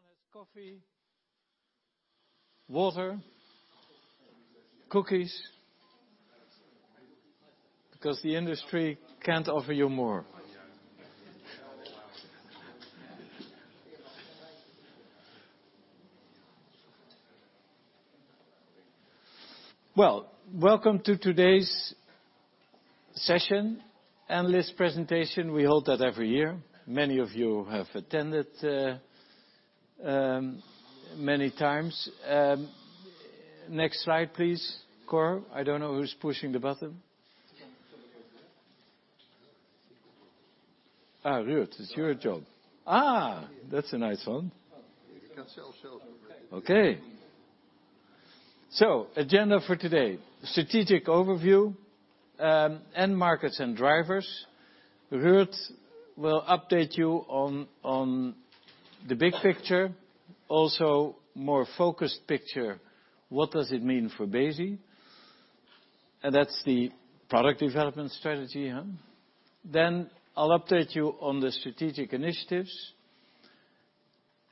Everyone has coffee, water, cookies? Because the industry can't offer you more. Welcome to today's session, analyst presentation. We hold that every year. Many of you have attended many times. Slide, please, Cor. I don't know who's pushing the button. Ruud, it's your job. That's a nice one. You can self-serve. Agenda for today, strategic overview, end markets and drivers. Ruud will update you on the big picture, also more focused picture, what does it mean for Besi? That's the product development strategy, huh? I'll update you on the strategic initiatives,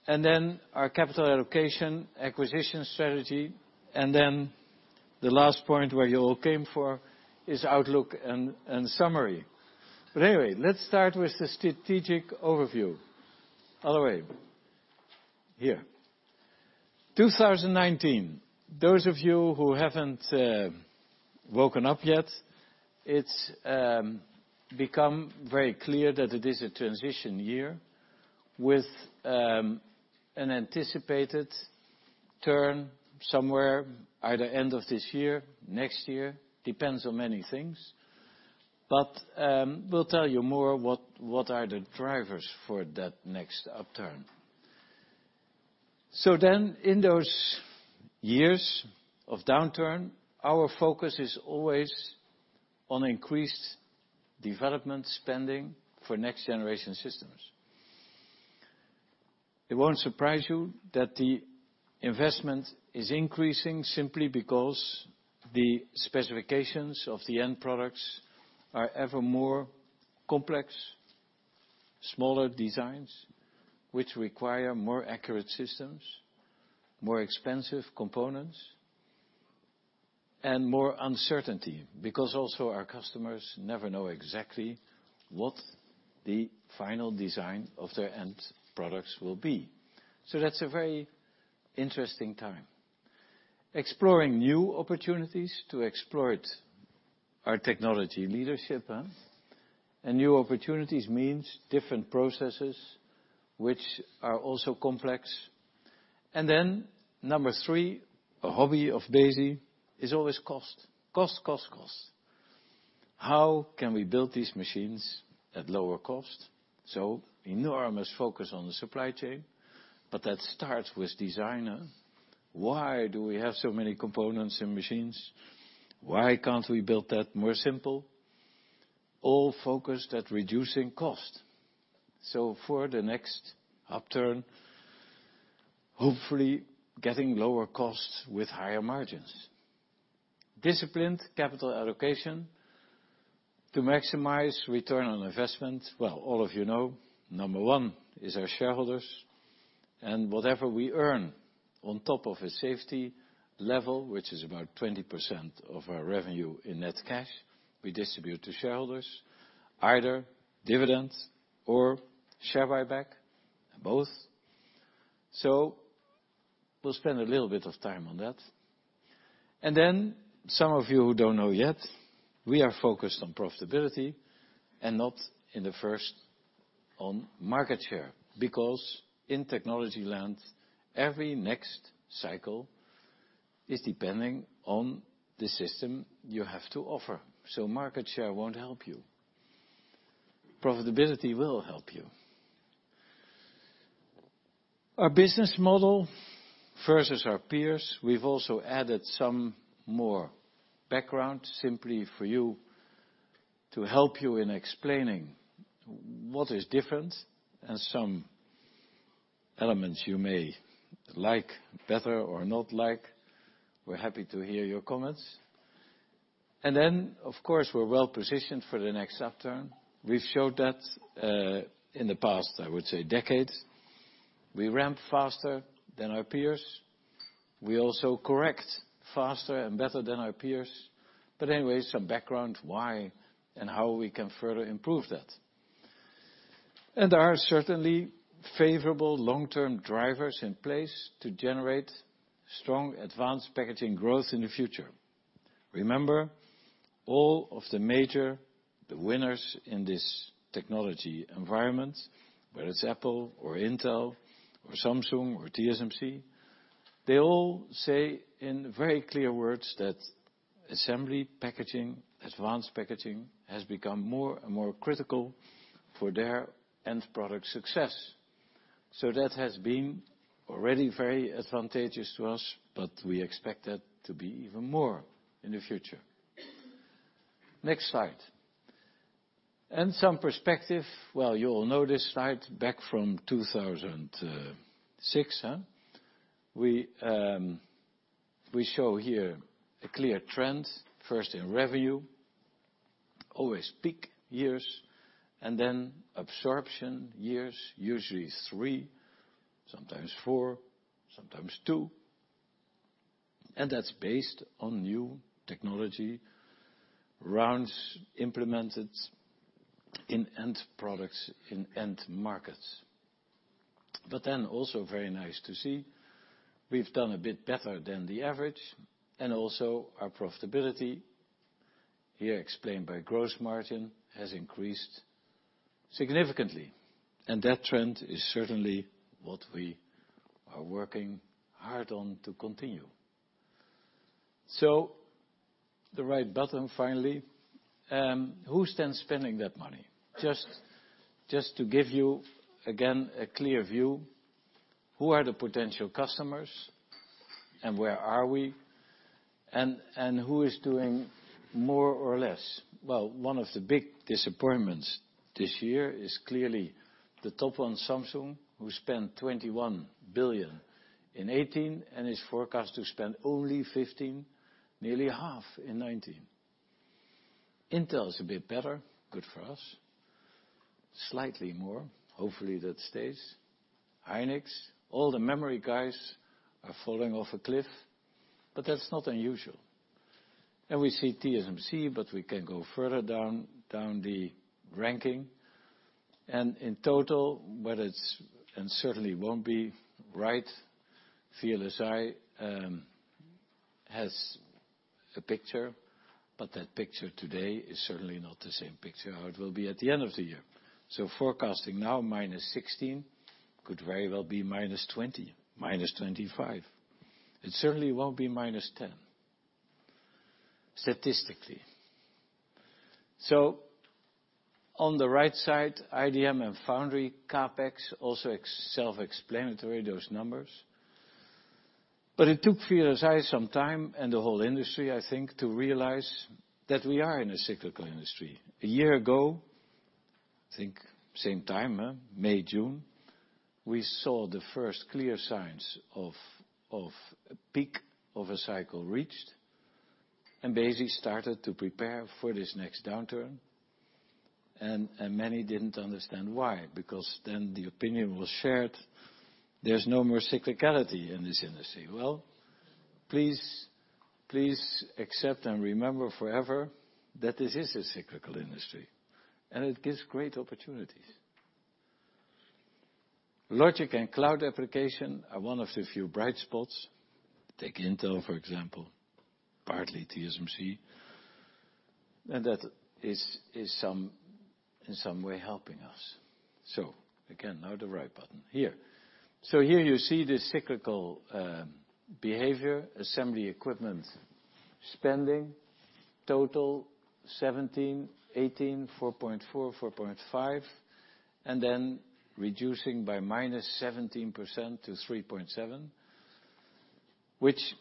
our capital allocation, acquisition strategy. The last point where you all came for is outlook and summary. Anyway, let's start with the strategic overview. All the way here. 2019, those of you who haven't woken up yet, it's become very clear that it is a transition year with an anticipated turn somewhere either end of this year, next year. Depends on many things. We'll tell you more what are the drivers for that next upturn. In those years of downturn, our focus is always on increased development spending for next generation systems. It won't surprise you that the investment is increasing simply because the specifications of the end products are ever more complex, smaller designs, which require more accurate systems, more expensive components, and more uncertainty. Because also our customers never know exactly what the final design of their end products will be. That's a very interesting time. Exploring new opportunities to exploit our technology leadership, huh? New opportunities means different processes, which are also complex. Number 3, a hobby of Besi is always cost. Cost, cost. How can we build these machines at lower cost? Enormous focus on the supply chain, but that starts with designer. Why do we have so many components in machines? Why can't we build that more simple? All focused at reducing cost. For the next upturn, hopefully getting lower costs with higher margins. Disciplined capital allocation to maximize return on investment. All of you know, number one is our shareholders. Whatever we earn on top of a safety level, which is about 20% of our revenue in net cash, we distribute to shareholders, either dividends or share buyback, both. We'll spend a little bit of time on that. Some of you who don't know yet, we are focused on profitability and not in the first on market share, because in technology land, every next cycle is depending on the system you have to offer. Market share won't help you. Profitability will help you. Our business model versus our peers. We've also added some more background simply for you to help you in explaining what is different and some elements you may like better or not like. We're happy to hear your comments. Of course, we're well-positioned for the next upturn. We've showed that, in the past, I would say decades. We ramp faster than our peers. We also correct faster and better than our peers. Anyways, some background why and how we can further improve that. There are certainly favorable long-term drivers in place to generate strong advanced packaging growth in the future. Remember, all of the major, the winners in this technology environment, whether it's Apple or Intel or Samsung or TSMC, they all say in very clear words that assembly packaging, advanced packaging, has become more and more critical for their end product success. That has been already very advantageous to us, but we expect that to be even more in the future. Next slide. Some perspective. You all know this slide back from 2006, huh? We show here a clear trend, first in revenue, always peak years, and then absorption years, usually three, sometimes four, sometimes two. That's based on new technology rounds implemented in end products in end markets. Also very nice to see, we've done a bit better than the average, and also our profitability, here explained by gross margin, has increased significantly. That trend is certainly what we are working hard on to continue. The right button finally. Who stands spending that money? Just to give you, again, a clear view, who are the potential customers and where are we, and who is doing more or less? One of the big disappointments this year is clearly the top one, Samsung, who spent 21 billion in 2018 and is forecast to spend only 15 billion, nearly half in 2019. Intel is a bit better. Good for us. Slightly more. Hopefully, that stays. Hynix. All the memory guys are falling off a cliff, but that's not unusual. We see TSMC, but we can go further down the ranking. In total, and certainly won't be right, VLSI has a picture, but that picture today is certainly not the same picture how it will be at the end of the year. Forecasting now -16% could very well be -20%, -25%. It certainly won't be -10%, statistically. On the right side, IDM and foundry CapEx, also self-explanatory, those numbers. It took VLSI some time, and the whole industry I think, to realize that we are in a cyclical industry. A year ago, I think same time, May, June, we saw the first clear signs of a peak of a cycle reached and basically started to prepare for this next downturn. Many didn't understand why, because then the opinion was shared there is no more cyclicality in this industry. Please accept and remember forever that this is a cyclical industry, and it gives great opportunities. Logic and cloud application are one of the few bright spots, take Intel, for example, partly TSMC. That is in some way helping us. Again, now the right button here. Here you see the cyclical behavior, assembly equipment spending, total 2017, 2018, 4.4, 4.5, then reducing by -17% to 3.7, which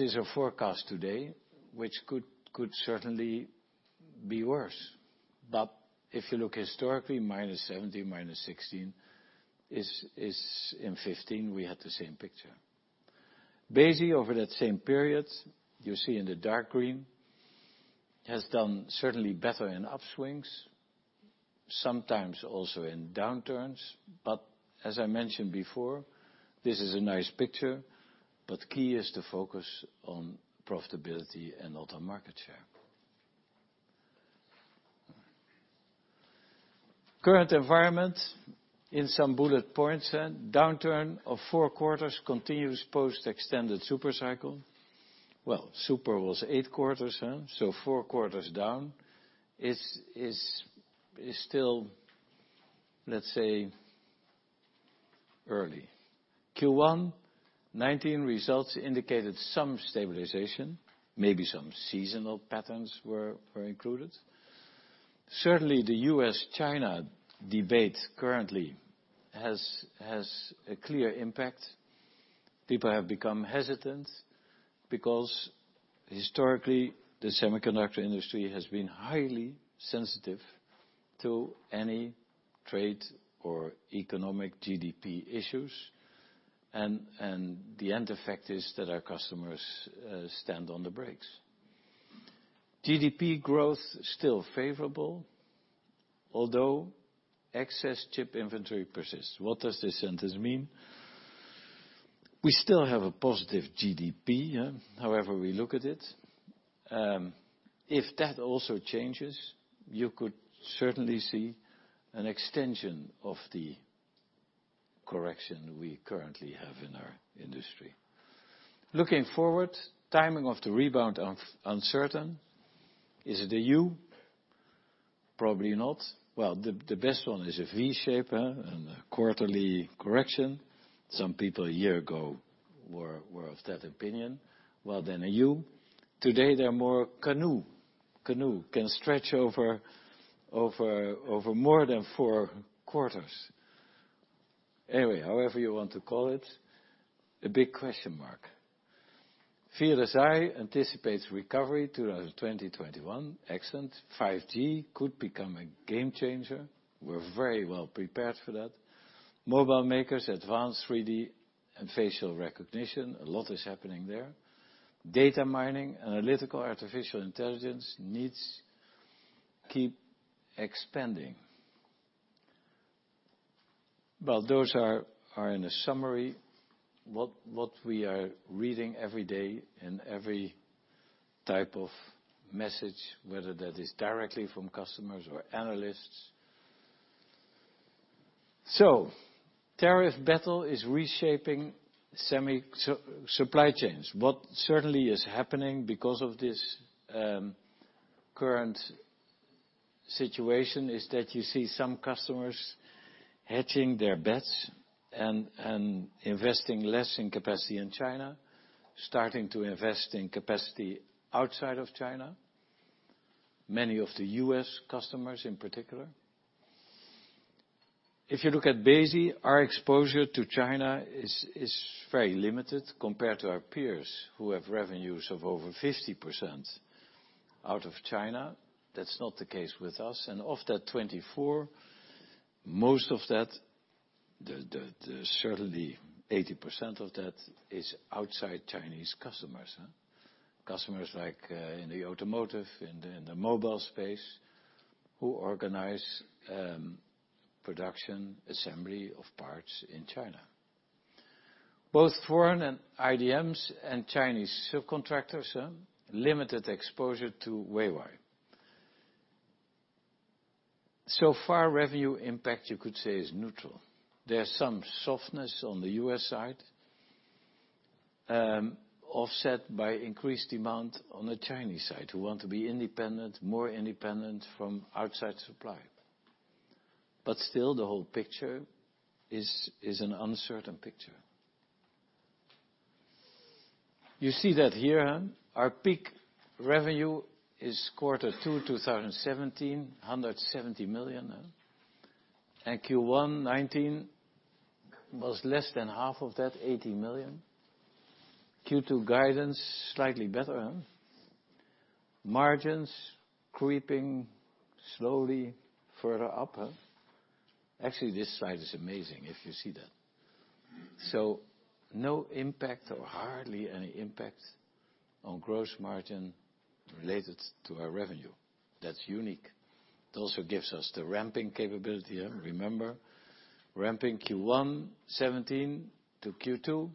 is a forecast today, which could certainly be worse. If you look historically, -17%, -16%, in 2015 we had the same picture. Basically over that same period, you see in the dark green, has done certainly better in upswings, sometimes also in downturns. As I mentioned before, this is a nice picture, but key is to focus on profitability and not on market share. Current environment in some bullet points. Downturn of four quarters continues post extended super cycle. Super was eight quarters, so four quarters down is still, let's say, early. Q1 2019 results indicated some stabilization, maybe some seasonal patterns were included. Certainly, the U.S.-China debate currently has a clear impact. People have become hesitant because historically, the semiconductor industry has been highly sensitive to any trade or economic GDP issues. The end effect is that our customers stand on the brakes. GDP growth still favorable, although excess chip inventory persists. What does this sentence mean? We still have a positive GDP, however we look at it. If that also changes, you could certainly see an extension of the correction we currently have in our industry. Looking forward, timing of the rebound uncertain. Is it a U? Probably not. The best one is a V shape and a quarterly correction. Some people a year ago were of that opinion. Then a U. Today they are more canoe. Canoe can stretch over more than four quarters. Anyway, however you want to call it, a big question mark. Via CSI anticipates recovery 2021. Excellent. 5G could become a game changer. We're very well prepared for that. Mobile makers advance 3D and facial recognition. A lot is happening there. Data mining, analytical, artificial intelligence needs keep expanding. Those are in a summary, what we are reading every day in every type of message, whether that is directly from customers or analysts. Tariff battle is reshaping semi supply chains. What certainly is happening because of this current situation is that you see some customers hedging their bets and investing less in capacity in China, starting to invest in capacity outside of China. Many of the U.S. customers in particular. If you look at Besi, our exposure to China is very limited compared to our peers who have revenues of over 50% out of China. That's not the case with us. Of that 24, most of that, certainly 80% of that is outside Chinese customers. Customers like in the automotive, in the mobile space, who organize production, assembly of parts in China. Both foreign and IDMs and Chinese subcontractors, limited exposure to Huawei. Far, revenue impact you could say is neutral. There's some softness on the U.S. side, offset by increased demand on the Chinese side, who want to be more independent from outside supply. Still the whole picture is an uncertain picture. You see that here. Our peak revenue is quarter two 2017, 170 million. Q1 2019 was less than half of that, 80 million. Q2 guidance, slightly better. Margins creeping slowly further up. Actually, this slide is amazing if you see that. No impact or hardly any impact on gross margin related to our revenue. That's unique. It also gives us the ramping capability. Remember, ramping Q1 2017 to Q2.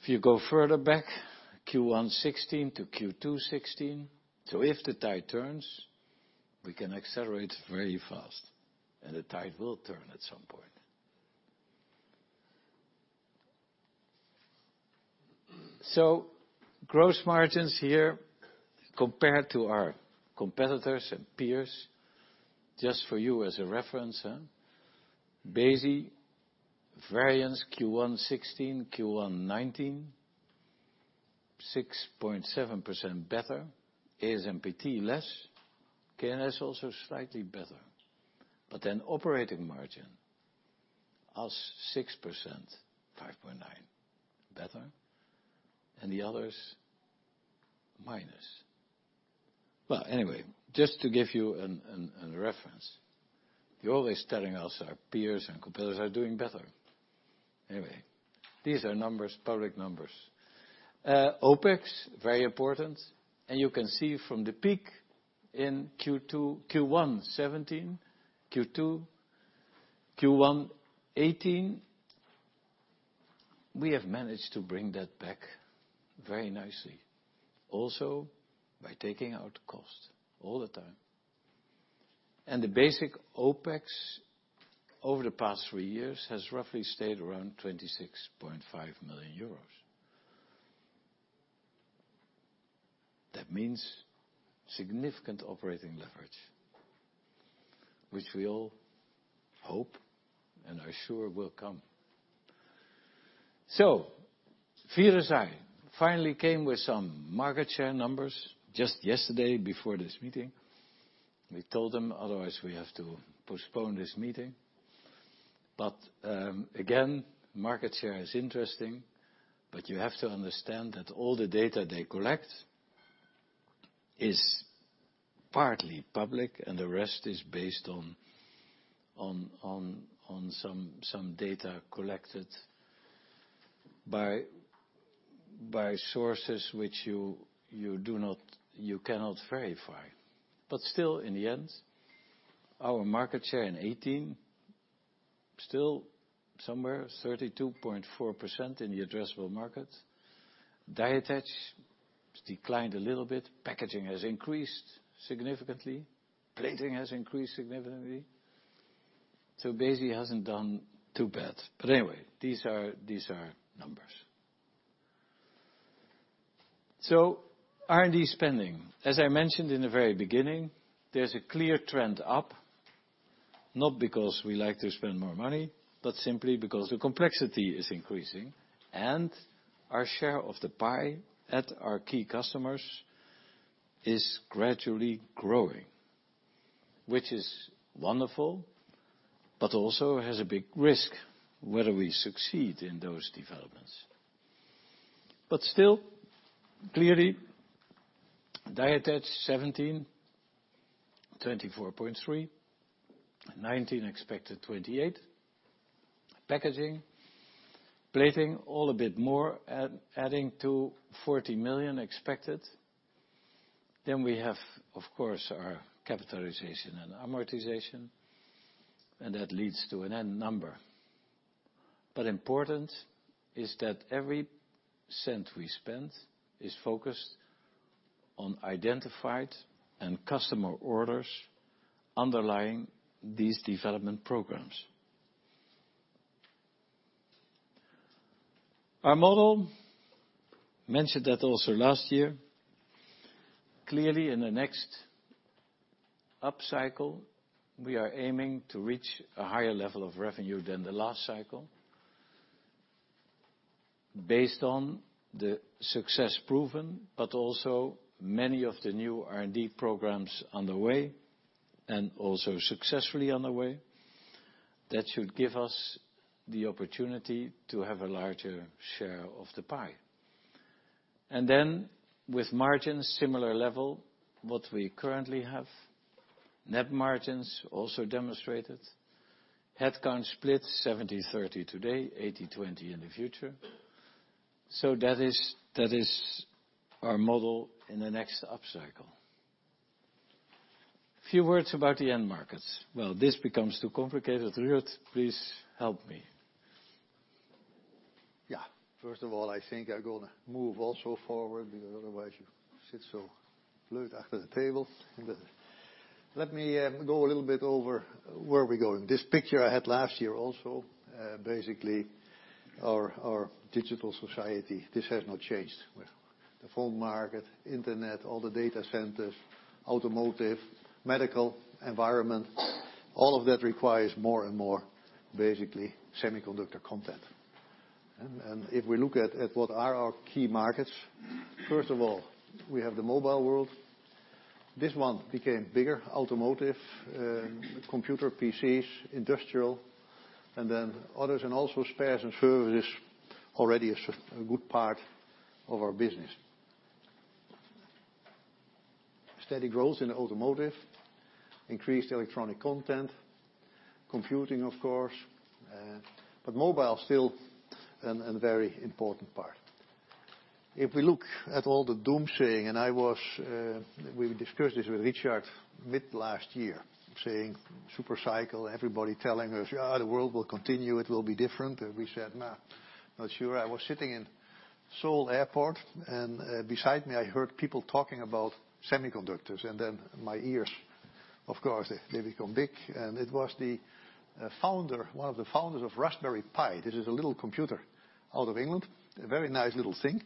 If you go further back, Q1 2016 to Q2 2016. If the tide turns, we can accelerate very fast, and the tide will turn at some point. Gross margins here compared to our competitors and peers, just for you as a reference. Besi variance Q1 2016, Q1 2019, 6.7% better. ASMPT less. K&S also slightly better. Operating margin, us 6%, 5.9% better, and the others minus. Anyway, just to give you a reference. You're always telling us our peers and competitors are doing better. Anyway, these are public numbers. OpEx, very important. You can see from the peak in Q1 2017, Q2, Q1 2018, we have managed to bring that back very nicely. Also by taking out cost all the time. The basic OpEx over the past three years has roughly stayed around 26.5 million euros. That means significant operating leverage, which we all hope and are sure will come. VLSI finally came with some market share numbers just yesterday before this meeting. We told them, otherwise we have to postpone this meeting. Again, market share is interesting, but you have to understand that all the data they collect is partly public and the rest is based on some data collected by sources which you cannot verify. Still in the end, our market share in 2018 still somewhere 32.4% in the addressable market. Die attach has declined a little bit. Packaging has increased significantly. Plating has increased significantly. Besi hasn't done too bad. Anyway, these are numbers. R&D spending. As I mentioned in the very beginning, there's a clear trend up, not because we like to spend more money, but simply because the complexity is increasing and our share of the pie at our key customers is gradually growing, which is wonderful, but also has a big risk whether we succeed in those developments. Still, clearly, die attach 2017, 24.3%, 2019 expected 28%. Packaging, plating, all a bit more, adding to 40 million expected. We have, of course, our capitalization and amortization, and that leads to an end number. Important is that every cent we spend is focused on identified and customer orders underlying these development programs. Our model, mentioned that also last year. Clearly, in the next up cycle, we are aiming to reach a higher level of revenue than the last cycle. Based on the success proven, but also many of the new R&D programs on the way, and also successfully on the way, that should give us the opportunity to have a larger share of the pie. With margins, similar level, what we currently have. Net margins also demonstrated. Headcount split 70/30 today, 80/20 in the future. That is our model in the next up cycle. A few words about the end markets. This becomes too complicated. Ruud, please help me. Yeah. First of all, I think I'm going to move also forward because otherwise you sit so blue after the table. Let me go a little bit over where we're going. This picture I had last year also, basically our digital society. This has not changed with the phone market, internet, all the data centers, automotive, medical environment, all of that requires more and more, basically, semiconductor content. If we look at what are our key markets, first of all, we have the mobile world. This one became bigger. Automotive, computer, PCs, industrial, others, and also spares and services already a good part of our business. Steady growth in automotive. Increased electronic content. Computing, of course. Mobile still a very important part. If we look at all the doom saying, we discussed this with Richard mid last year, saying super cycle, everybody telling us, "The world will continue. It will be different." We said, "Nah, not sure." I was sitting in Seoul Airport, beside me, I heard people talking about semiconductors. My ears, of course, they become big. It was one of the founders of Raspberry Pi. This is a little computer out of England, a very nice little thing,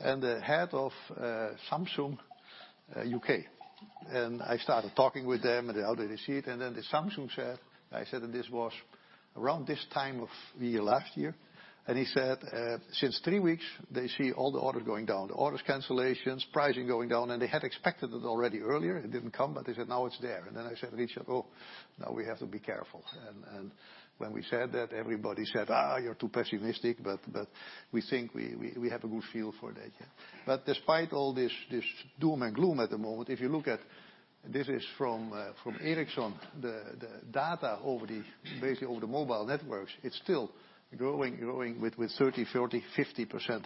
and the head of Samsung U.K. I started talking with them and how they receive it. The Samsung said -- I said, and this was around this time of the year last year. He said, since three weeks, they see all the orders going down, the orders cancellations, pricing going down, and they had expected it already earlier. It didn't come. They said, "Now it's there." Then I said, "Richard, now we have to be careful." When we said that, everybody said, "You're too pessimistic." We think we have a good feel for that, yeah. Despite all this doom and gloom at the moment, if you look at, this is from Ericsson, the data over the mobile networks. It's still growing with 30%, 40%, 50%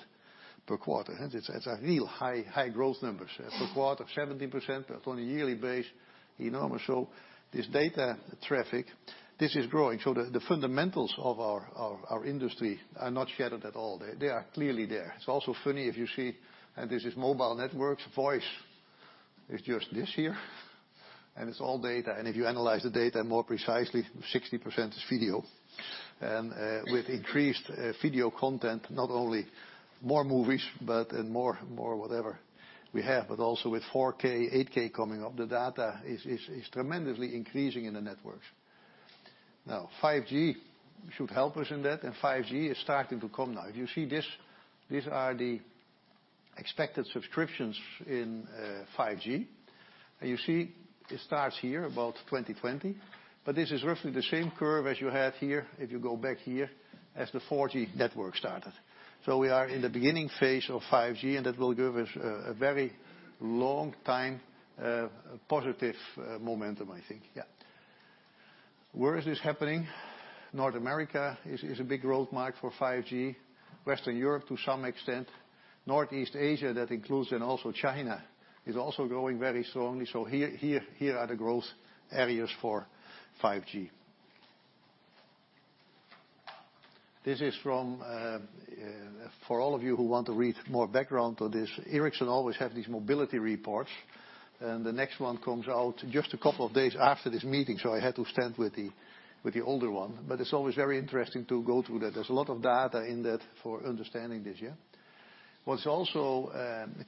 per quarter. It's a real high growth numbers. Per quarter, 70%, but on a yearly base, enormous. This data traffic, this is growing. The fundamentals of our industry are not shattered at all. They are clearly there. It's also funny if you see, this is mobile networks, voice is just this here, and it's all data. If you analyze the data more precisely, 60% is video. With increased video content, not only more movies but more whatever we have, but also with 4K, 8K coming up, the data is tremendously increasing in the networks. 5G should help us in that, and 5G is starting to come now. If you see this, these are the expected subscriptions in 5G. You see it starts here about 2020. This is roughly the same curve as you had here, if you go back here, as the 4G network started. We are in the beginning phase of 5G, and that will give us a very long time, positive momentum, I think. Yeah. Where is this happening? North America is a big growth market for 5G. Western Europe to some extent. Northeast Asia, that includes in also China, is also growing very strongly. Here are the growth areas for 5G. This is for all of you who want to read more background on this. Ericsson always have these mobility reports, the next one comes out just a couple of days after this meeting, so I had to stand with the older one. It's always very interesting to go through that. There's a lot of data in that for understanding this, yeah. What's also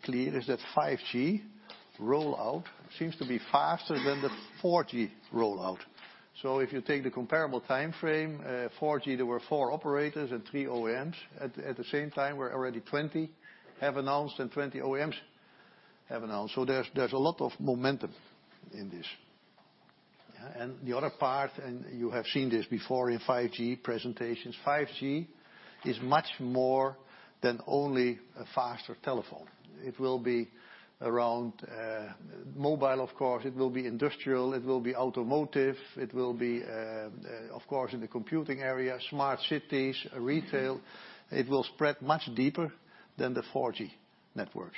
clear is that 5G rollout seems to be faster than the 4G rollout. If you take the comparable timeframe, 4G, there were four operators and three OEMs. At the same time, already 20 have announced and 20 OEMs have announced. There's a lot of momentum in this. The other part, you have seen this before in 5G presentations, 5G is much more than only a faster telephone. It will be around mobile, of course, it will be industrial, it will be automotive, it will be, of course, in the computing area, smart cities, retail. It will spread much deeper than the 4G networks.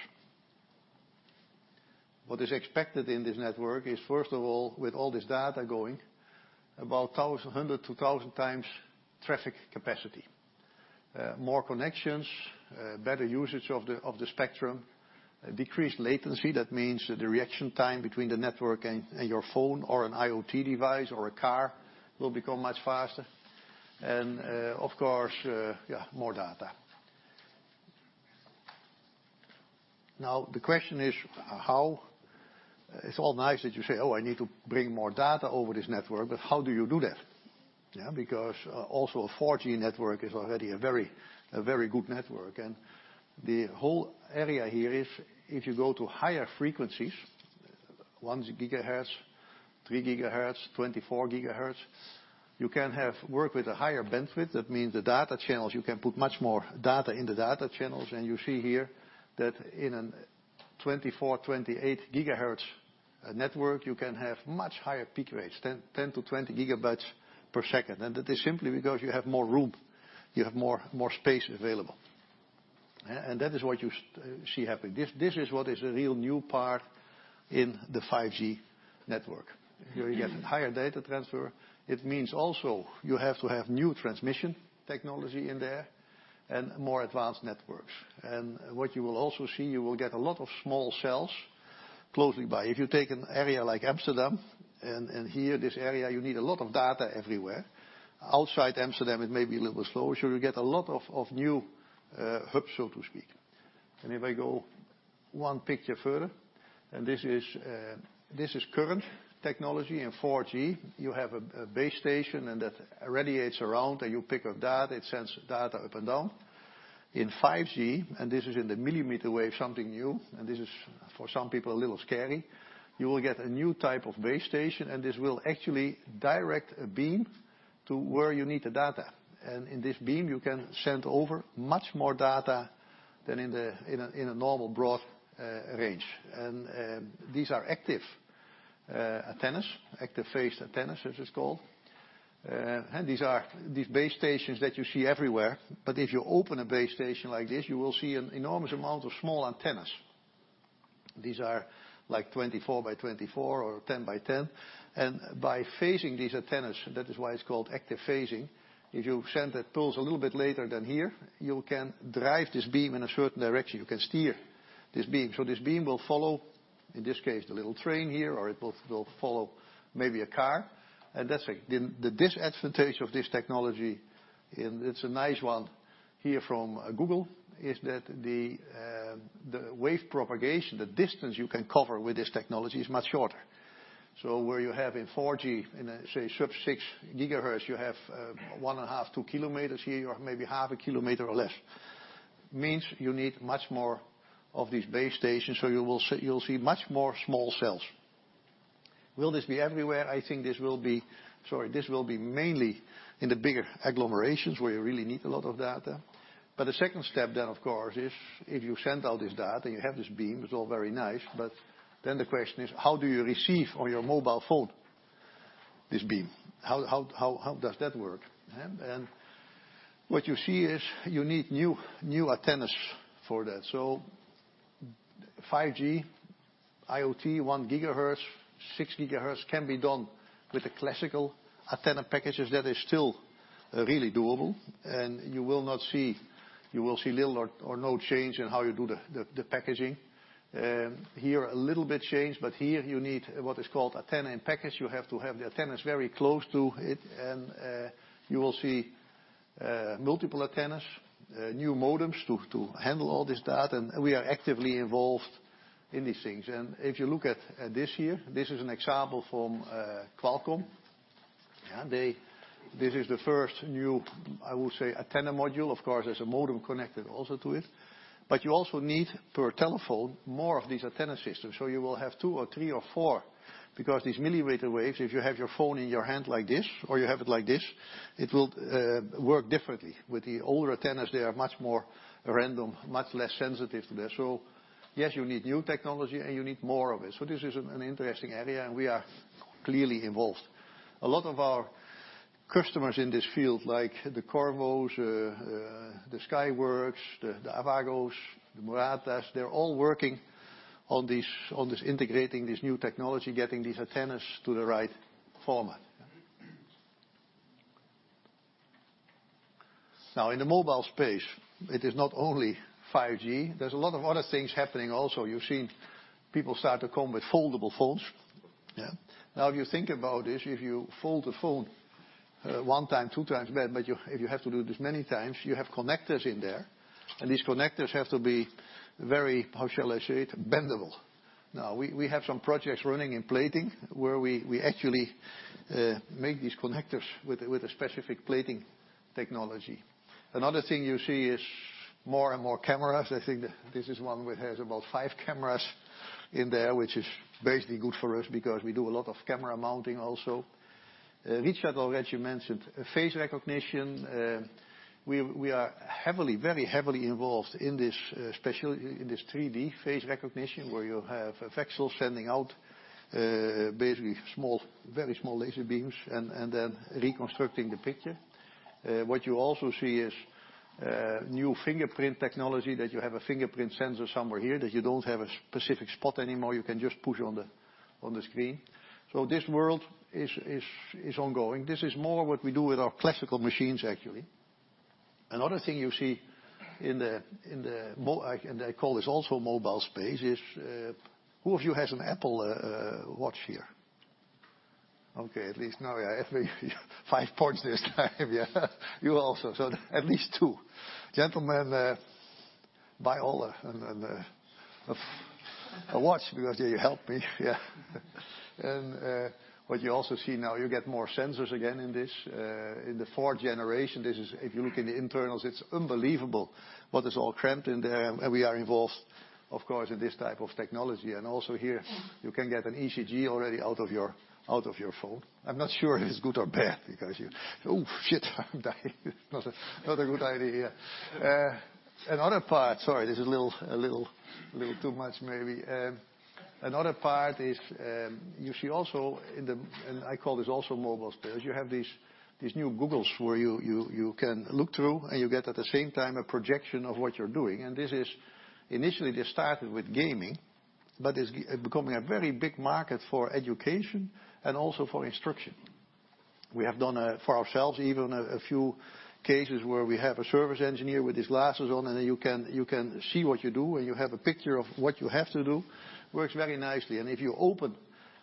What is expected in this network is, first of all, with all this data going, about 1,000 to 2,000 times traffic capacity. More connections, better usage of the spectrum, decreased latency. That means that the reaction time between the network and your phone or an IoT device or a car will become much faster. Of course, yeah, more data. The question is, how? It's all nice that you say, "Oh, I need to bring more data over this network," how do you do that? Also a 4G network is already a very good network. The whole area here is if you go to higher frequencies, one gigahertz, three gigahertz, 24 gigahertz, you can have work with a higher bandwidth. That means the data channels, you can put much more data in the data channels. You see here that in a 24, 28 gigahertz network, you can have much higher peak rates, 10 to 20 gigabytes per second. That is simply because you have more room, you have more space available. That is what you see happening. This is what is a real new part in the 5G network. You get higher data transfer. It means also you have to have new transmission technology in there and more advanced networks. What you will also see, you will get a lot of small cells closely by. If you take an area like Amsterdam, here, this area, you need a lot of data everywhere. Outside Amsterdam, it may be a little bit slower. You get a lot of new hubs, so to speak. If I go one picture further, this is current technology in 4G. You have a base station, that radiates around and you pick up data, it sends data up and down. In 5G, this is in the millimeter wave, something new, this is for some people a little scary. You will get a new type of base station, this will actually direct a beam to where you need the data. In this beam, you can send over much more data than in a normal broad range. These are active antennas, active phased antennas, as it's called. These base stations that you see everywhere, if you open a base station like this, you will see an enormous amount of small antennas. These are like 24 by 24 or 10 by 10. By phasing these antennas, that is why it's called active phasing, if you send the pulse a little bit later than here, you can drive this beam in a certain direction. You can steer this beam. This beam will follow, in this case, the little train here, or it will follow maybe a car. That's it. The disadvantage of this technology, it's a nice one here from Google, is that the wave propagation, the distance you can cover with this technology is much shorter. Where you have in 4G, in a, say, sub-6 gigahertz, you have 1.5, 2 kilometers here, or maybe 0.5 kilometer or less. means you need much more of these base stations, you'll see much more small cells. Will this be everywhere? I think this will be mainly in the bigger agglomerations, where you really need a lot of data. The second step then, of course, is if you send all this data and you have this beam, it's all very nice. The question is, how do you receive on your mobile phone this beam? How does that work? What you see is you need new antennas for that. 5G, IoT, 1 gigahertz, 6 gigahertz can be done with the classical antenna packages. That is still really doable. You will see little or no change in how you do the packaging. Here, a little bit change, but here you need what is called Antenna in Package. You have to have the antennas very close to it. You will see multiple antennas, new modems to handle all this data. We are actively involved in these things. If you look at this here, this is an example from Qualcomm. This is the first new, I would say, antenna module. Of course, there's a modem connected also to it. You also need, per telephone, more of these antenna systems. You will have two or three or four because these millimeter waves, if you have your phone in your hand like this, or you have it like this, it will work differently. With the older antennas, they are much more random, much less sensitive there. Yes, you need new technology and you need more of it. This is an interesting area, we are clearly involved. A lot of our customers in this field, like the Qorvo, the Skyworks, the Avagos, the Murata, they're all working on this integrating this new technology, getting these antennas to the right format. In the mobile space, it is not only 5G. There's a lot of other things happening also. You see people start to come with foldable phones. If you think about this, if you fold the phone one time, two times, if you have to do this many times, you have connectors in there, these connectors have to be very, how shall I say it? Bendable. We have some projects running in plating where we actually make these connectors with a specific plating technology. Another thing you see is more and more cameras. I think this is one where it has about five cameras in there, which is basically good for us because we do a lot of camera mounting also. Richard already mentioned face recognition. We are very heavily involved in this, especially in this 3D face recognition, where you have a VCSEL sending out basically very small laser beams and then reconstructing the picture. What you also see is new fingerprint technology, that you have a fingerprint sensor somewhere here, that you don't have a specific spot anymore. You can just push on the screen. This world is ongoing. This is more what we do with our classical machines, actually. Another thing you see in the and I call this also mobile space, is Who of you has an Apple Watch here? Okay, at least now, yeah, five points this time. Yeah. You also. At least two. Gentlemen, buy all of a watch because you help me. Yeah. What you also see now, you get more sensors again in the fourth generation. If you look in the internals, it's unbelievable what is all cramped in there. We are involved, of course, in this type of technology. Also here, you can get an ECG already out of your phone. I'm not sure if it's good or bad because you, "Oh, shit. I'm dying." Not a good idea here. Sorry, this is a little too much maybe. Another part is, you see also in the and I call this also mobile space. You have these new Googles where you can look through, and you get, at the same time, a projection of what you're doing. This is initially just started with gaming, but it's becoming a very big market for education and also for instruction. We have done for ourselves, even a few cases where we have a service engineer with his glasses on, and you can see what you do, and you have a picture of what you have to do. Works very nicely. If you open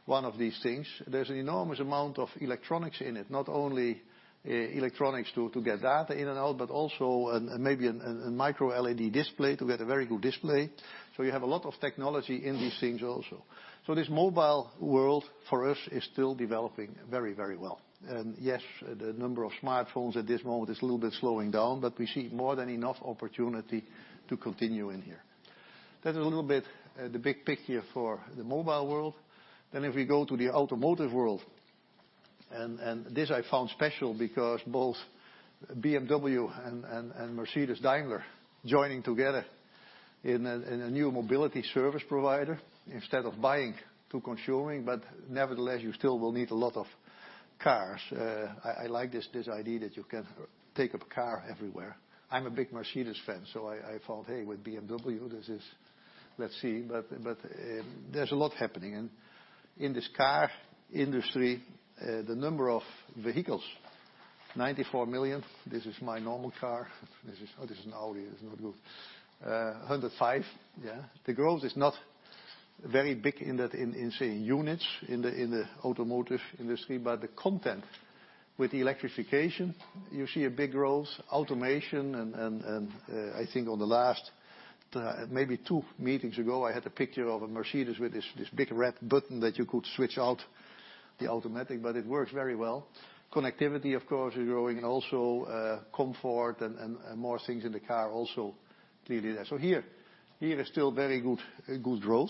one of these things, there's an enormous amount of electronics in it. Not only electronics to get data in and out, but also maybe a MicroLED display to get a very good display. You have a lot of technology in these things also. This mobile world, for us, is still developing very well. Yes, the number of smartphones at this moment is a little bit slowing down, but we see more than enough opportunity to continue in here. That is a little bit the big picture for the mobile world. If we go to the automotive world, this I found special because both BMW and Mercedes Daimler joining together in a new mobility service provider instead of buying to consuming. Nevertheless, you still will need a lot of cars. I like this idea that you can take a car everywhere. I'm a big Mercedes fan, so I thought, "Hey, with BMW, this is Let's see." There's a lot happening. In this car industry, the number of vehicles, 94 million. This is my normal car. Oh, this is an Audi. It's not good. 105. Yeah. The growth is not very big in, say, units in the automotive industry, but the content with electrification, you see a big growth. Automation. I think on the last, maybe 2 meetings ago, I had a picture of a Mercedes with this big red button that you could switch out the automatic, it works very well. Connectivity, of course, is growing, comfort and more things in the car also clearly there. Here is still very good growth.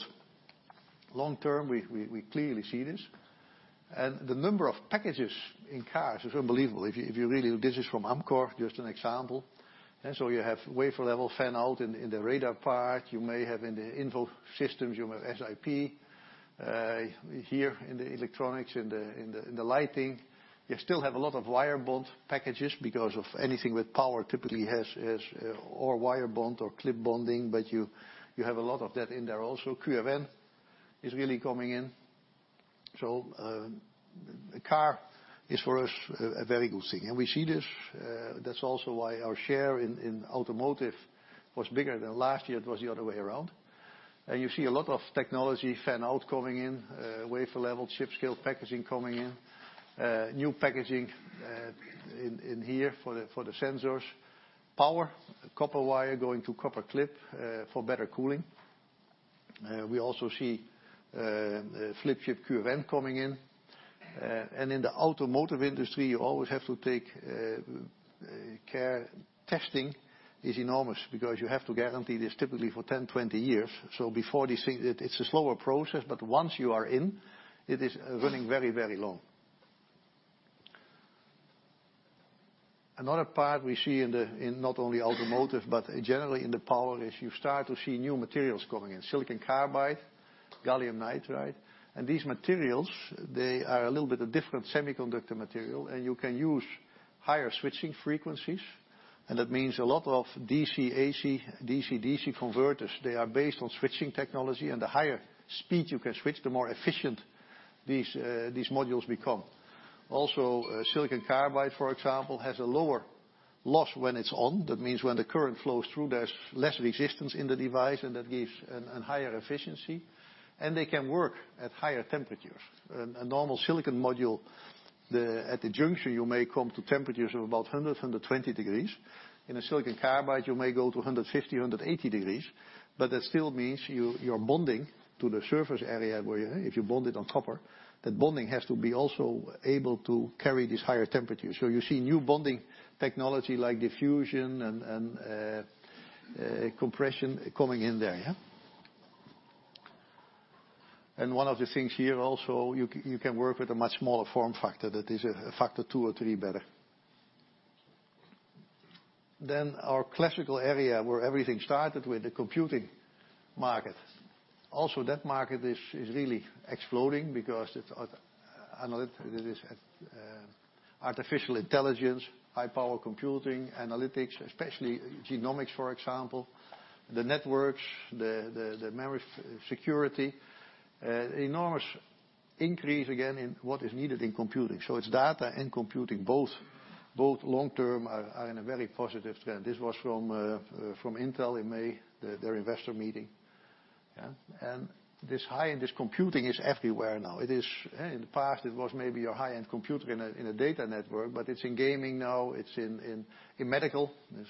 Long term, we clearly see this. The number of packages in cars is unbelievable. This is from Amkor Technology, just an example. You have wafer level fan-out in the radar part. You may have in the info systems, you may have SiP. Here in the electronics, in the lighting. You still have a lot of wirebond packages because of anything with power typically has or wirebond or clip bonding, but you have a lot of that in there also. QFN is really coming in. Car is for us a very good thing. We see this. That's also why our share in automotive was bigger than last year. It was the other way around. You see a lot of technology fan-out coming in, wafer level chip scale packaging coming in, new packaging in here for the sensors. Power, copper wire going to copper clip, for better cooling. We also see flip chip QFN coming in. In the automotive industry, you always have to take care. Testing is enormous because you have to guarantee this typically for 10, 20 years. Before this thing, it's a slower process, but once you are in, it is running very long. Another part we see in not only automotive, but generally in the power, is you start to see new materials coming in. Silicon carbide, gallium nitride. These materials, they are a little bit a different semiconductor material, you can use higher switching frequencies. That means a lot of DC/AC, DC/DC converters. They are based on switching technology, and the higher speed you can switch, the more efficient these modules become. Also, silicon carbide, for example, has a lower loss when it's on. That means when the current flows through, there's less resistance in the device, and that gives a higher efficiency, and they can work at higher temperatures. A normal silicon module, at the junction, you may come to temperatures of about 100, 120 degrees. In a silicon carbide, you may go to 150, 180 degrees, but that still means you're bonding to the surface area, where if you bond it on copper, that bonding has to be also able to carry these higher temperatures. You see new bonding technology, like diffusion and compression coming in there. One of the things here also, you can work with a much smaller form factor that is a factor 2 or 3 better. Our classical area, where everything started with the computing market. That market is really exploding because it is artificial intelligence, high-power computing, analytics, especially genomics, for example, the networks, the memory security. Enormous increase again in what is needed in computing. It's data and computing, both long-term are in a very positive trend. This was from Intel in May, their investor meeting. This high-end, this computing is everywhere now. In the past, it was maybe a high-end computer in a data network, but it's in gaming now, it's in medical. There's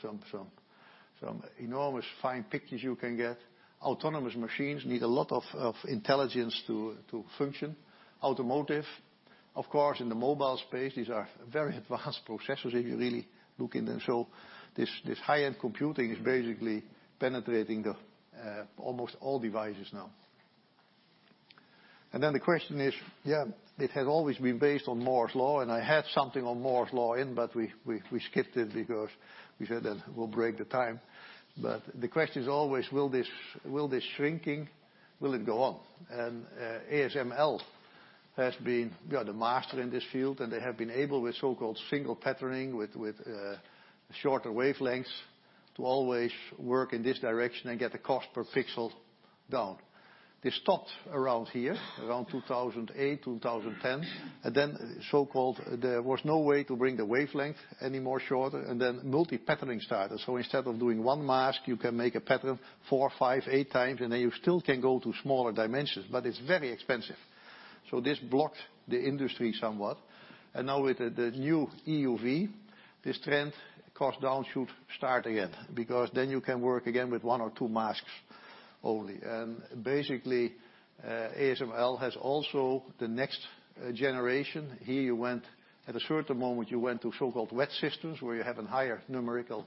some enormous fine pictures you can get. Autonomous machines need a lot of intelligence to function. Automotive. Of course, in the mobile space, these are very advanced processors if you really look in them. This high-end computing is basically penetrating the almost all devices now. The question is, it has always been based on Moore's Law, I had something on Moore's Law in, we skipped it because we said that we'll break the time. The question is always, will this shrinking, will it go on? ASML has been the master in this field, they have been able, with so-called single patterning, with shorter wavelengths, to always work in this direction and get the cost per pixel down. They stopped around here around 2008, 2010, so-called, there was no way to bring the wavelength any more shorter, multi-patterning started. Instead of doing one mask, you can make a pattern four, five, eight times, you still can go to smaller dimensions, it's very expensive. This blocked the industry somewhat. Now with the new EUV, this trend cost down should start again, you can work again with one or two masks only. Basically, ASML has also the next generation. Here you went, at a certain moment, you went to so-called wet systems, where you have a higher numerical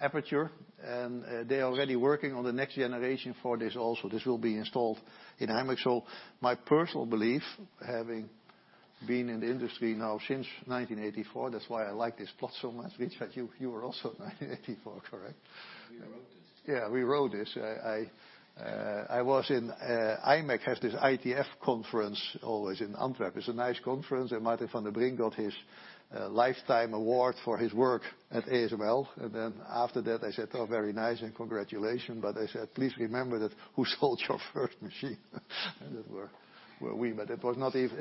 aperture. They're already working on the next generation for this also. This will be installed in imec. My personal belief, having been in the industry now since 1984, that's why I like this plot so much. Richard, you were also in 1984, correct? We wrote it. We wrote this. imec has this ITF conference always in Antwerp. It's a nice conference, Maarten van den Brink got his lifetime award for his work at ASML, after that, I said, "Very nice, and congratulations." I said, "Please remember that who sold your first machine." That were we, it was not even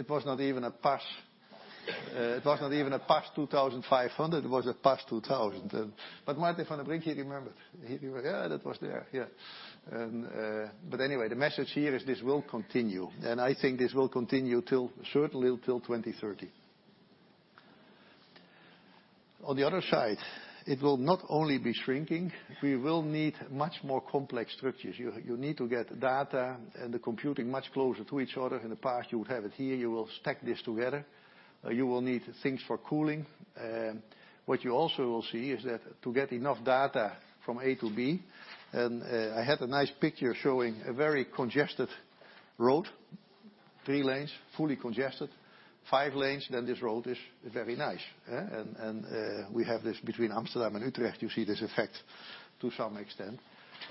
a PAS. It was not even a PAS 2500. It was a PAS 2000. Maarten van den Brink, he remembered. He remembered. "Yeah, that was there." Anyway, the message here is this will continue, I think this will continue certainly till 2030. On the other side, it will not only be shrinking. We will need much more complex structures. You need to get data and the computing much closer to each other. In the past, you would have it here. You will stack this together. You will need things for cooling. What you also will see is that to get enough data from A to B. I had a nice picture showing a very congested road, three lanes, fully congested. Five lanes, this road is very nice, yeah. We have this between Amsterdam and Utrecht, you see this effect to some extent.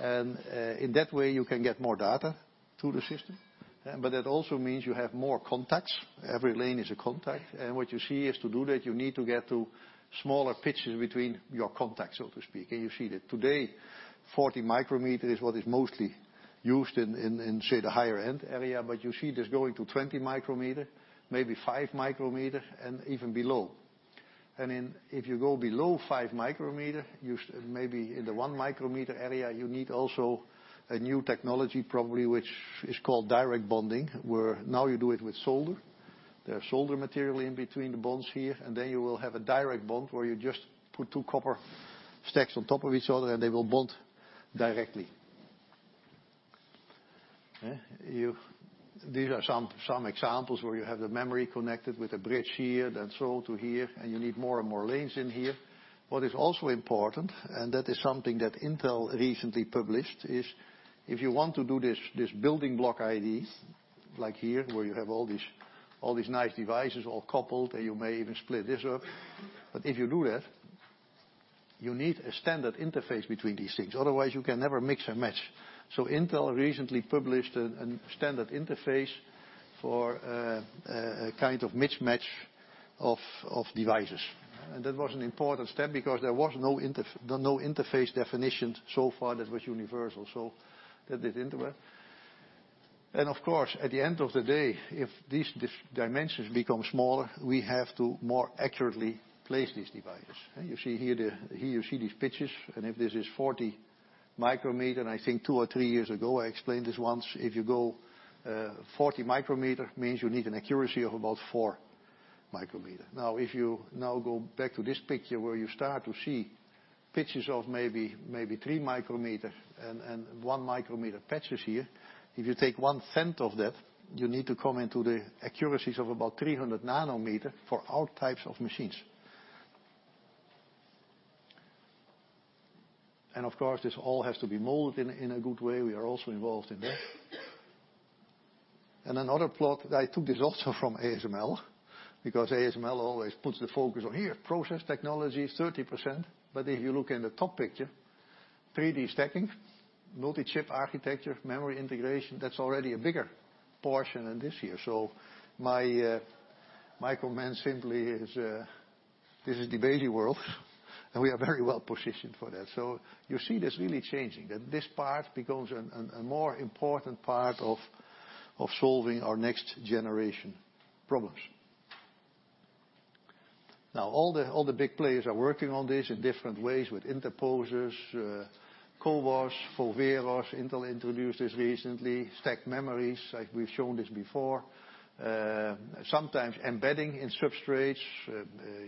In that way, you can get more data to the system. That also means you have more contacts. Every lane is a contact. What you see is to do that, you need to get to smaller pitches between your contacts, so to speak. You see that today, 40 micrometers is what is mostly used in, say, the higher-end area, but you see this going to 20 micrometers, maybe five micrometers, and even below. If you go below five micrometers, maybe in the one micrometer area, you need also a new technology probably, which is called direct bonding, where now you do it with solder. There are solder material in between the bonds here. You will have a direct bond, where you just put two copper stacks on top of each other, and they will bond directly. Yeah. These are some examples where you have the memory connected with a bridge here, solder here, and you need more and more lanes in here. What is also important, that is something that Intel recently published, is if you want to do this building block ideas like here, where you have all these nice devices all coupled. You may even split this up, if you do that, you need a standard interface between these things. Otherwise, you can never mix and match. Intel recently published a standard interface for a kind of mismatch of devices. That was an important step because there was no interface definition so far that was universal. That did Intel well. Of course, at the end of the day, if these dimensions become smaller, we have to more accurately place these devices. Here you see these pitches. If this is 40 micrometers, I think two or three years ago, I explained this once. If you go 40 micrometers, it means you need an accuracy of about four micrometers. If you now go back to this picture where you start to see pitches of maybe three micrometers and one-micrometer pitches here. If you take one-tenth of that, you need to come into the accuracies of about 300 nanometers for all types of machines. Of course, this all has to be molded in a good way. We are also involved in that. Another plot, I took this also from ASML, because ASML always puts the focus on here, process technology, 30%. If you look in the top picture, 3D stacking, multi-chip architecture, memory integration, that's already a bigger portion than this year. My comment simply is, this is the Bailey world, and we are very well-positioned for that. You see this really changing, that this part becomes a more important part of solving our next-generation problems. All the big players are working on this in different ways with interposers, CoWoS, Fanout. Intel introduced this recently, stacked memories, like we've shown this before. Sometimes embedding in substrates.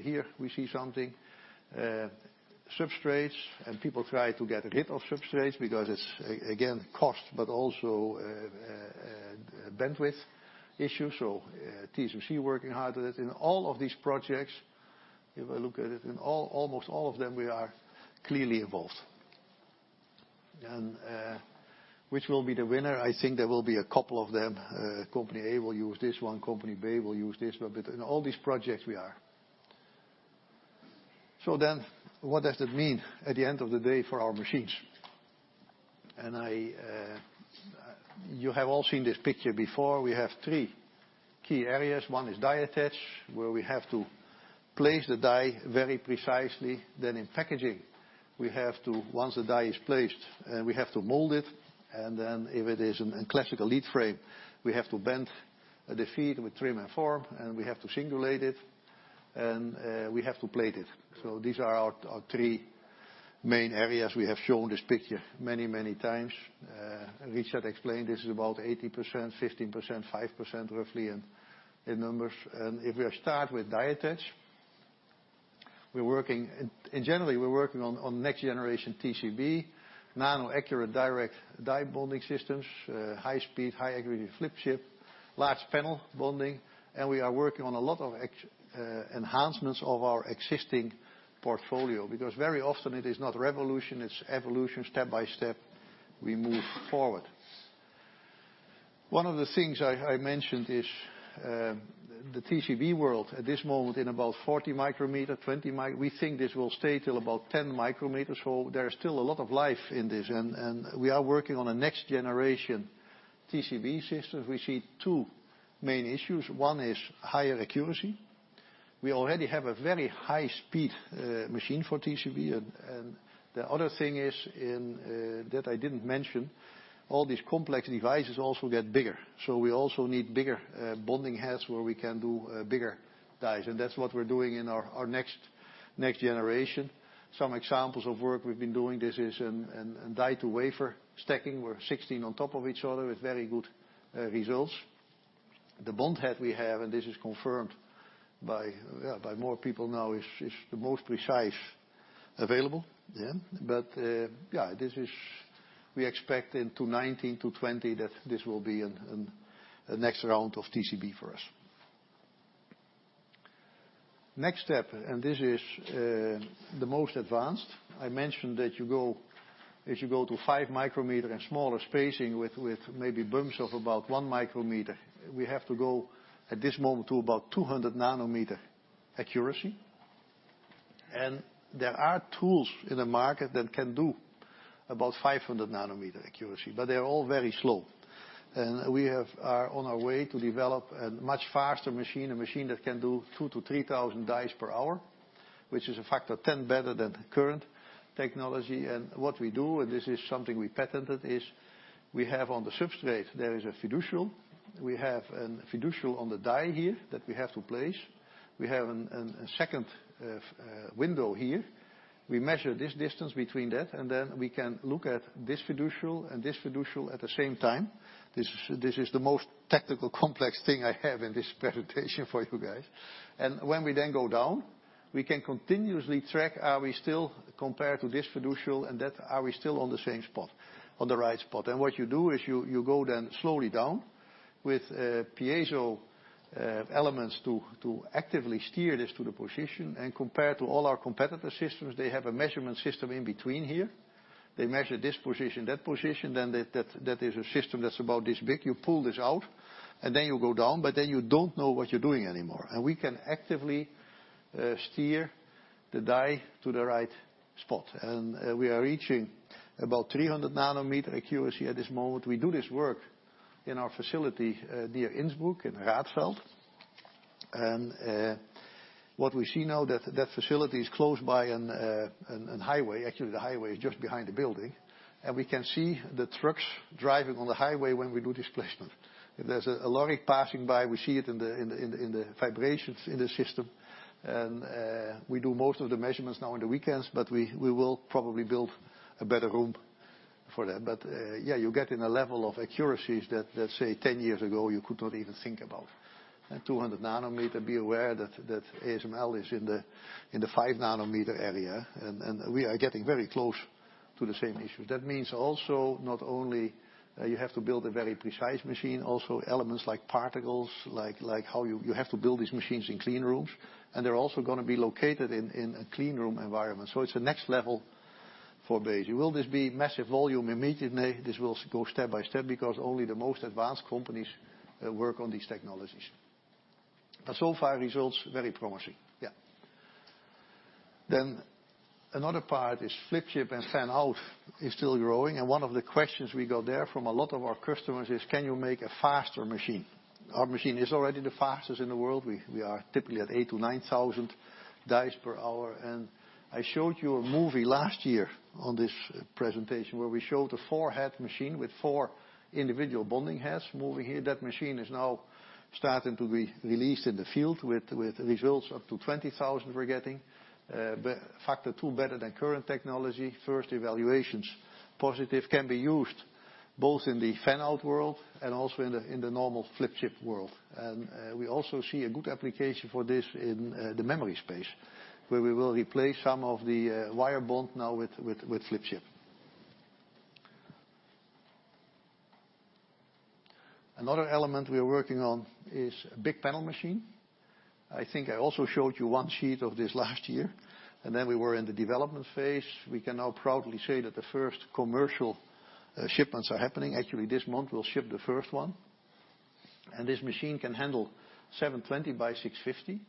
Here we see something. Substrates. People try to get rid of substrates because it's, again, cost, also a bandwidth issue. TSMC working hard on it. In all of these projects, if I look at it, in almost all of them, we are clearly involved. Which will be the winner? I think there will be a couple of them. Company A will use this one, company B will use this one, but in all these projects we are. What does that mean at the end of the day for our machines? You have all seen this picture before. We have three key areas. One is die attach, where we have to place the die very precisely. In packaging, once the die is placed, we have to mold it, and then if it is a classical lead frame, we have to bend the feed with trim and form, and we have to singulate it, and we have to plate it. These are our three main areas. We have shown this picture many, many times. Richard explained this is about 80%, 15%, 5%, roughly in numbers. If we start with die attach, in general, we're working on next generation TCB, nano accurate direct die bonding systems, high speed, high accuracy flip chip, large panel bonding, and we are working on a lot of enhancements of our existing portfolio, because very often it is not revolution, it's evolution. Step by step we move forward. One of the things I mentioned is the TCB world. At this moment, in about 40 micrometers, 20 micrometers, we think this will stay till about 10 micrometers. There is still a lot of life in this, and we are working on a next generation TCB system. We see two main issues. One is higher accuracy. We already have a very high-speed machine for TCB. The other thing is, that I didn't mention, all these complex devices also get bigger. We also need bigger bonding heads where we can do bigger dies, and that's what we're doing in our next generation. Some examples of work we've been doing. This is die-to-wafer stacking, where 16 on top of each other with very good results. The bond head we have, and this is confirmed by more people now, is the most precise available. We expect in 2019, 2020 that this will be a next round of TCB for us. Next step, this is the most advanced. I mentioned that as you go to five micrometers and smaller spacing with maybe bumps of about one micrometer, we have to go at this moment to about 200 nanometer accuracy. There are tools in the market that can do about 500 nanometer accuracy, but they're all very slow. We are on our way to develop a much faster machine, a machine that can do 2,000 to 3,000 dies per hour, which is a factor 10 better than the current technology. What we do, and this is something we patented, is we have on the substrate, there is a fiducial. We have a fiducial on the die here that we have to place. We have a second window here. We measure this distance between that, and then we can look at this fiducial and this fiducial at the same time. This is the most technical, complex thing I have in this presentation for you guys. When we then go down, we can continuously track, are we still compared to this fiducial and that, are we still on the same spot, on the right spot? What you do is you go then slowly down with piezo elements to actively steer this to the position. Compared to all our competitor systems, they have a measurement system in between here. They measure this position, that position, then that is a system that is about this big. You pull this out, then you go down, but then you do not know what you are doing anymore. We can actively steer the die to the right spot. We are reaching about 300 nanometer accuracy at this moment. We do this work in our facility, near Innsbruck in Radfeld. What we see now is that facility is close by a highway. Actually, the highway is just behind the building. We can see the trucks driving on the highway when we do displacement. If there is a lorry passing by, we see it in the vibrations in the system. We do most of the measurements now on the weekends, but we will probably build a better room for that. Yeah, you are getting a level of accuracies that, say, 10 years ago, you could not even think about. At 200 nanometer, be aware that ASML is in the 5-nanometer area, and we are getting very close to the same issue. That means also not only you have to build a very precise machine, also elements like particles, like how you have to build these machines in clean rooms, and they are also going to be located in a clean room environment. It is the next level for Besi. Will this be massive volume immediately? This will go step by step because only the most advanced companies work on these technologies. So far, results very promising. Yeah. Another part is flip chip and fan-out is still growing. One of the questions we got there from a lot of our customers is, "Can you make a faster machine?" Our machine is already the fastest in the world. We are typically at 8,000 to 9,000 dies per hour. I showed you a movie last year on this presentation where we showed a 4-head machine with 4 individual bonding heads moving here. That machine is now starting to be released in the field with results up to 20,000 we are getting. Factor 2 better than current technology. First evaluations positive can be used both in the fan-out world and also in the normal flip chip world. We also see a good application for this in the memory space, where we will replace some of the wire bond now with flip chip. Another element we are working on is a big panel machine. I think I also showed you one sheet of this last year, then we were in the development phase. We can now proudly say that the first commercial shipments are happening. Actually, this month we will ship the first one. This machine can handle 720 by 650.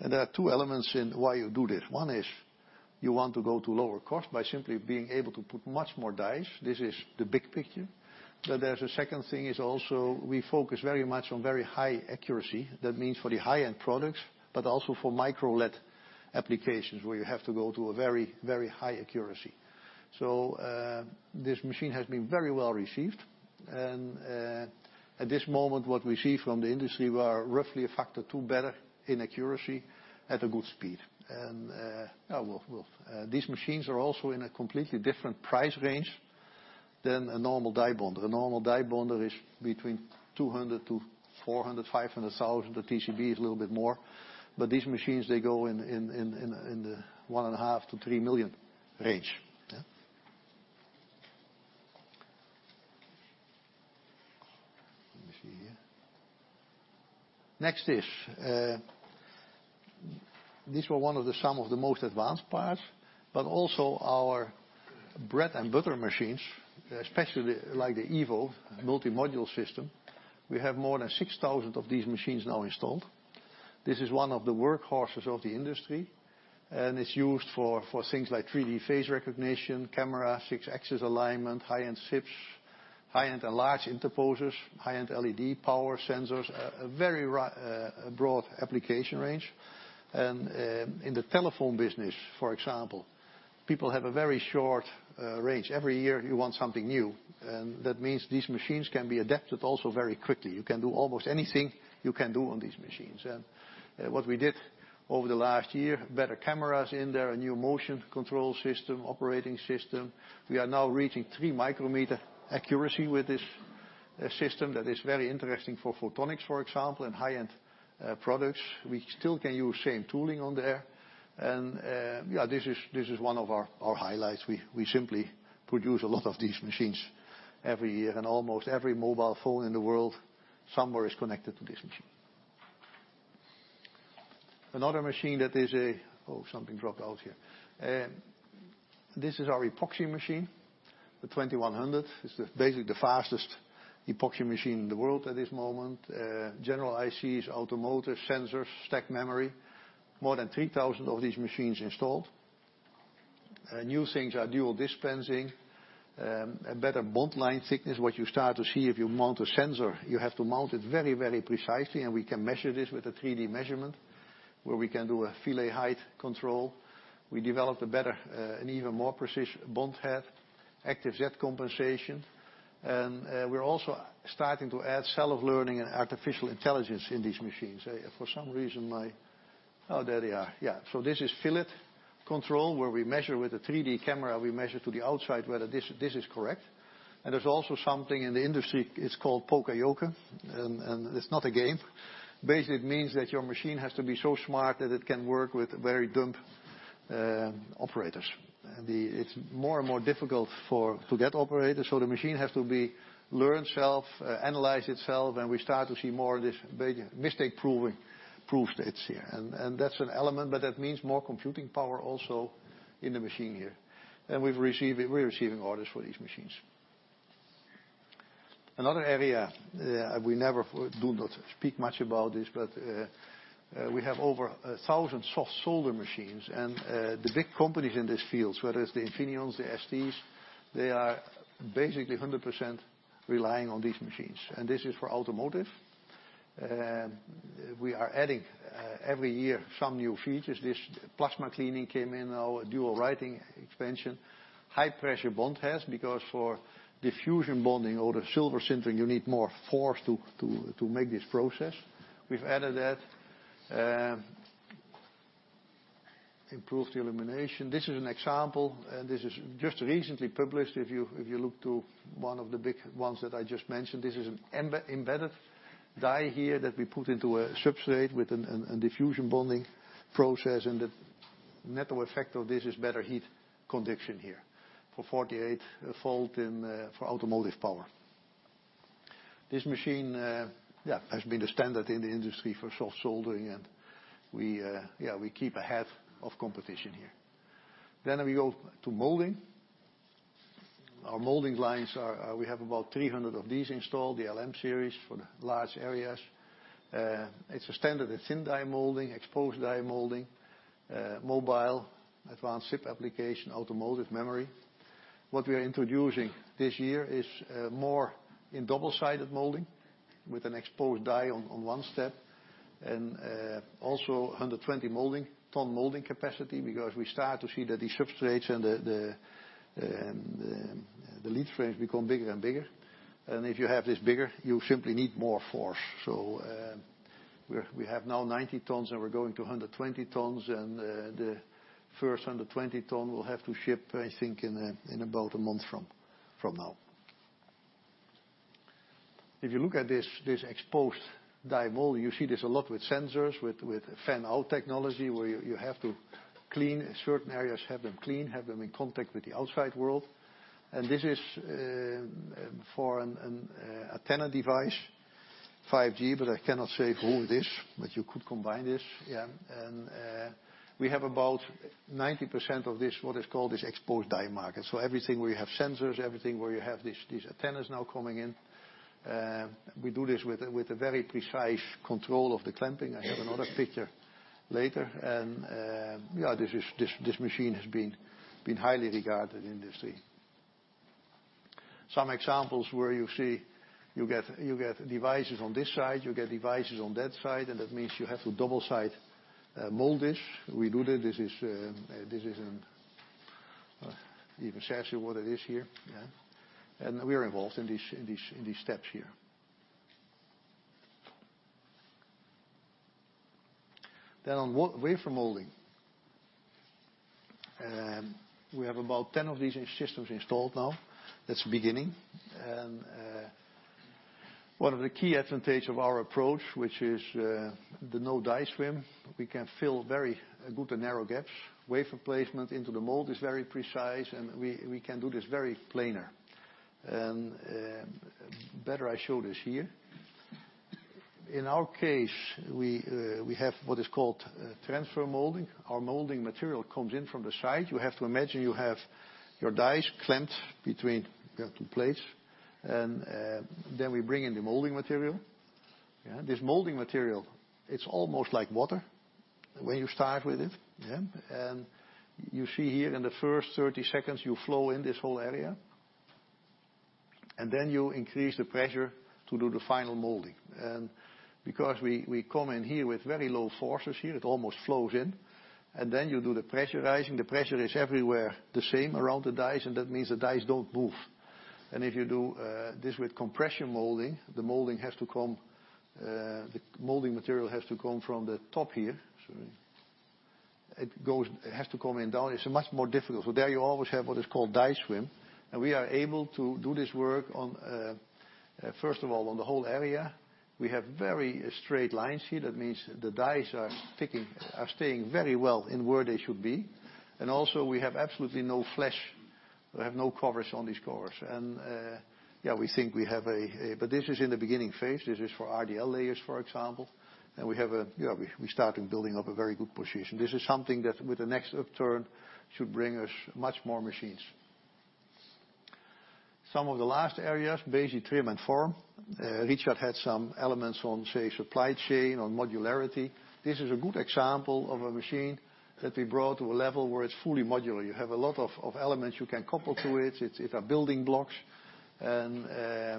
There are 2 elements in why you do this. One is you want to go to lower cost by simply being able to put much more dies. This is the big picture. There is a second thing, is also we focus very much on very high accuracy. That means for the high-end products, but also for MicroLED applications, where you have to go to a very, very high accuracy. This machine has been very well received. At this moment, what we see from the industry, we are roughly a factor 2 better in accuracy at a good speed. Well, these machines are also in a completely different price range than a normal die bonder. A normal die bonder is between 200,000 to 400,000, 500,000. The TCB is a little bit more. These machines, they go in the 1.5 million to 3 million range. Yeah. Let me see here. Next is, these were some of the most advanced parts, but also our bread and butter machines, especially like the Esec multi-module system. We have more than 6,000 of these machines now installed. This is one of the workhorses of the industry, it's used for things like 3D face recognition, camera, six-axis alignment, high-end chips, high-end and large interposers, high-end LED power sensors. A very broad application range. In the telephone business, for example, people have a very short range. Every year, you want something new, that means these machines can be adapted also very quickly. You can do almost anything you can do on these machines. What we did over the last year, better cameras in there, a new motion control system, operating system. We are now reaching 3-micrometer accuracy with this system. That is very interesting for photonics, for example, and high-end products. We still can use same tooling on there. Yeah, this is one of our highlights. We simply produce a lot of these machines every year. Almost every mobile phone in the world somewhere is connected to this machine. Another machine that is a Oh, something dropped out here. This is our epoxy machine. The Esec 2100 is basically the fastest epoxy machine in the world at this moment. General ICs, automotive sensors, stack memory. More than 3,000 of these machines installed. New things are dual dispensing, a better bond line thickness. What you start to see if you mount a sensor, you have to mount it very, very precisely, we can measure this with a 3D measurement, where we can do a fillet height control. We developed a better and even more precise bond head, active jet compensation. We are also starting to add self-learning and artificial intelligence in these machines. For some reason my Oh, there they are. Yeah. This is fillet control, where we measure with a 3D camera. We measure to the outside whether this is correct. There's also something in the industry, it's called poka-yoke, it's not a game. Basically, it means that your machine has to be so smart that it can work with very dumb operators. It's more and more difficult to get operators, the machine has to learn self, analyze itself, we start to see more of this mistake-proof states here. That's an element, that means more computing power also in the machine here. We're receiving orders for these machines. Another area, we do not speak much about this, we have over 1,000 soft solder machines. The big companies in these fields, whether it's the Infineons, the STs, they are basically 100% relying on these machines. This is for automotive. We are adding every year some new features. This plasma cleaning came in our dual writing expansion. High-pressure bond test, because for diffusion bonding or the silver sintering, you need more force to make this process. We've added that. Improved the illumination. This is an example, and this is just recently published. If you look to one of the big ones that I just mentioned, this is an embedded die here that we put into a substrate with a diffusion bonding process. The net effect of this is better heat conduction here, for 48 volt and for automotive power. This machine, yeah, has been the standard in the industry for soft soldering, and we keep ahead of competition here. We go to molding. Our molding lines are. We have about 300 of these installed, the LM series, for the large areas. It's a standard, a thin die molding, exposed die molding, mobile, advanced SiP application, automotive memory. What we are introducing this year is more in double-sided molding with an exposed die on one step and also 120 ton molding capacity, because we start to see that the substrates and the lead frames become bigger and bigger. If you have this bigger, you simply need more force. We have now 90 tons, and we're going to 120 tons. The first 120 ton will have to ship, I think, in about a month from now. If you look at this exposed die mold, you see this a lot with sensors, with fan-out technology, where you have to clean certain areas, have them clean, have them in contact with the outside world. This is for an antenna device, 5G, but I cannot say who this, but you could combine this. We have about 90% of this, what is called this exposed die market. Everything where you have sensors, everything where you have these antennas now coming in. We do this with a very precise control of the clamping. I have another picture later. This machine has been highly regarded in the industry. Some examples where you see you get devices on this side, you get devices on that side, that means you have to double-side mold this. We do that. This isn't even essentially what it is here. We are involved in these steps here. On wafer molding. We have about 10 of these systems installed now. That's the beginning. One of the key advantages of our approach, which is the no die swim. We can fill very good and narrow gaps. Wafer placement into the mold is very precise, and we can do this very planar. Better I show this here. In our case, we have what is called transfer molding. Our molding material comes in from the side. You have to imagine you have your dies clamped between two plates, then we bring in the molding material. This molding material, it's almost like water when you start with it. You see here in the first 30 seconds, you flow in this whole area, then you increase the pressure to do the final molding. Because we come in here with very low forces here, it almost flows in, then you do the pressurizing. The pressure is everywhere the same around the dies. That means the dies don't move. If you do this with compression molding, the molding material has to come from the top here. Sorry. It has to come in down. It's much more difficult. There you always have what is called die swim. We are able to do this work on, first of all, on the whole area. We have very straight lines here. That means the dies are staying very well in where they should be. Also we have absolutely no flash. We have no covers on these covers. We think we have a. This is in the beginning phase. This is for RDL layers, for example. We're starting building up a very good position. This is something that, with the next upturn, should bring us much more machines. Some of the last areas, Besi trim and form. Richard had some elements on, say, supply chain, on modularity. This is a good example of a machine that we brought to a level where it's fully modular. You have a lot of elements you can couple to it. It's a building blocks. Here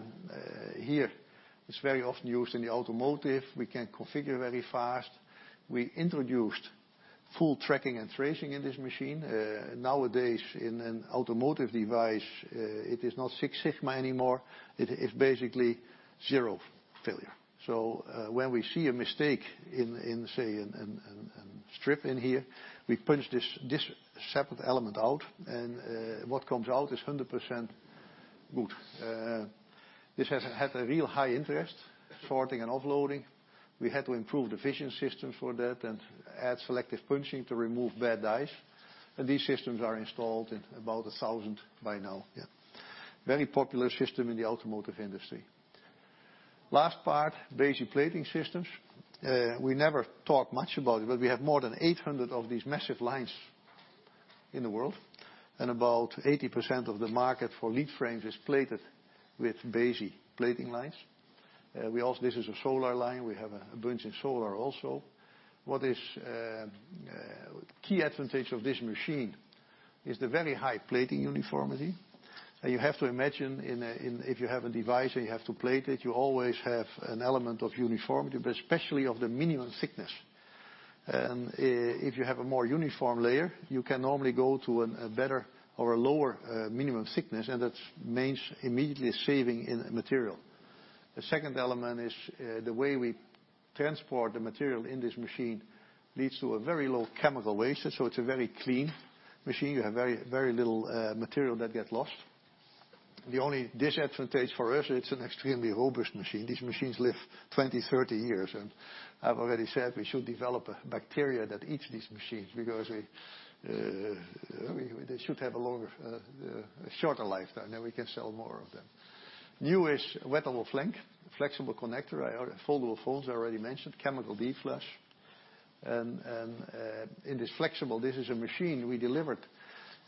it's very often used in the automotive. We can configure very fast. We introduced full tracking and tracing in this machine. Nowadays, in an automotive device, it is not Six Sigma anymore. It is basically zero failure. When we see a mistake in, say, a strip in here, we punch this separate element out, and what comes out is 100% good. This has had a real high interest, sorting and offloading. We had to improve the vision system for that and add selective punching to remove bad dies. These systems are installed in about 1,000 by now. Very popular system in the automotive industry. Last part, Besi plating systems. We never talk much about it. We have more than 800 of these massive lines in the world, and about 80% of the market for lead frames is plated with Besi plating lines. This is a solar line. We have a bunch in solar also. What is key advantage of this machine is the very high plating uniformity. You have to imagine if you have a device and you have to plate it, you always have an element of uniformity, but especially of the minimum thickness. If you have a more uniform layer, you can normally go to a better or a lower minimum thickness. That means immediately saving in material. The second element is the way we transport the material in this machine leads to a very low chemical waste. It's a very clean machine. You have very little material that gets lost. The only disadvantage for us, it's an extremely robust machine. These machines live 20, 30 years. I've already said we should develop a bacteria that eats these machines because they should have a shorter lifetime, then we can sell more of them. Newish wettable flank, flexible connector, foldable phones are already mentioned, chemical deflash. In this flexible, this is a machine we delivered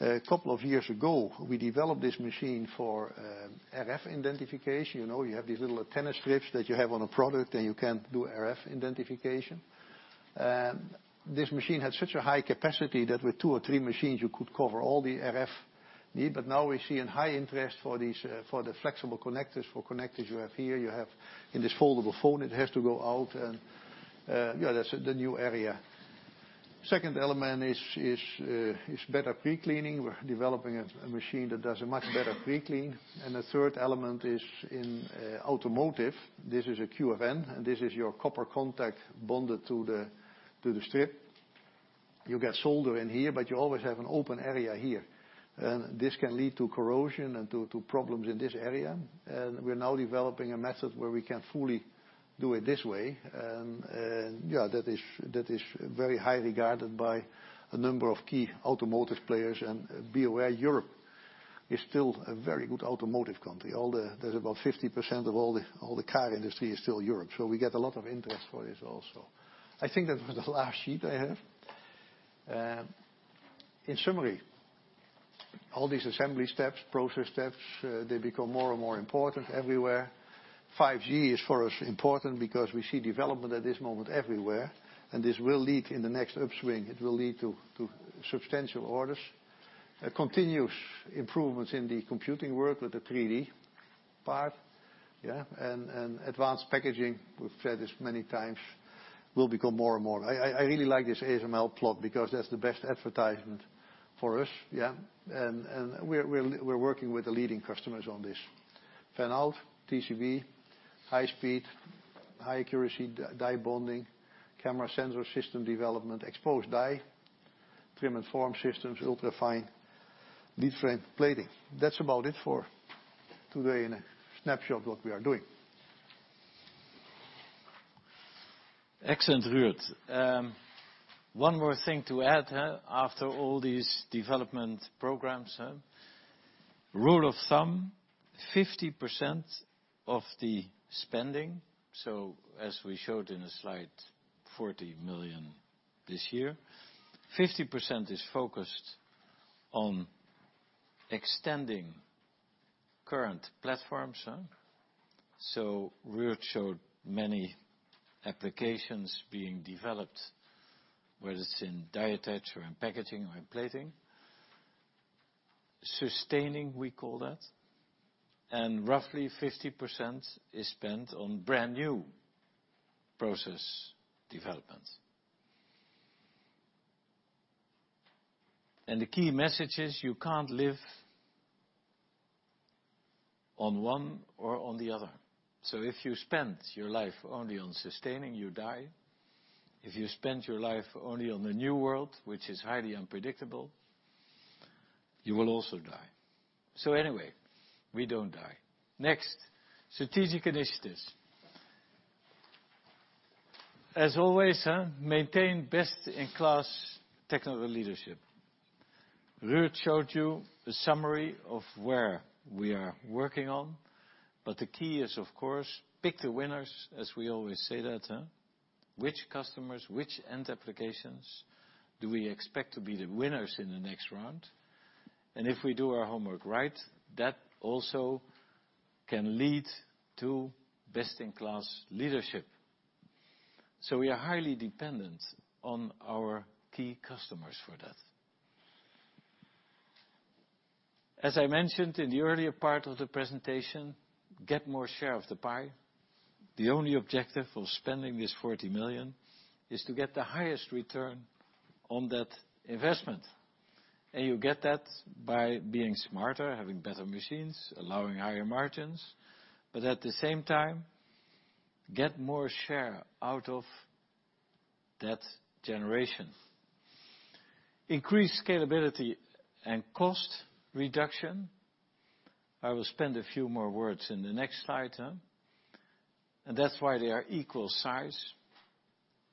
a couple of years ago. We developed this machine for RF identification. You have these little antenna strips that you have on a product, and you can do RF identification. This machine had such a high capacity that with two or three machines, you could cover all the RF need. Now we're seeing high interest for the flexible connectors, for connectors you have here. You have in this foldable phone, it has to go out, and that's the new area. Second element is better pre-cleaning. We're developing a machine that does a much better pre-clean. The third element is in automotive. This is a QFN, and this is your copper contact bonded to the strip. You get solder in here, but you always have an open area here, and this can lead to corrosion and to problems in this area. We're now developing a method where we can fully do it this way. That is very highly regarded by a number of key automotive players. Be aware, Europe is still a very good automotive country. There's about 50% of all the car industry is still Europe. We get a lot of interest for this also. I think that was the last sheet I have. In summary, all these assembly steps, process steps, they become more and more important everywhere. 5G is for us important because we see development at this moment everywhere, and this will lead in the next upswing. It will lead to substantial orders. Continuous improvements in the computing world with the 3D part. Advanced packaging, we've said this many times, will become more and more. I really like this ASML plot because that's the best advertisement for us. We're working with the leading customers on this. Fan out, TCB, high speed, high accuracy, die bonding, camera sensor system development, exposed die, trim and form systems, ultra-fine lead frame plating. That's about it for today in a snapshot what we are doing. Excellent, Ruud. One more thing to add. After all these development programs. Rule of thumb, 50% of the spending, as we showed in the slide, 40 million this year, 50% is focused on extending current platforms. Ruud showed many applications being developed, whether it's in die attach or in packaging or in plating. Sustaining, we call that, and roughly 50% is spent on brand-new process development. The key message is you can't live on one or on the other. If you spend your life only on sustaining, you die. If you spend your life only on the new world, which is highly unpredictable, you will also die. Anyway, we don't die. Next, strategic initiatives. As always, maintain best-in-class technical leadership. Ruud showed you a summary of where we are working on, but the key is, of course, pick the winners, as we always say that. Which customers, which end applications do we expect to be the winners in the next round? If we do our homework right, that also can lead to best-in-class leadership. We are highly dependent on our key customers for that. As I mentioned in the earlier part of the presentation, get more share of the pie. The only objective of spending this 40 million is to get the highest return on that investment. You get that by being smarter, having better machines, allowing higher margins, but at the same time, get more share out of that generation. Increase scalability and cost reduction. I will spend a few more words in the next slide. That's why they are equal size.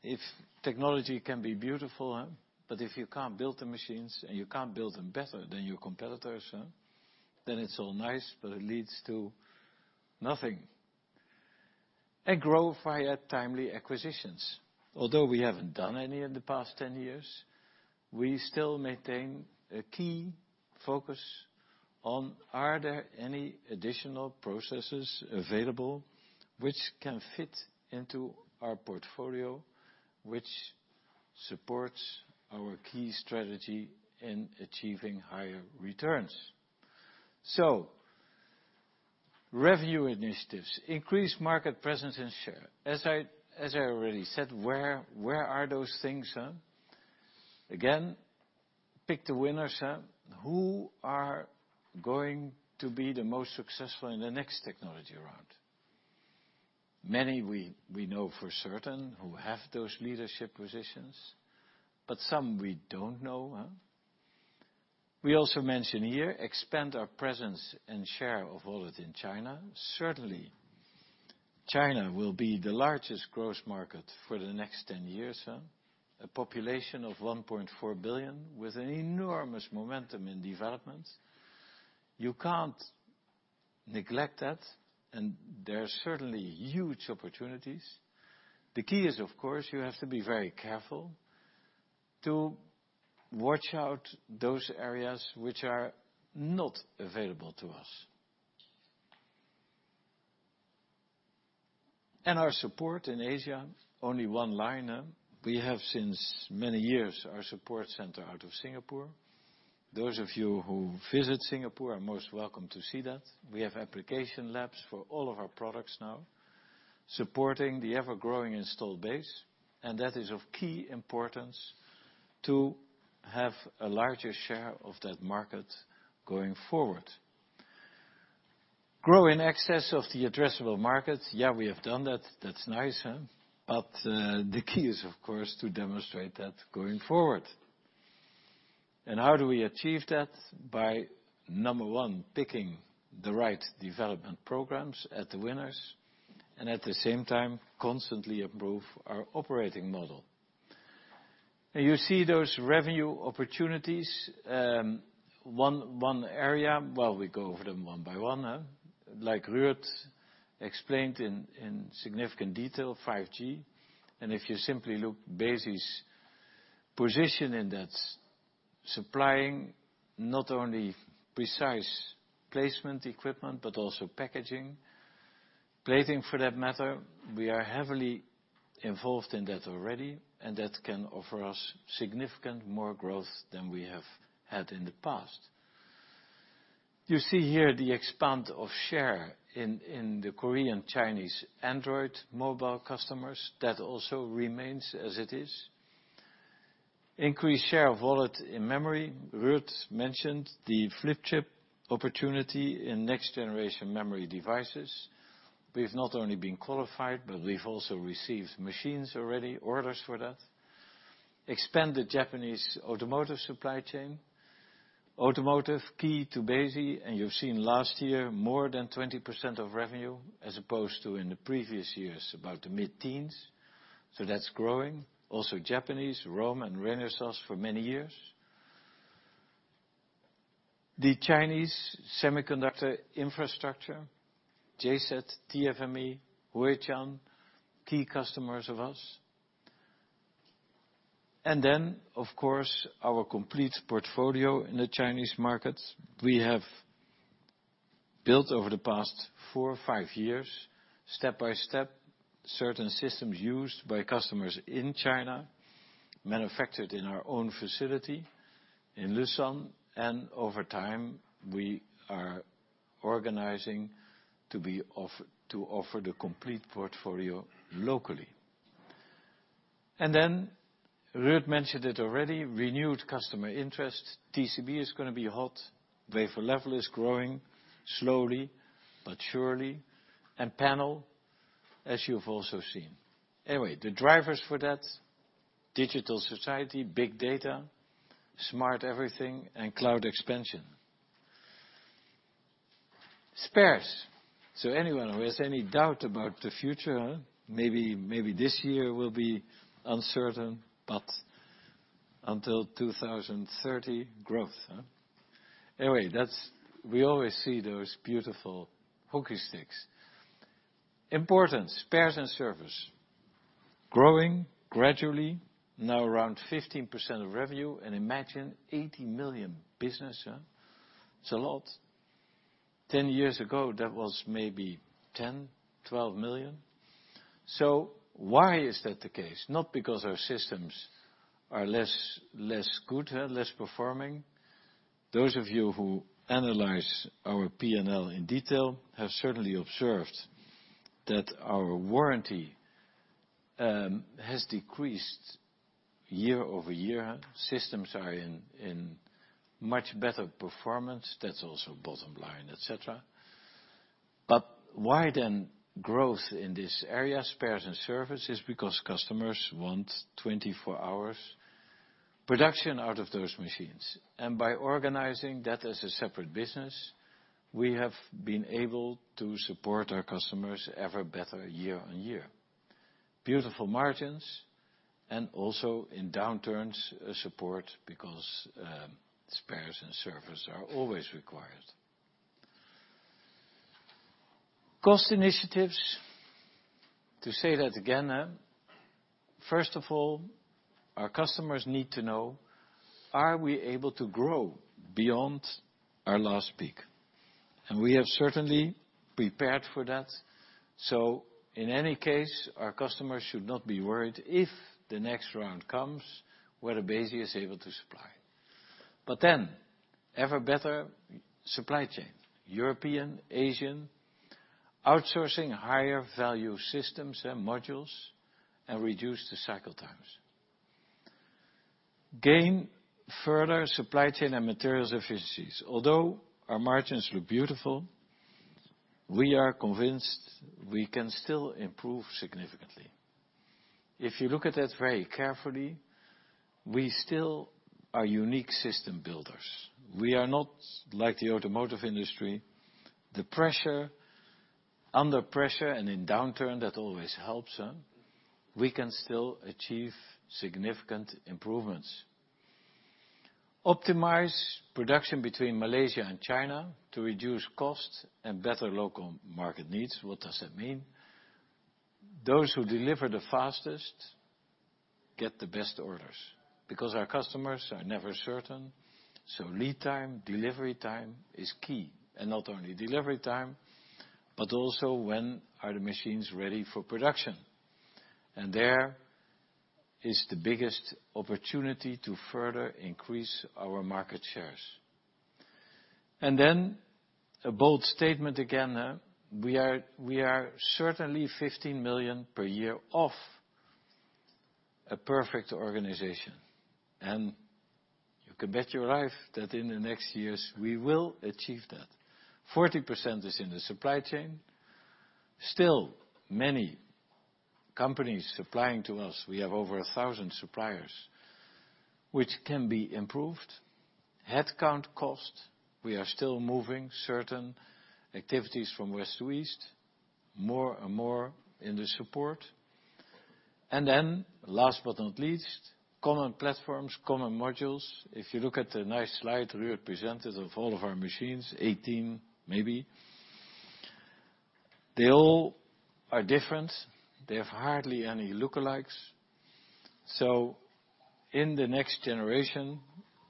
If technology can be beautiful, but if you can't build the machines and you can't build them better than your competitors, then it's all nice, but it leads to nothing. Grow via timely acquisitions. Although we haven't done any in the past 10 years, we still maintain a key focus on are there any additional processes available which can fit into our portfolio, which supports our key strategy in achieving higher returns. Revenue initiatives, increased market presence and share. As I already said, where are those things? Again, pick the winners. Who are going to be the most successful in the next technology round? Many we know for certain who have those leadership positions, but some we don't know. We also mention here, expand our presence and share of wallet in China. Certainly, China will be the largest growth market for the next 10 years. A population of 1.4 billion with an enormous momentum in development. You can't neglect that, and there are certainly huge opportunities. The key is, of course, you have to be very careful to watch out those areas which are not available to us. Our support in Asia, only one line. We have since many years our support center out of Singapore. Those of you who visit Singapore are most welcome to see that. We have application labs for all of our products now, supporting the ever-growing installed base, and that is of key importance to have a larger share of that market going forward. Grow in excess of the addressable market. Yeah, we have done that. That's nice. The key is, of course, to demonstrate that going forward. How do we achieve that? By, number one, picking the right development programs at the winners, and at the same time constantly improve our operating model. Now you see those revenue opportunities, one area -- well, we go over them one by one. Like Ruud explained in significant detail, 5G. If you simply look Besi's position in that, supplying not only precise placement equipment, but also packaging, plating for that matter, we are heavily involved in that already, and that can offer us significant more growth than we have had in the past. You see here the expand of share in the Korean, Chinese Android mobile customers. That also remains as it is. Increased share of wallet in memory. Ruud mentioned the flip chip opportunity in next generation memory devices. We've not only been qualified, but we've also received machines already, orders for that. Expand the Japanese automotive supply chain. Automotive key to Besi. You've seen last year more than 20% of revenue as opposed to in the previous years, about the mid-teens. That's growing. Also Japanese, Rohm and Renesas for many years. The Chinese semiconductor infrastructure, JCET, TFME, Huatian, key customers of us. Then, of course, our complete portfolio in the Chinese market. We have built over the past four or five years, step-by-step, certain systems used by customers in China, manufactured in our own facility in Lucerne, and over time, we are organizing to offer the complete portfolio locally. Then Ruud mentioned it already, renewed customer interest. TCB is going to be hot. Wafer level is growing, slowly but surely. Panel, as you've also seen. Anyway, the drivers for that, digital society, big data, smart everything, and cloud expansion. Spares. Anyone who has any doubt about the future, maybe this year will be uncertain, but until 2030, growth. Anyway, we always see those beautiful hockey sticks. Importance, spares and service. Growing gradually, now around 15% of revenue, and imagine 80 million business. It's a lot. 10 years ago, that was maybe 10 million, 12 million. Why is that the case? Not because our systems are less good, less performing. Those of you who analyze our P&L in detail have certainly observed that our warranty has decreased year-over-year. Systems are in much better performance. That's also bottom line, et cetera. Why then growth in this area, spares and service? It's because customers want 24 hours production out of those machines. By organizing that as a separate business, we have been able to support our customers ever better year-on-year. Beautiful margins and also in downturns, a support because spares and service are always required. Cost initiatives. To say that again, first of all, our customers need to know, are we able to grow beyond our last peak? We have certainly prepared for that. In any case, our customers should not be worried if the next round comes, whether Besi is able to supply. Then, ever better supply chain, European, Asian, outsourcing higher value systems and modules, and reduce the cycle times. Gain further supply chain and materials efficiencies. Although our margins look beautiful, we are convinced we can still improve significantly. If you look at that very carefully, we still are unique system builders. We are not like the automotive industry. Under pressure and in downturn, that always helps. We can still achieve significant improvements. Optimize production between Malaysia and China to reduce costs and better local market needs. What does that mean? Those who deliver the fastest get the best orders, because our customers are never certain. Lead time, delivery time is key. Not only delivery time, but also when are the machines ready for production. There is the biggest opportunity to further increase our market shares. Then a bold statement again. We are certainly 15 million per year off a perfect organization, and you can bet your life that in the next years we will achieve that. 40% is in the supply chain. Still, many companies supplying to us, we have over 1,000 suppliers, which can be improved. Headcount cost. We are still moving certain activities from west to east, more and more in the support. Then last but not least, common platforms, common modules. If you look at the nice slide Ruud presented of all of our machines, 18, maybe, they all are different. They have hardly any lookalikes. In the next generation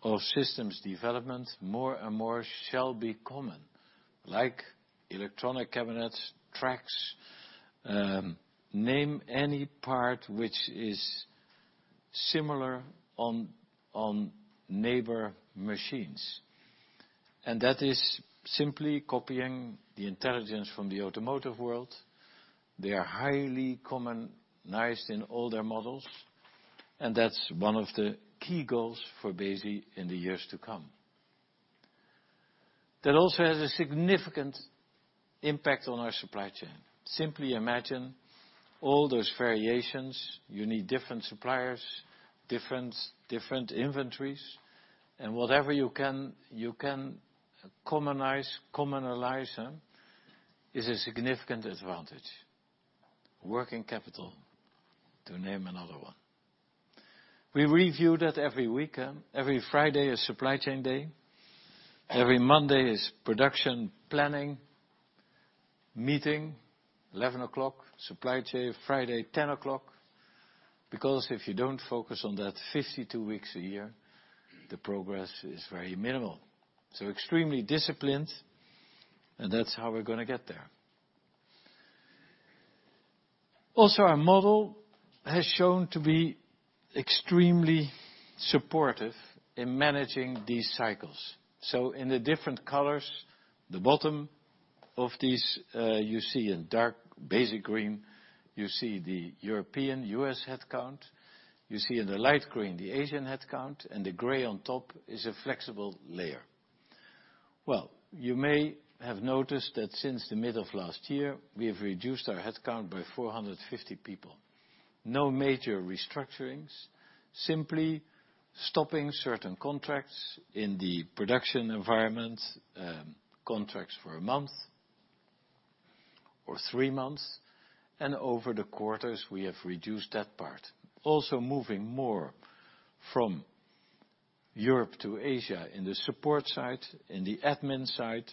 of systems development, more and more shall be common. Like electronic cabinets, tracks, name any part which is similar on neighbor machines. That is simply copying the intelligence from the automotive world. They are highly commonized in all their models, and that is one of the key goals for Besi in the years to come. That also has a significant impact on our supply chain. Simply imagine all those variations. You need different suppliers, different inventories, and whatever you can commonize is a significant advantage. Working capital, to name another one. We review that every week. Every Friday is supply chain day. Every Monday is production planning meeting, 11 o'clock. Supply chain, Friday, 10 o'clock. If you don't focus on that 52 weeks a year, the progress is very minimal. Extremely disciplined, and that's how we're going to get there. Our model has shown to be extremely supportive in managing these cycles. In the different colors, the bottom of this, you see in dark Besi green, you see the European U.S. headcount. You see in the light green, the Asian headcount, and the gray on top is a flexible layer. You may have noticed that since the mid of last year, we've reduced our headcount by 450 people. No major restructurings, simply stopping certain contracts in the production environment, contracts for a month or three months. Over the quarters, we've reduced that part. Moving more from Europe to Asia in the support side, in the admin side.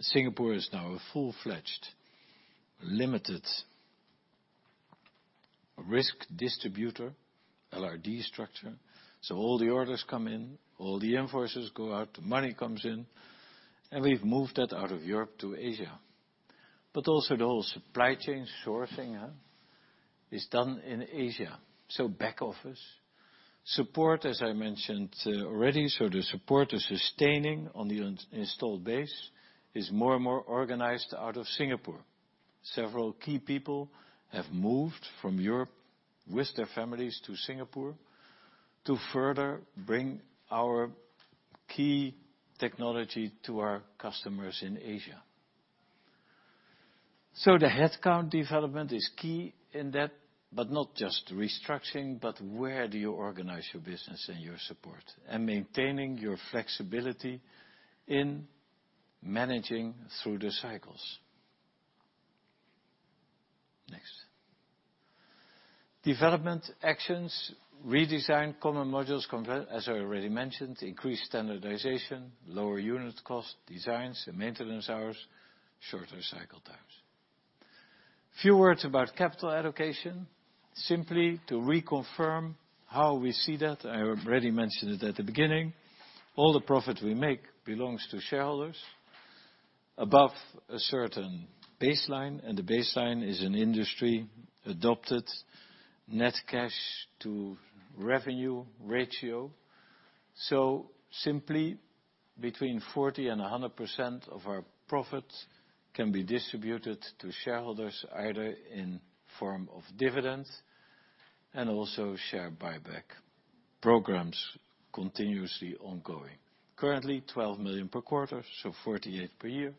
Singapore is now a full-fledged limited risk distributor, LRD structure. All the orders come in, all the invoices go out, the money comes in. We've moved that out of Europe to Asia. The whole supply chain sourcing is done in Asia. Back office. Support, as I mentioned already, the sustaining on the installed base is more and more organized out of Singapore. Several key people have moved from Europe with their families to Singapore to further bring our key technology to our customers in Asia. The headcount development is key in that, but not just restructuring, but where do you organize your business and your support, and maintaining your flexibility in managing through the cycles? Next. Development actions, redesign common modules, as I already mentioned, increase standardization, lower unit cost designs and maintenance hours, shorter cycle times. Few words about capital allocation. Simply to reconfirm how we see that, I already mentioned it at the beginning, all the profit we make belongs to shareholders above a certain baseline, and the baseline is an industry-adopted net cash to revenue ratio. Simply, between 40% and 100% of our profits can be distributed to shareholders, either in form of dividends and also share buyback programs continuously ongoing. Currently, 12 million per quarter, 48 per year.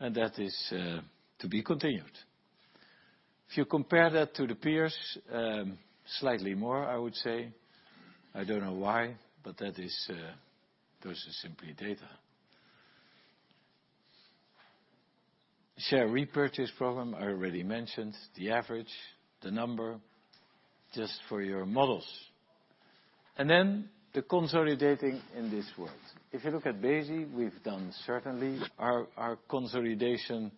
That is to be continued. If you compare that to the peers, slightly more, I would say. I don't know why, but those are simply data. Share repurchase program, I already mentioned the average, the number, just for your models. Then the consolidating in this world. If you look at Besi, we've done certainly our consolidation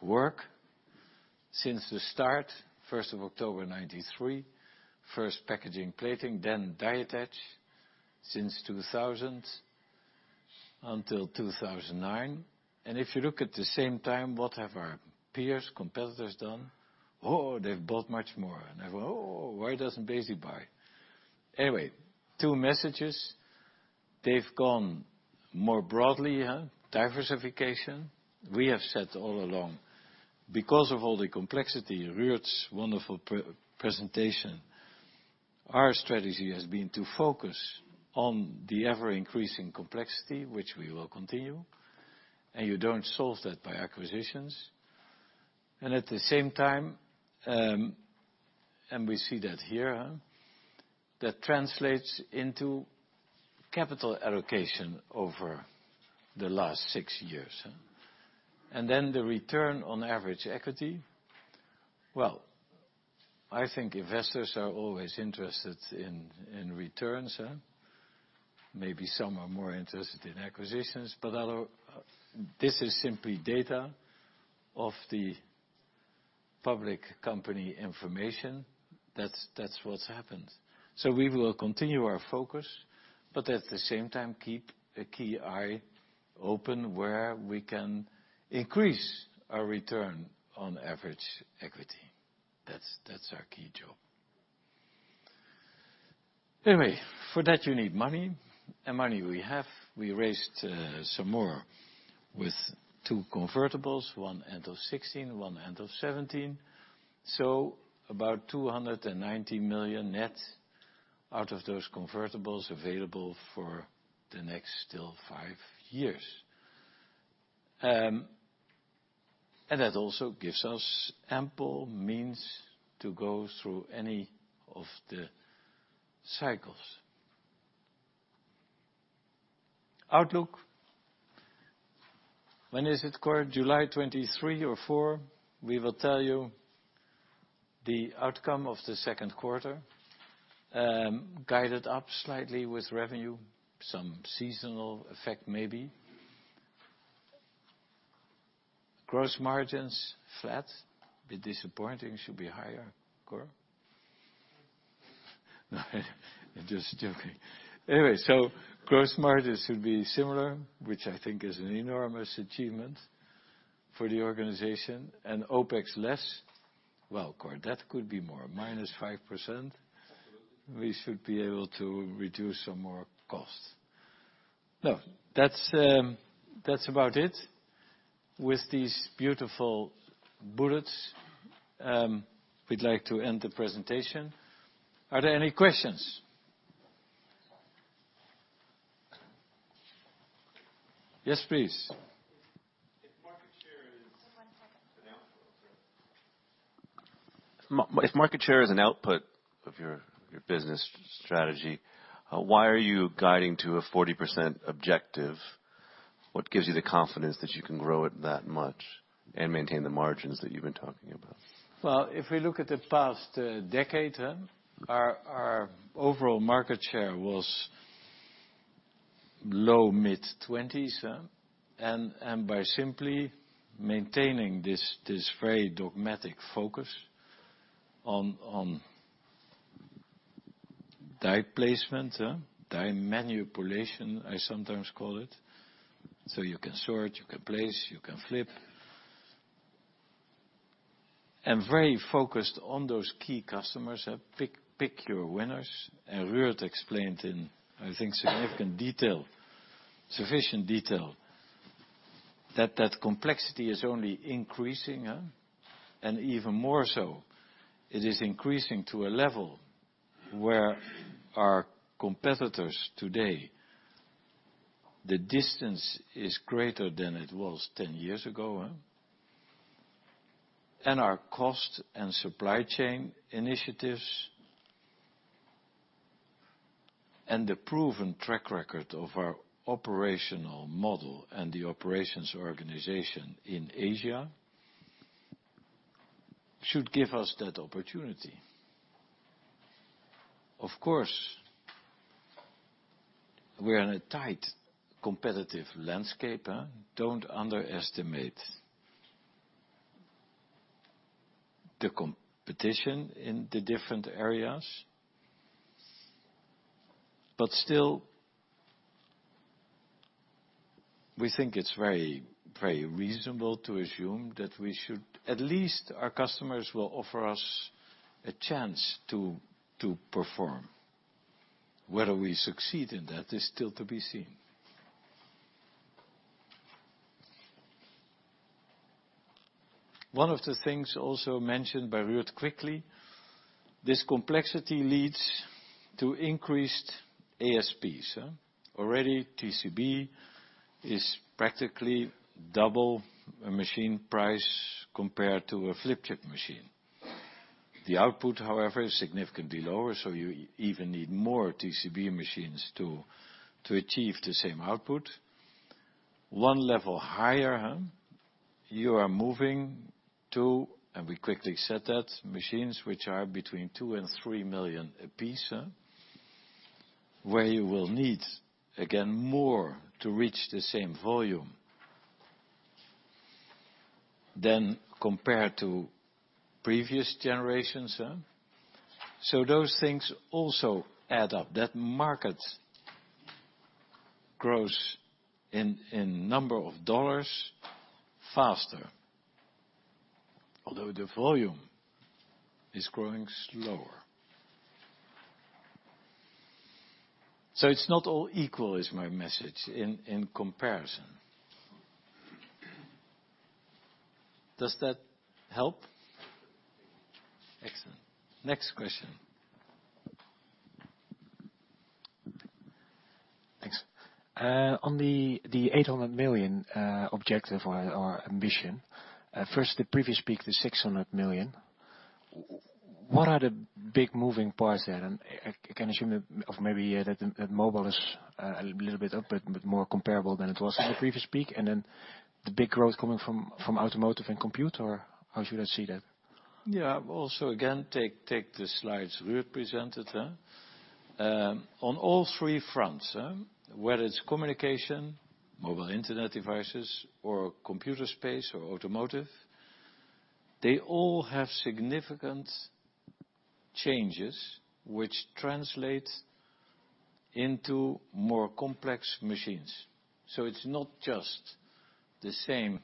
work since the start, 1st of October 1993. First packaging, plating, then die attach since 2000 until 2009. If you look at the same time, what have our peers, competitors done? Oh, they've bought much more. Why doesn't Besi buy? Two messages, they've gone more broadly, diversification. We have said all along, because of all the complexity, Ruud's wonderful presentation, our strategy has been to focus on the ever-increasing complexity, which we will continue. You don't solve that by acquisitions. At the same time, and we see that here, that translates into capital allocation over the last six years. The return on average equity. I think investors are always interested in returns. Maybe some are more interested in acquisitions, but this is simply data of the public company information. That's what's happened. We will continue our focus, but at the same time keep a key eye open where we can increase our return on average equity. That's our key job. For that you need money. Money we have. We raised some more with two convertibles, one end of 2016, one end of 2017. About 290 million net out of those convertibles available for the next still five years. That also gives us ample means to go through any of the cycles. Outlook. When is it, Cor? July 23 or 24, we will tell you the outcome of the second quarter. Guided up slightly with revenue, some seasonal effect maybe. Gross margins flat, a bit disappointing, should be higher, Cor. No, just joking. Gross margins should be similar, which I think is an enormous achievement for the organization. OpEx less. Cor, that could be more, -5%. We should be able to reduce some more costs. That's about it. With these beautiful bullets, we'd like to end the presentation. Are there any questions? Yes, please. If market share is- One second. If market share is an output of your business strategy, why are you guiding to a 40% objective? What gives you the confidence that you can grow it that much and maintain the margins that you've been talking about? Well, if we look at the past decade, our overall market share was low-mid 20s. By simply maintaining this very dogmatic focus on die placement, die manipulation, I sometimes call it. You can sort, you can place, you can flip. Very focused on those key customers, pick your winners. Ruud explained in, I think, significant detail, sufficient detail, that that complexity is only increasing. Even more so, it is increasing to a level where our competitors today, the distance is greater than it was 10 years ago. Our cost and supply chain initiatives. The proven track record of our operational model and the operations organization in Asia should give us that opportunity. Of course, we're in a tight, competitive landscape. Don't underestimate the competition in the different areas. Still, we think it's very reasonable to assume that at least our customers will offer us a chance to perform. Whether we succeed in that is still to be seen. One of the things also mentioned by Ruud quickly, this complexity leads to increased ASPs. Already TCB is practically double a machine price compared to a flip chip machine. The output, however, is significantly lower, so you even need more TCB machines to achieve the same output. One level higher, you are moving to, and we quickly said that, machines which are between 2 million and 3 million a piece. Where you will need, again, more to reach the same volume than compared to previous generations. Those things also add up. That market grows in number of EUR faster, although the volume is growing slower. It's not all equal is my message in comparison. Does that help? Excellent. Next question. Thanks. On the 800 million objective or ambition. First, the previous peak, the 600 million. What are the big moving parts there? I can assume that maybe that mobile is a little bit more comparable than it was in the previous peak, then the big growth coming from automotive and computer. How should I see that? Yeah. Again, take the slides Ruud presented. On all three fronts, whether it's communication, mobile internet devices, or computer space or automotive, they all have significant changes which translate into more complex machines. It's not just the same,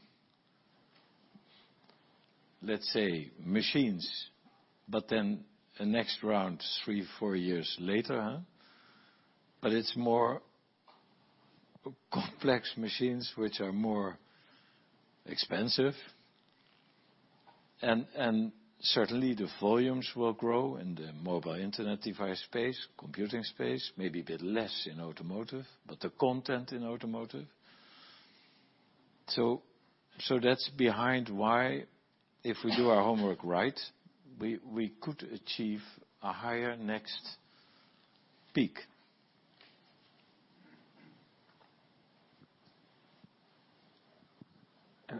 let's say, machines, then a next round three, four years later. It's more complex machines which are more expensive and certainly the volumes will grow in the mobile internet device space, computing space, maybe a bit less in automotive, but the content in automotive. That's behind why if we do our homework right, we could achieve a higher next peak.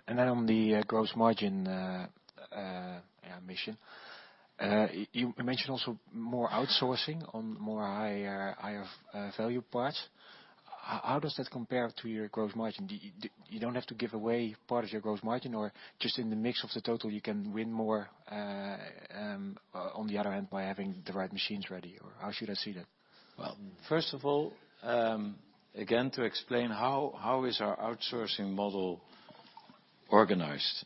Then on the gross margin mission. You mentioned also more outsourcing on more higher value parts. How does that compare to your gross margin? You don't have to give away part of your gross margin or just in the mix of the total you can win more on the other end by having the right machines ready, or how should I see that? First of all, again to explain how is our outsourcing model organized.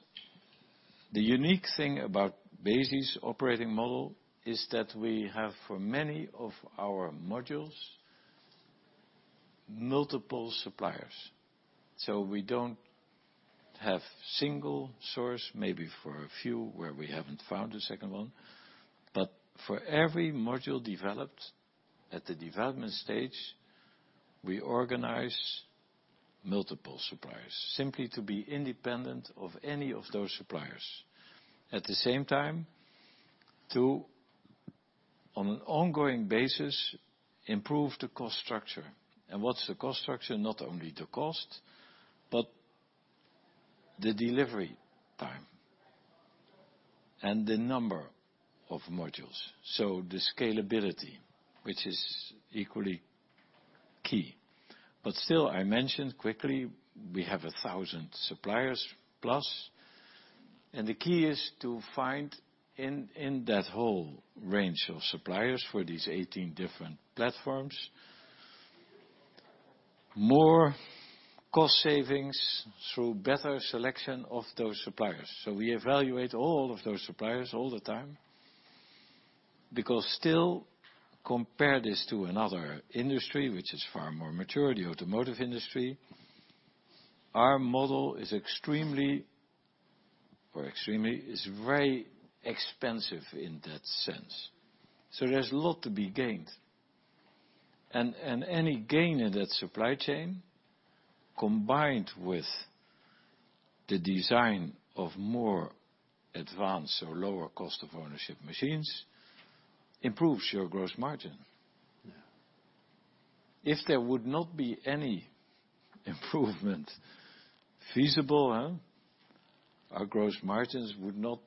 The unique thing about Besi operating model is that we have for many of our modules, multiple suppliers. We don't have single source, maybe for a few where we haven't found a second one, but for every module developed at the development stage, we organize multiple suppliers, simply to be independent of any of those suppliers. At the same time, to, on an ongoing basis, improve the cost structure. What's the cost structure? Not only the cost, but the delivery time and the number of modules. The scalability, which is equally key. Still, I mentioned quickly, we have 1,000 suppliers plus, and the key is to find in that whole range of suppliers for these 18 different platforms, more cost savings through better selection of those suppliers. We evaluate all of those suppliers all the time because still compare this to another industry which is far more mature, the automotive industry, our model is very expensive in that sense. There's a lot to be gained. Any gain in that supply chain, combined with the design of more advanced or lower cost of ownership machines improves your gross margin. Yeah. If there would not be any improvement feasible, our gross margins would not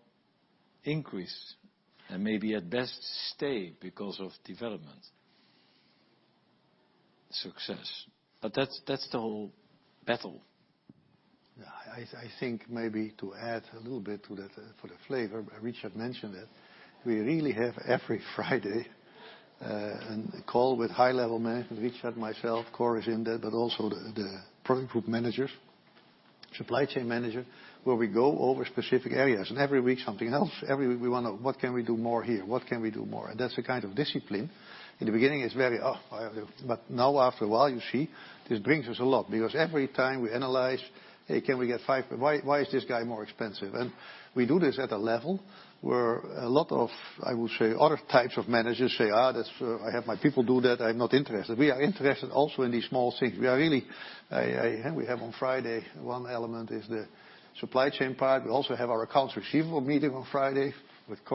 increase and maybe at best stay because of development success. That's the whole battle. I think maybe to add a little bit to that for the flavor, Richard mentioned it. We really have every Friday a call with high-level management. Richard, myself, Cor is in there, but also the product group managers, supply chain manager, where we go over specific areas and every week something else. Every week we want to know what can we do more here? What can we do more? That's the kind of discipline. In the beginning, it's very, oh, after a while you see this brings us a lot because every time we analyze, hey, can we get five? Why is this guy more expensive? We do this at a level where a lot of, I will say, other types of managers say, "Ah, I have my people do that. I'm not interested." We are interested also in these small things. We have on Friday, one element is the supply chain part. We also have our accounts receivable meeting on Friday with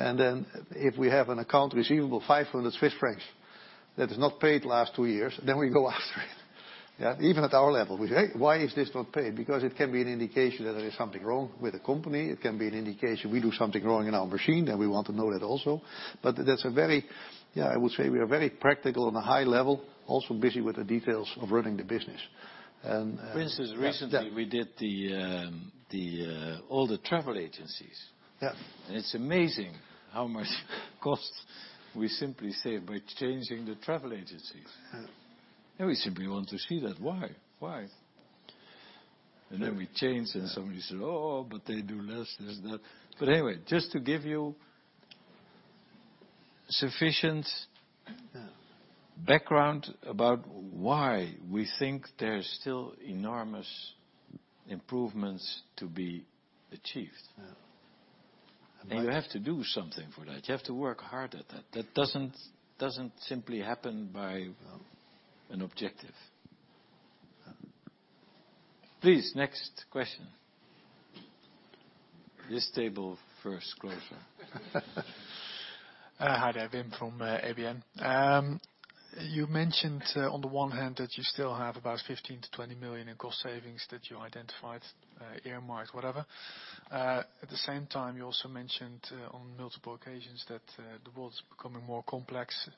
Cor. If we have an account receivable 500 Swiss francs that is not paid last two years, we go after it. Yeah. Even at our level, we say, "Hey, why is this not paid?" Because it can be an indication that there is something wrong with the company. It can be an indication we do something wrong in our machine, and we want to know that also. That's a very, yeah, I would say we are very practical on a high level, also busy with the details of running the business. For instance Yeah recently we did all the travel agencies. Yeah. It's amazing how much cost we simply save by changing the travel agencies. Yeah. We simply want to see that. Why? Why? We change and somebody said, "Oh, but they do less," da. Just to give you sufficient- Yeah background about why we think there's still enormous improvements to be achieved. Yeah. You have to do something for that. You have to work hard at that. That doesn't simply happen by an objective. Yeah. Please, next question. This table first, closer. Hi there, Wim from ABN. You mentioned on the one hand that you still have about 15 million-20 million in cost savings that you identified, earmarked, whatever. At the same time, you also mentioned on multiple occasions that the world's becoming more complex,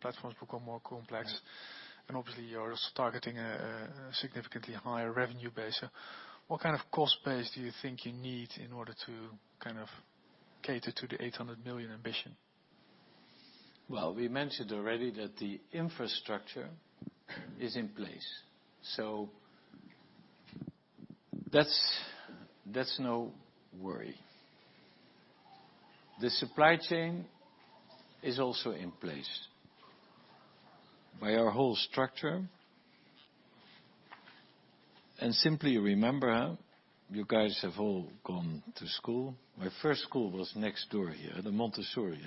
platforms become more complex. Yeah. Obviously you're also targeting a significantly higher revenue base. What kind of cost base do you think you need in order to cater to the 800 million ambition? Well, we mentioned already that the infrastructure is in place, that's no worry. The supply chain is also in place by our whole structure. Simply remember how you guys have all gone to school. My first school was next door here, the Montessori.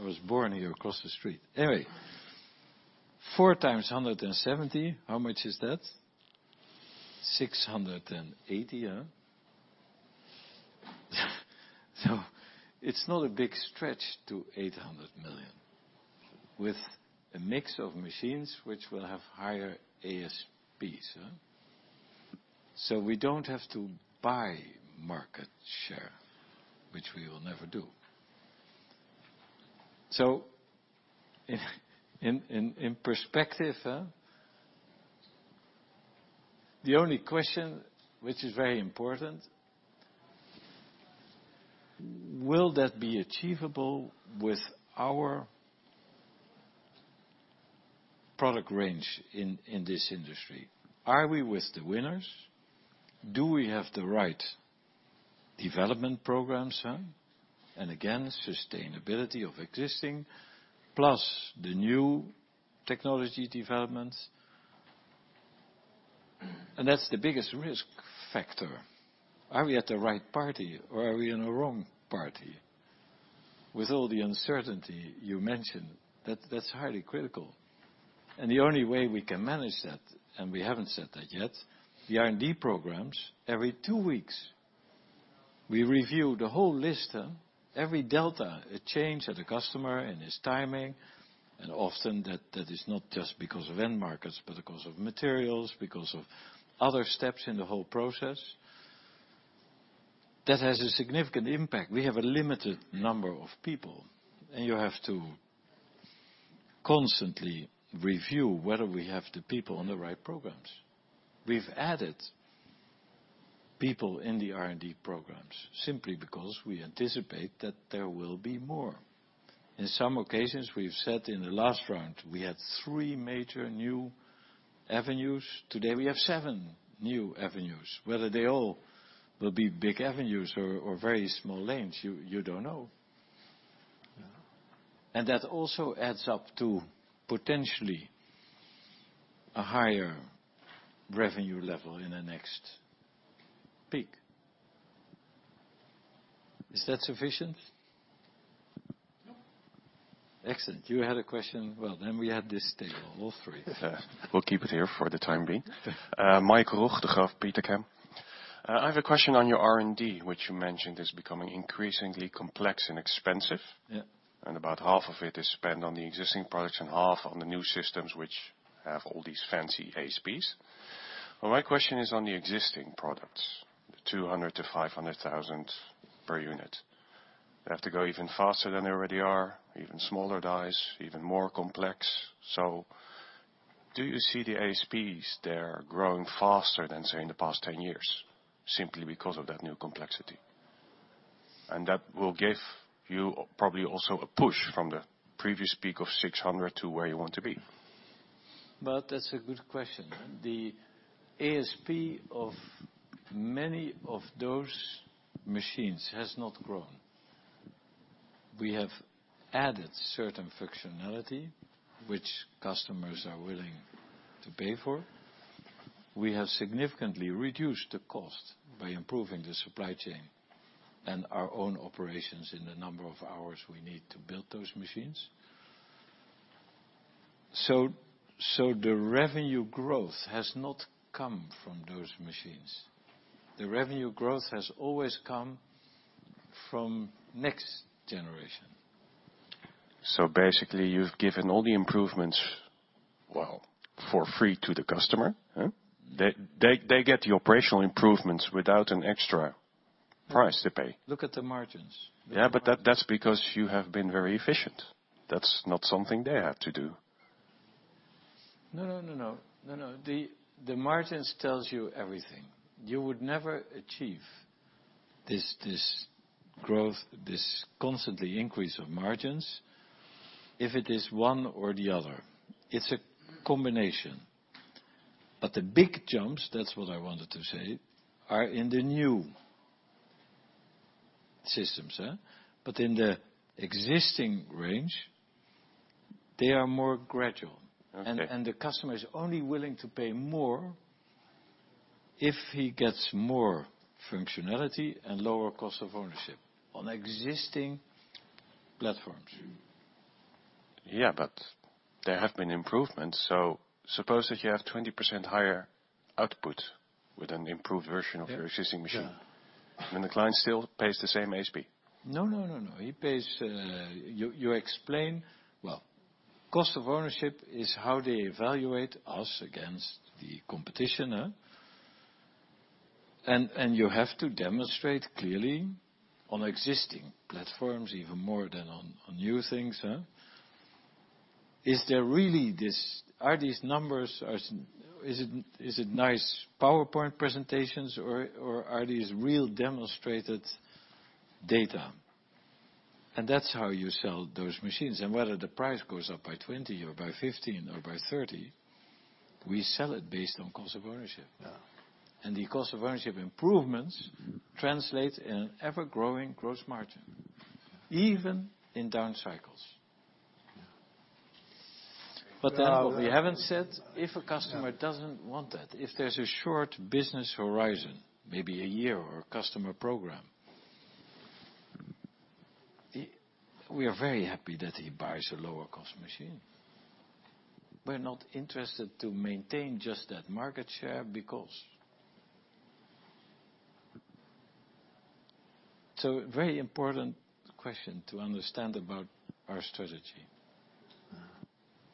I was born here across the street. Anyway, four times 170, how much is that? 680, yeah? It's not a big stretch to 800 million with a mix of machines which will have higher ASPs. We don't have to buy market share, which we will never do. In perspective, the only question which is very important, will that be achievable with our product range in this industry? Are we with the winners? Do we have the right development programs? Again, sustainability of existing plus the new technology developments. That's the biggest risk factor. Are we at the right party or are we in a wrong party? With all the uncertainty you mentioned, that's highly critical. The only way we can manage that, and we haven't said that yet, the R&D programs, every two weeks we review the whole list. Every delta, a change at a customer and his timing, and often that is not just because of end markets, but because of materials, because of other steps in the whole process. That has a significant impact. We have a limited number of people, and you have to constantly review whether we have the people on the right programs. We've added people in the R&D programs simply because we anticipate that there will be more. In some occasions, we've said in the last round we had three major new avenues. Today we have seven new avenues. Whether they all will be big avenues or very small lanes, you don't know. Yeah. That also adds up to potentially a higher revenue level in the next peak. Is that sufficient? Excellent. You had a question? Then we have this table, all three. Yes. We'll keep it here for the time being. Mike Roeg, Degroof Petercam. I have a question on your R&D, which you mentioned is becoming increasingly complex and expensive. Yeah. About half of it is spent on the existing products and half on the new systems, which have all these fancy ASPs. My question is on the existing products, 200,000-500,000 per unit. They have to go even faster than they already are, even smaller dies, even more complex. Do you see the ASPs there growing faster than, say, in the past 10 years, simply because of that new complexity? That will give you probably also a push from the previous peak of 600 to where you want to be. That's a good question. The ASP of many of those machines has not grown. We have added certain functionality which customers are willing to pay for. We have significantly reduced the cost by improving the supply chain and our own operations in the number of hours we need to build those machines. The revenue growth has not come from those machines. The revenue growth has always come from next generation. Basically you've given all the improvements, well, for free to the customer? They get the operational improvements without an extra price to pay. Look at the margins. Yeah, that's because you have been very efficient. That's not something they have to do. No. The margins tell you everything. You would never achieve this growth, this constant increase of margins if it is one or the other. It's a combination. The big jumps, that's what I wanted to say, are in the new systems. In the existing range, they are more gradual. Okay. The customer is only willing to pay more if he gets more functionality and lower cost of ownership on existing platforms. Yeah, there have been improvements. Suppose that you have 20% higher output with an improved version of- Yeah your existing machine. Yeah. The client still pays the same ASP. No. He pays. You explain, well, cost of ownership is how they evaluate us against the competition. You have to demonstrate clearly on existing platforms, even more than on new things. Is it nice PowerPoint presentations or are these real demonstrated data? That's how you sell those machines. Whether the price goes up by 20 or by 15 or by 30, we sell it based on cost of ownership. Yeah. The cost of ownership improvements translate in ever growing gross margin, even in down cycles. Yeah. What we haven't said, if a customer doesn't want that, if there's a short business horizon, maybe a year or a customer program, we are very happy that he buys a lower cost machine. We're not interested to maintain just that market share because. Very important question to understand about our strategy. Yeah.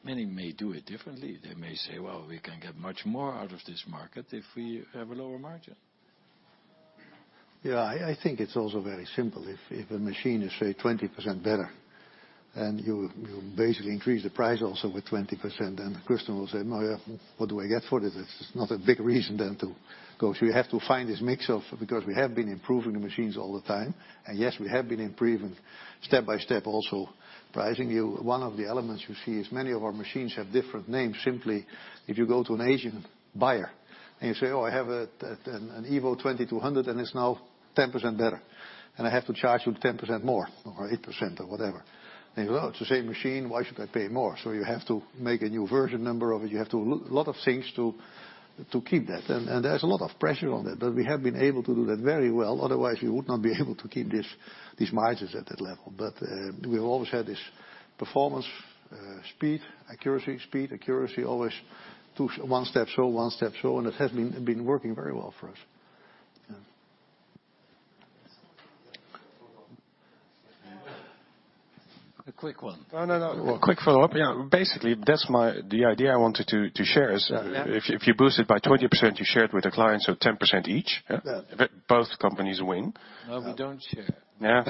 Many may do it differently. They may say, "Well, we can get much more out of this market if we have a lower margin. Yeah, I think it's also very simple. If a machine is, say, 20% better and you basically increase the price also with 20%, then the customer will say, "What do I get for this?" It's not a big reason then to go. You have to find this mix, because we have been improving the machines all the time. Yes, we have been improving step by step also pricing you. One of the elements you see is many of our machines have different names. Simply if you go to an Asian buyer and you say, "Oh, I have an EVO 2200 and it's now 10% better and I have to charge you 10% more or 8%" or whatever. They go, "It's the same machine. Why should I pay more?" You have to make a new version number of it. You have to do a lot of things to keep that. There's a lot of pressure on that. We have been able to do that very well. Otherwise, we would not be able to keep these margins at that level. We've always had this performance, speed, accuracy. Speed, accuracy, always one step so, it has been working very well for us. Yeah. A quick one. No. Well- A quick follow-up. Yeah. Basically, the idea I wanted to share is. Yeah if you boost it by 20%, you share it with the client, so 10% each. Yeah. Both companies win. No, we don't share. Yeah.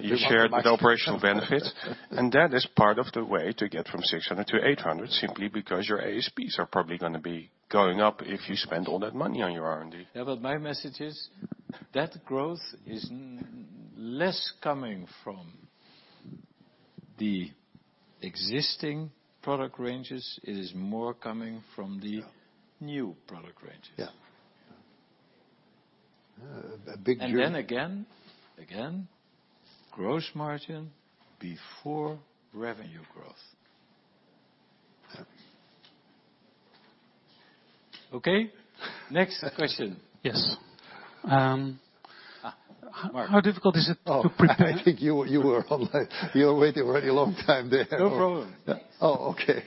You share the operational benefit. That is part of the way to get from 600-800, simply because your ASPs are probably going to be going up if you spend all that money on your R&D. Yeah, my message is that growth is less coming from the existing product ranges. It is more coming from the. Yeah New product ranges. Yeah. A big dream. gross margin before revenue growth. Okay. Next question. Yes. Mark. How difficult is it to prepare? Oh, I think you were online. You were waiting very long time there. No problem. Oh, okay.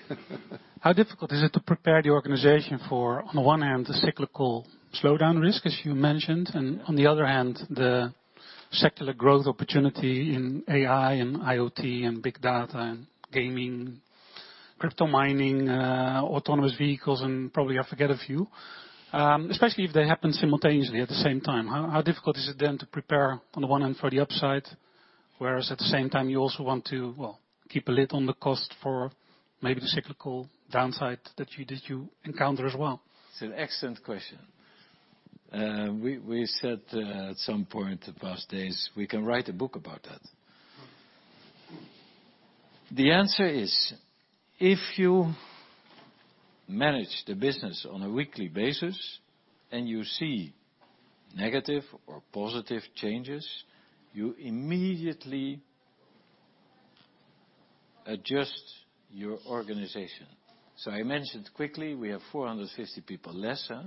How difficult is it to prepare the organization for, on the one hand, the cyclical slowdown risk, as you mentioned, and on the other hand, the secular growth opportunity in AI and IoT and big data and gaming, crypto mining, autonomous vehicles, and probably I forget a few. Especially if they happen simultaneously at the same time. How difficult is it then to prepare on the one hand, for the upside, whereas at the same time you also want to, well, keep a lid on the cost for maybe the cyclical downside that you encounter as well? It's an excellent question. We said at some point the past days, we can write a book about that. The answer is, if you manage the business on a weekly basis and you see negative or positive changes, you immediately adjust your organization. I mentioned quickly, we have 450 people lesser.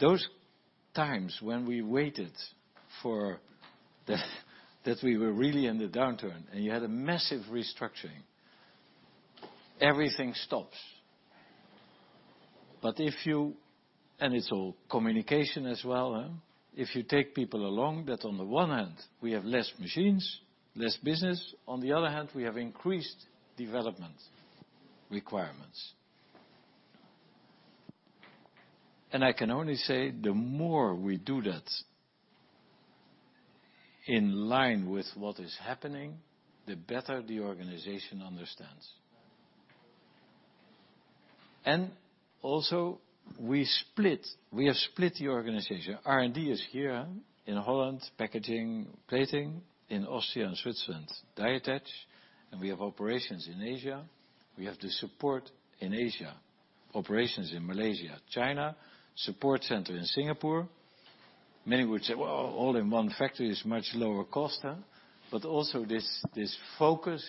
Those times when we waited for that we were really in the downturn, and you had a massive restructuring, everything stops. It's all communication as well. If you take people along that on the one hand, we have less machines, less business, on the other hand, we have increased development requirements. I can only say the more we do that in line with what is happening, the better the organization understands. Also, we have split the organization. R&D is here in Holland, packaging, plating, in Austria and Switzerland, Diatech, and we have operations in Asia. We have the support in Asia, operations in Malaysia, China, support center in Singapore. Many would say, "Well, all in one factory is much lower cost." Also this focus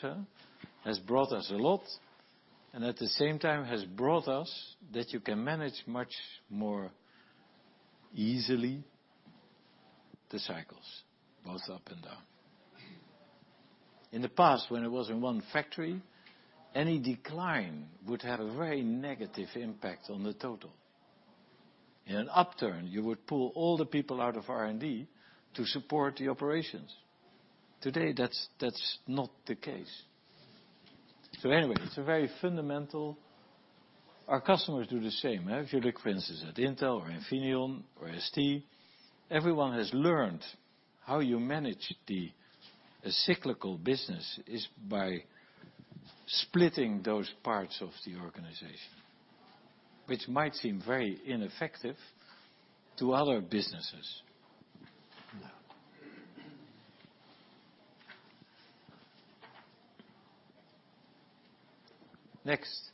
has brought us a lot, and at the same time has brought us that you can manage much more easily the cycles both up and down. In the past, when it was in one factory, any decline would have a very negative impact on the total. In an upturn, you would pull all the people out of R&D to support the operations. Today, that's not the case. Anyway, it's very fundamental. Our customers do the same. If you look, for instance, at Intel or Infineon or STMicroelectronics, everyone has learned how you manage the cyclical business is by splitting those parts of the organization, which might seem very ineffective to other businesses. Next.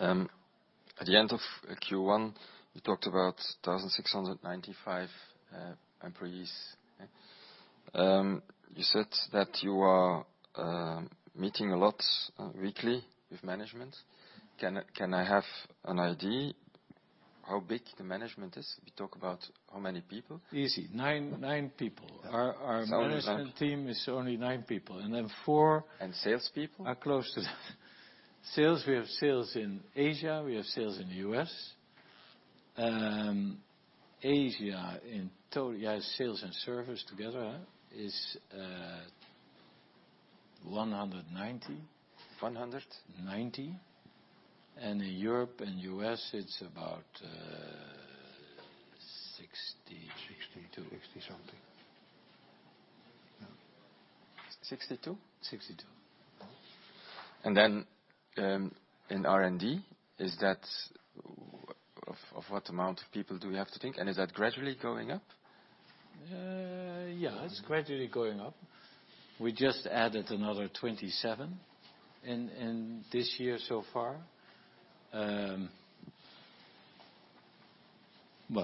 At the end of Q1, you talked about 1,695 employees. You said that you are meeting a lot weekly with management. Can I have an idea how big the management is? If you talk about how many people? Easy. Nine people. Sounds like. Our management team is only nine people, and then four. Salespeople? Are close to sales. We have sales in Asia. We have sales in the U.S. Asia in total, sales and service together, is 190. 100? 90. In Europe and U.S., it's about 60 62. EUR 60-something. 62? 62. In R&D, of what amount of people do we have to think? Is that gradually going up? Yeah, it's gradually going up. We just added another 27 in this year so far. Well,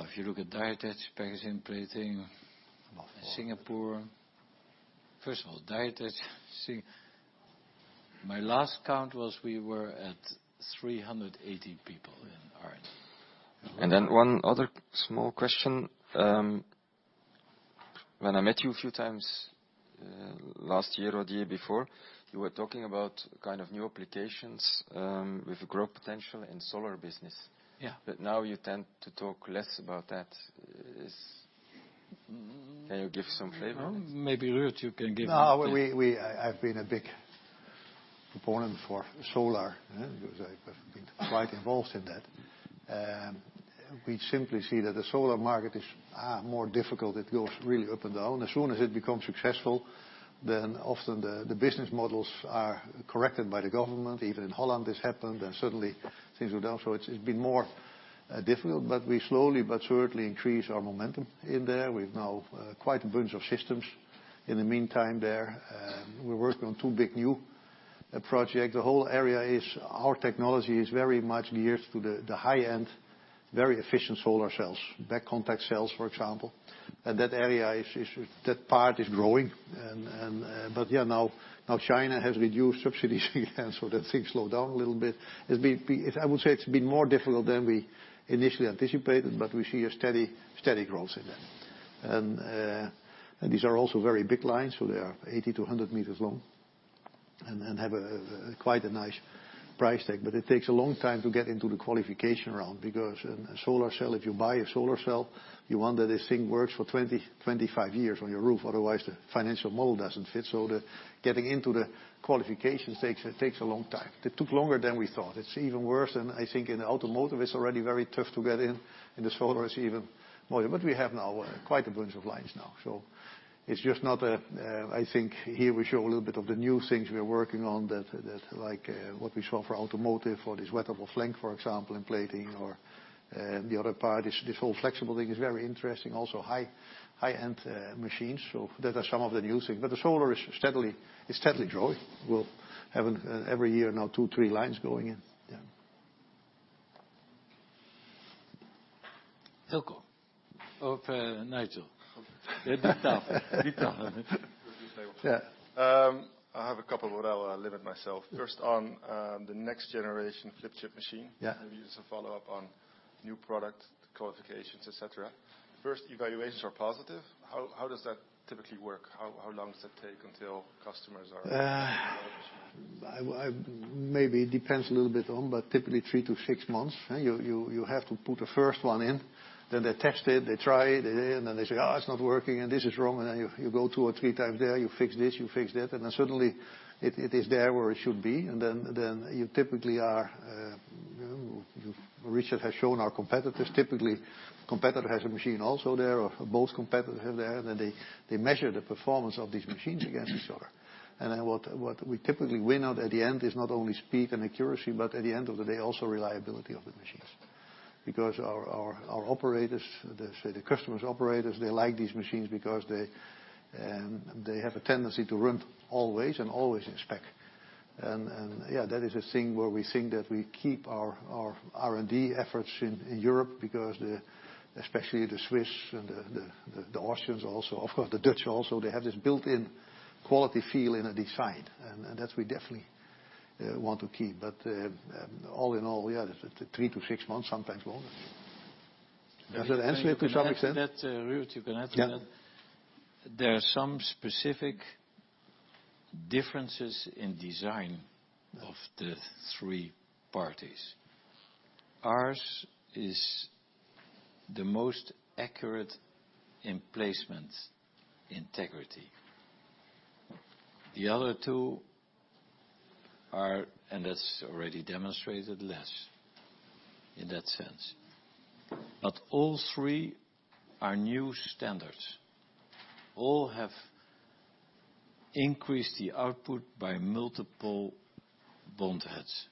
if you look at die attach packaging and plating- About four Singapore. First of all, My last count was we were at 380 people in R&D. one other small question. When I met you a few times, last year or the year before, you were talking about new applications with growth potential in solar business. Yeah. you tend to talk less about that. Can you give some flavor on it? Maybe Ruud, you can give. No, we have been a big proponent for solar because I've been quite involved in that. We simply see that the solar market is more difficult. It goes really up and down. As soon as it becomes successful, then often the business models are corrected by the government. Even in Holland this happened, and suddenly things went down. it's been more difficult, but we slowly but certainly increase our momentum in there. We've now quite a bunch of systems in the meantime there. We're working on two big new project. The whole area is our technology is very much geared to the high endVery efficient solar cells. Back contact cells, for example. That area, that part is growing. China has reduced subsidies so that thing slowed down a little bit. I would say it's been more difficult than we initially anticipated, but we see a steady growth in that. These are also very big lines, so they are 80 to 100 meters long and have quite a nice price tag. It takes a long time to get into the qualification round because in a solar cell, if you buy a solar cell, you want that this thing works for 20, 25 years on your roof. Otherwise, the financial model doesn't fit. Getting into the qualifications takes a long time. It took longer than we thought. It's even worse than, I think, in automotive. It's already very tough to get in. In the solar, it's even more. We have now quite a bunch of lines now. I think here we show a little bit of the new things we are working on that like what we show for automotive or this wettable flank, for example, in plating or the other part, this whole flexible thing is very interesting. Also high-end machines. Those are some of the new things, but the solar is steadily growing. We'll have every year now two, three lines going in. Hilko or Nigel? It's your turn. I have a couple, but I'll limit myself. First, on the next generation flip chip machine. Yeah. Maybe it's a follow-up on new product qualifications, et cetera. First evaluations are positive. How does that typically work? How long does that take until customers are- Typically 3 to 6 months. You have to put the first one in, then they test it, they try it. Then they say, "Oh, it's not working, and this is wrong." Then you go 2 or 3 times there, you fix this, you fix that, and then suddenly it is there where it should be. Then, Richard has shown our competitors. Typically, competitor has a machine also there, or both competitors are there. They measure the performance of these machines against each other. Then what we typically win out at the end is not only speed and accuracy, but at the end of the day, also reliability of the machines. Because our operators, the customer's operators, they like these machines because they have a tendency to run always in spec. Yeah, that is a thing where we think that we keep our R&D efforts in Europe because especially the Swiss and the Austrians also, of course, the Dutch also, they have this built-in quality feel and a design. That we definitely want to keep. All in all, yeah, 3 to 6 months, sometimes longer. Does that answer it to some extent? Ruud, you can answer that. Yeah. There are some specific differences in design of the three parties. Ours is the most accurate in placement integrity. The other two are, and that's already demonstrated, less in that sense. All three are new standards. All have increased the output by multiple bond heads.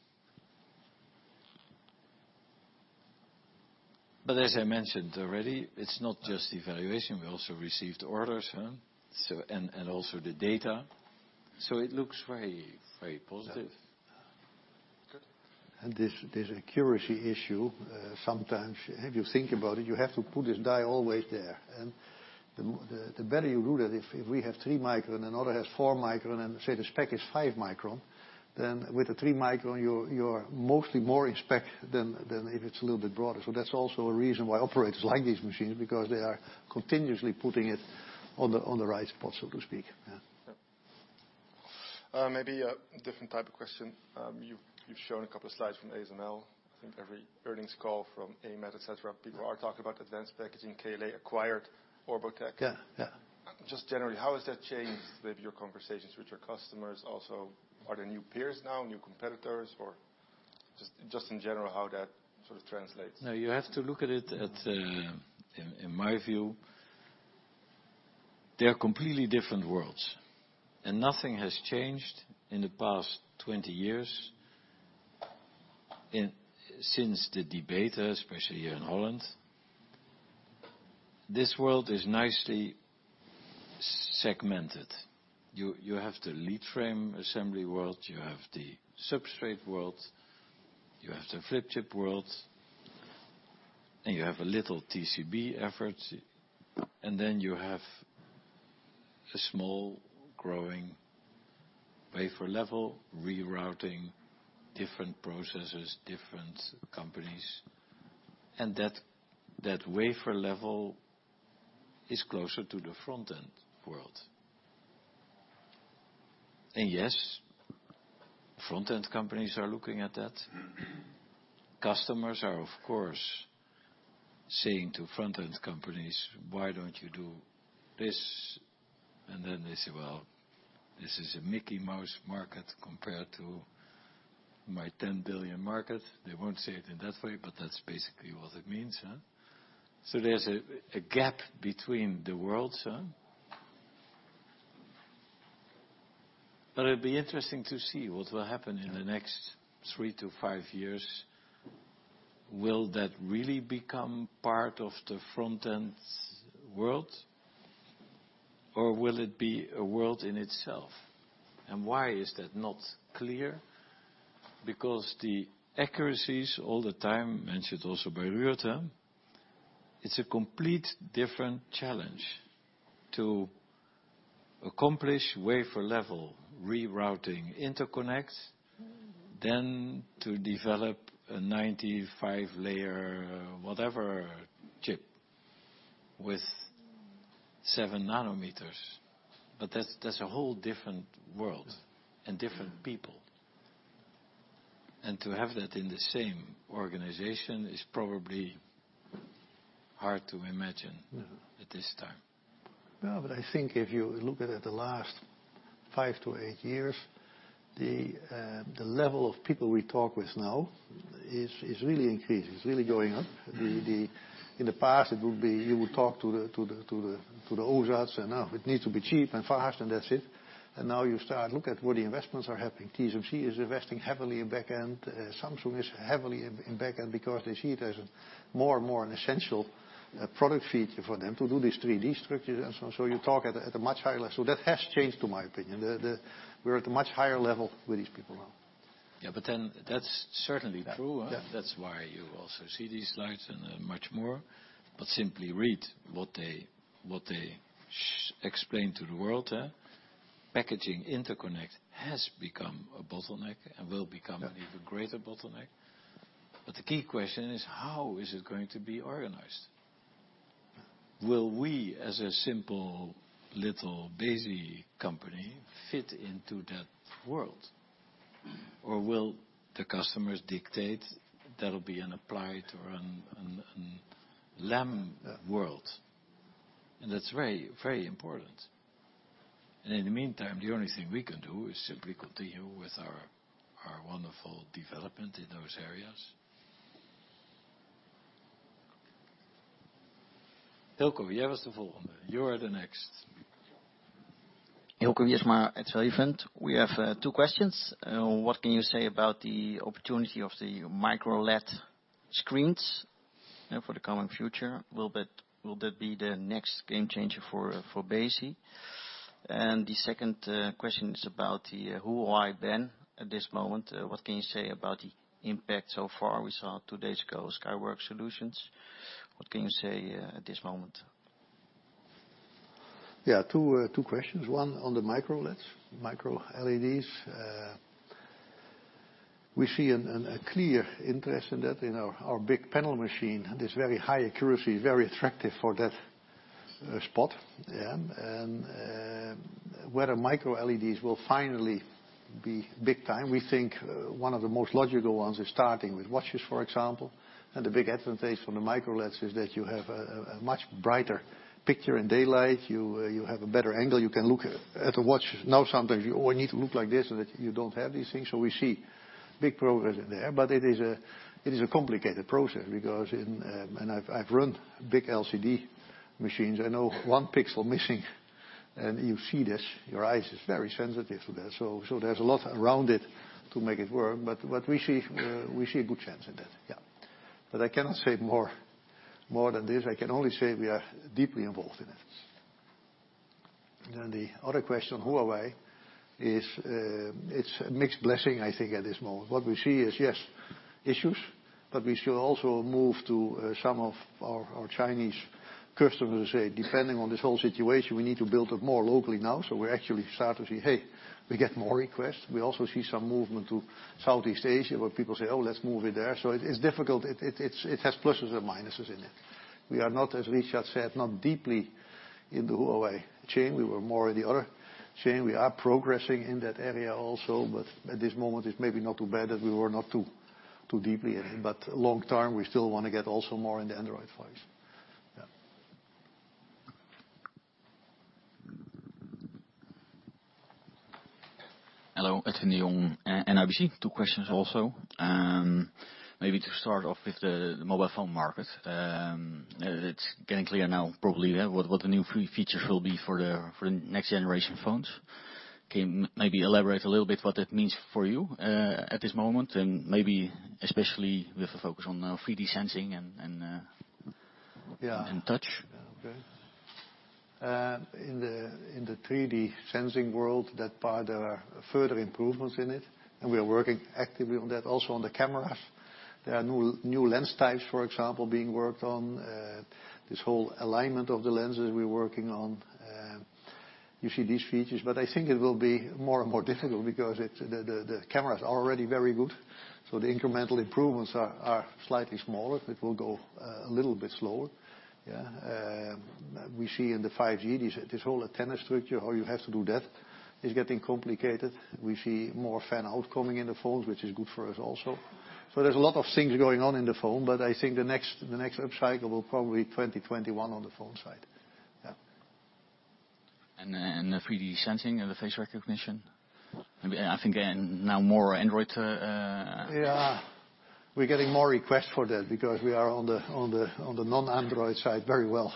As I mentioned already, it's not just evaluation. We also received orders, and also the data. It looks very positive. This accuracy issue, sometimes if you think about it, you have to put this die always there. The better you do that, if we have 3 micron, another has 4 micron, and say the spec is 5 micron, then with the 3 micron, you're mostly more in spec than if it's a little bit broader. That's also a reason why operators like these machines, because they are continuously putting it on the right spot, so to speak. Maybe a different type of question. You've shown a couple of slides from ASML. I think every earnings call from AMAT, et cetera, people are talking about advanced packaging. KLA acquired Orbotech. Yeah. Just generally, how has that changed maybe your conversations with your customers? Are there new peers now, new competitors? Just in general, how that sort of translates. Now you have to look at it, in my view, they are completely different worlds. Nothing has changed in the past 20 years since the debate, especially here in Holland. This world is nicely segmented. You have the lead frame assembly world. You have the substrate world. You have the flip chip world. You have a little TCB effort. You have a small growing wafer level, rerouting different processes, different companies. That wafer level is closer to the front-end world. Yes, front-end companies are looking at that. Customers are, of course, saying to front-end companies, "Why don't you do this?" They say, "Well, this is a Mickey Mouse market compared to my 10 billion market." They won't say it in that way, but that's basically what it means. There's a gap between the worlds. It'll be interesting to see what will happen in the next three to five years. Will that really become part of the front-end world? Or will it be a world in itself? Why is that not clear? Because the accuracies all the time, mentioned also by Ruud. It's a complete different challenge to accomplish wafer level rerouting interconnects than to develop a 95-layer whatever chip with seven nanometers. That's a whole different world and different people. To have that in the same organization is probably hard to imagine at this time. I think if you look at the last five to eight years, the level of people we talk with now is really increasing. It's really going up. In the past, you would talk to the old guards, now it needs to be cheap and fast, that's it. Now you start look at where the investments are happening. TSMC is investing heavily in back-end. Samsung is heavily in back-end because they see it as more and more an essential product feature for them to do these 3D structures and so on. You talk at a much higher level. That has changed, in my opinion. We're at a much higher level with these people now. Yeah. That's certainly true. Yeah. That's why you also see these slides and much more. Simply read what they explain to the world. Packaging interconnect has become a bottleneck and will become- Yeah an even greater bottleneck. The key question is, how is it going to be organized? Will we, as a simple little Besi company, fit into that world? Or will the customers dictate that'll be an Applied or a Lam world? That's very important. In the meantime, the only thing we can do is simply continue with our wonderful development in those areas. Hilko, you are the next. Hilko Wiersma at Savant. We have two questions. What can you say about the opportunity of the MicroLED screens for the coming future? Will that be the next game changer for Besi? The second question is about the Huawei ban at this moment. What can you say about the impact so far? We saw two days ago Skyworks Solutions. What can you say at this moment? Two questions. One on the MicroLEDs. We see a clear interest in that in our big panel machine. This very high accuracy is very attractive for that spot. Whether MicroLEDs will finally be big time. We think one of the most logical ones is starting with watches, for example. The big advantage from the MicroLEDs is that you have a much brighter picture in daylight. You have a better angle. You can look at a watch. Now sometimes you only need to look like this, and that you don't have these things. We see big progress in there. It is a complicated process because I've run big LCD machines. I know one pixel missing, and you see this. Your eye is very sensitive to that. There's a lot around it to make it work. We see a good chance in that. I cannot say more than this. I can only say we are deeply involved in it. The other question on Huawei is it's a mixed blessing, I think at this moment. What we see is, yes, issues, but we should also move to some of our Chinese customers say, depending on this whole situation, we need to build up more locally now. We're actually starting to see, hey, we get more requests. We also see some movement to Southeast Asia where people say, "Oh, let's move it there." It's difficult. It has pluses and minuses in it. We are not, as Richard said, not deeply in the Huawei chain. We were more in the other chain. We are progressing in that area also. At this moment, it's maybe not too bad that we were not too deeply in it. Long term, we still want to get also more in the Android phones. Hello. Anthony Ong, NIBC. Two questions also. Maybe to start off with the mobile phone market. It's getting clear now probably what the new features will be for the next generation phones. Can you maybe elaborate a little bit what that means for you at this moment? Maybe especially with a focus on 3D sensing and touch. Okay. In the 3D sensing world, that part, there are further improvements in it, and we are working actively on that. Also on the cameras, there are new lens types, for example, being worked on. This whole alignment of the lenses we're working on. You see these features, but I think it will be more and more difficult because the camera is already very good. The incremental improvements are slightly smaller. It will go a little bit slower. We see in the 5G, this whole antenna structure, how you have to do that is getting complicated. We see more fan-out coming in the phones, which is good for us also. There's a lot of things going on in the phone, but I think the next upcycle will probably be 2021 on the phone side. The 3D sensing and the face recognition? I think now more Android. We're getting more requests for that because we are on the non-Android side very well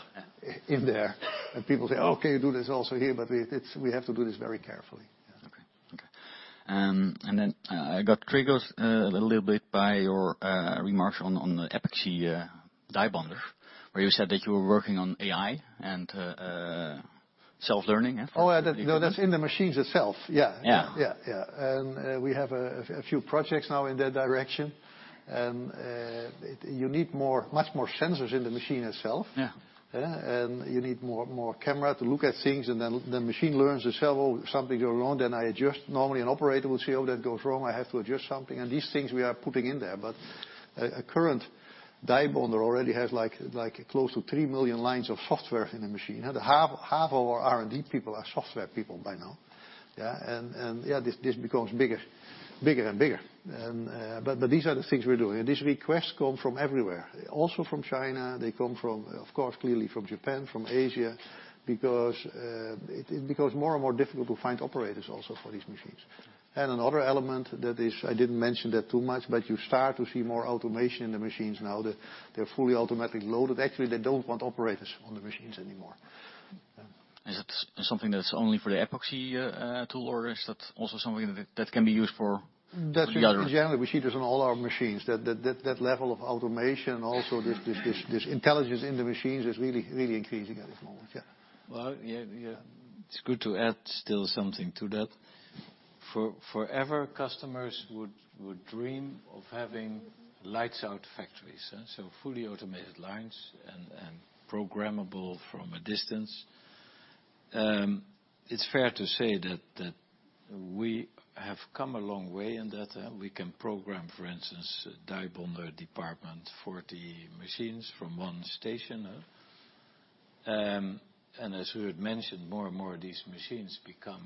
in there. People say, "Okay, do this also here." We have to do this very carefully. I got triggered a little bit by your remark on the epoxy die bonder, where you said that you were working on AI and self-learning. That's in the machines itself. Yeah. We have a few projects now in that direction. You need much more sensors in the machine itself. Yeah. You need more camera to look at things, and then machine learns itself, or something go wrong, then I adjust. Normally an operator will see, "That goes wrong. I have to adjust something." These things we are putting in there. A current die bonder already has close to 3 million lines of software in the machine. Half our R&D people are software people by now. This becomes bigger and bigger. These are the things we're doing. These requests come from everywhere, also from China. They come from, of course, clearly from Japan, from Asia, because it becomes more and more difficult to find operators also for these machines. Another element that is, I didn't mention that too much, but you start to see more automation in the machines now. They're fully automatically loaded. Actually, they don't want operators on the machines anymore. Is it something that's only for the epoxy tool, or is that also something that can be used for the other- That's in general. We see this on all our machines, that level of automation. Also this intelligence in the machines is really increasing at this moment. Yeah. Well, it's good to add still something to that. Forever customers would dream of having lights out factories. Fully automated lines and programmable from a distance. It's fair to say that we have come a long way in that. We can program, for instance, die bonder department 40 machines from one station. As we had mentioned, more and more of these machines become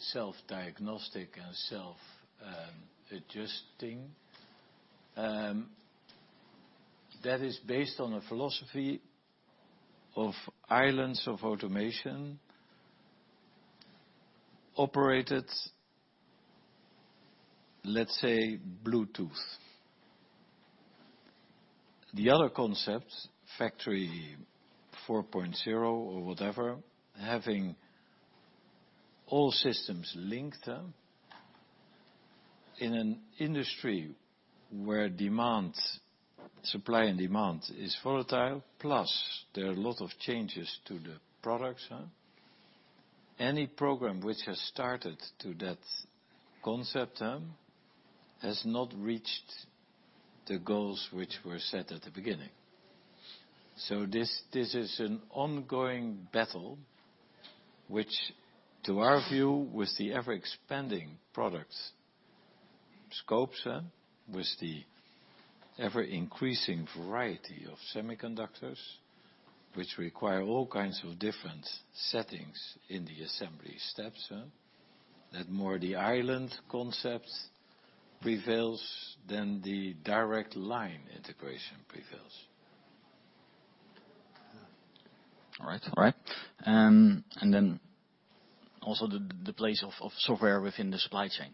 self-diagnostic and self-adjusting. That is based on a philosophy of islands of automation operated, let's say Bluetooth. The other concept, Industry 4.0 or whatever, having all systems linked in an industry where supply and demand is volatile, plus there are a lot of changes to the products. Any program which has started to that concept has not reached the goals which were set at the beginning. This is an ongoing battle, which to our view, with the ever-expanding products scopes, with the ever-increasing variety of semiconductors, which require all kinds of different settings in the assembly steps, that more the island concept prevails than the direct line integration prevails. All right. Also the place of software within the supply chain.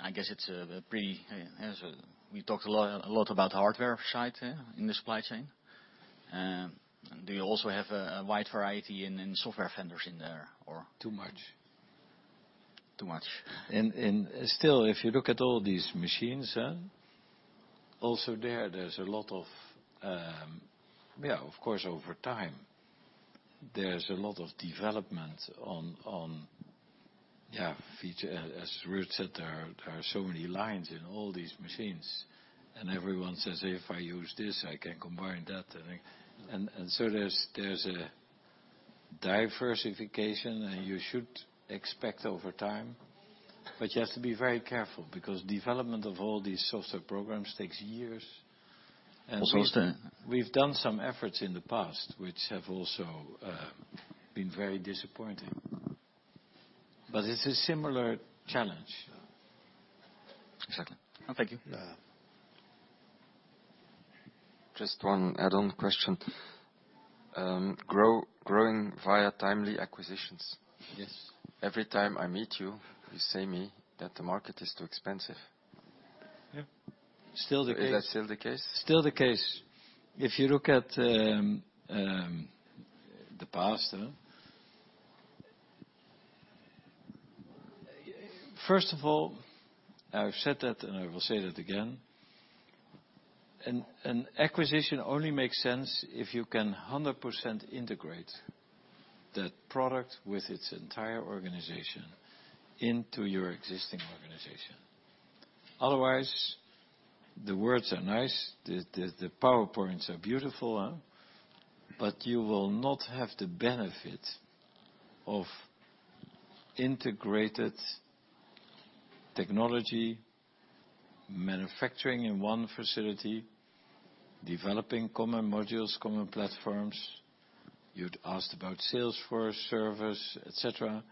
I guess we talked a lot about hardware side in the supply chain. Do you also have a wide variety in software vendors in there or? Too much. Too much. Still, if you look at all these machines, also there, of course over time, there's a lot of development on feature. As Ruud said, there are so many lines in all these machines, and everyone says, "If I use this, I can combine that and" There's a diversification, and you should expect over time. You have to be very careful, because development of all these software programs takes years. Also- We've done some efforts in the past which have also been very disappointing. It's a similar challenge. Exactly. Thank you. Yeah. Just one add-on question. Growing via timely acquisitions. Yes. Every time I meet you say me that the market is too expensive. Yeah. Still the case. Is that still the case? Still the case. If you look at the past. First of all, I've said that, and I will say that again. An acquisition only makes sense if you can 100% integrate that product with its entire organization into your existing organization. Otherwise, the words are nice, the PowerPoints are beautiful, but you will not have the benefit of integrated technology, manufacturing in one facility, developing common modules, common platforms. You'd asked about sales for a service, et cetera.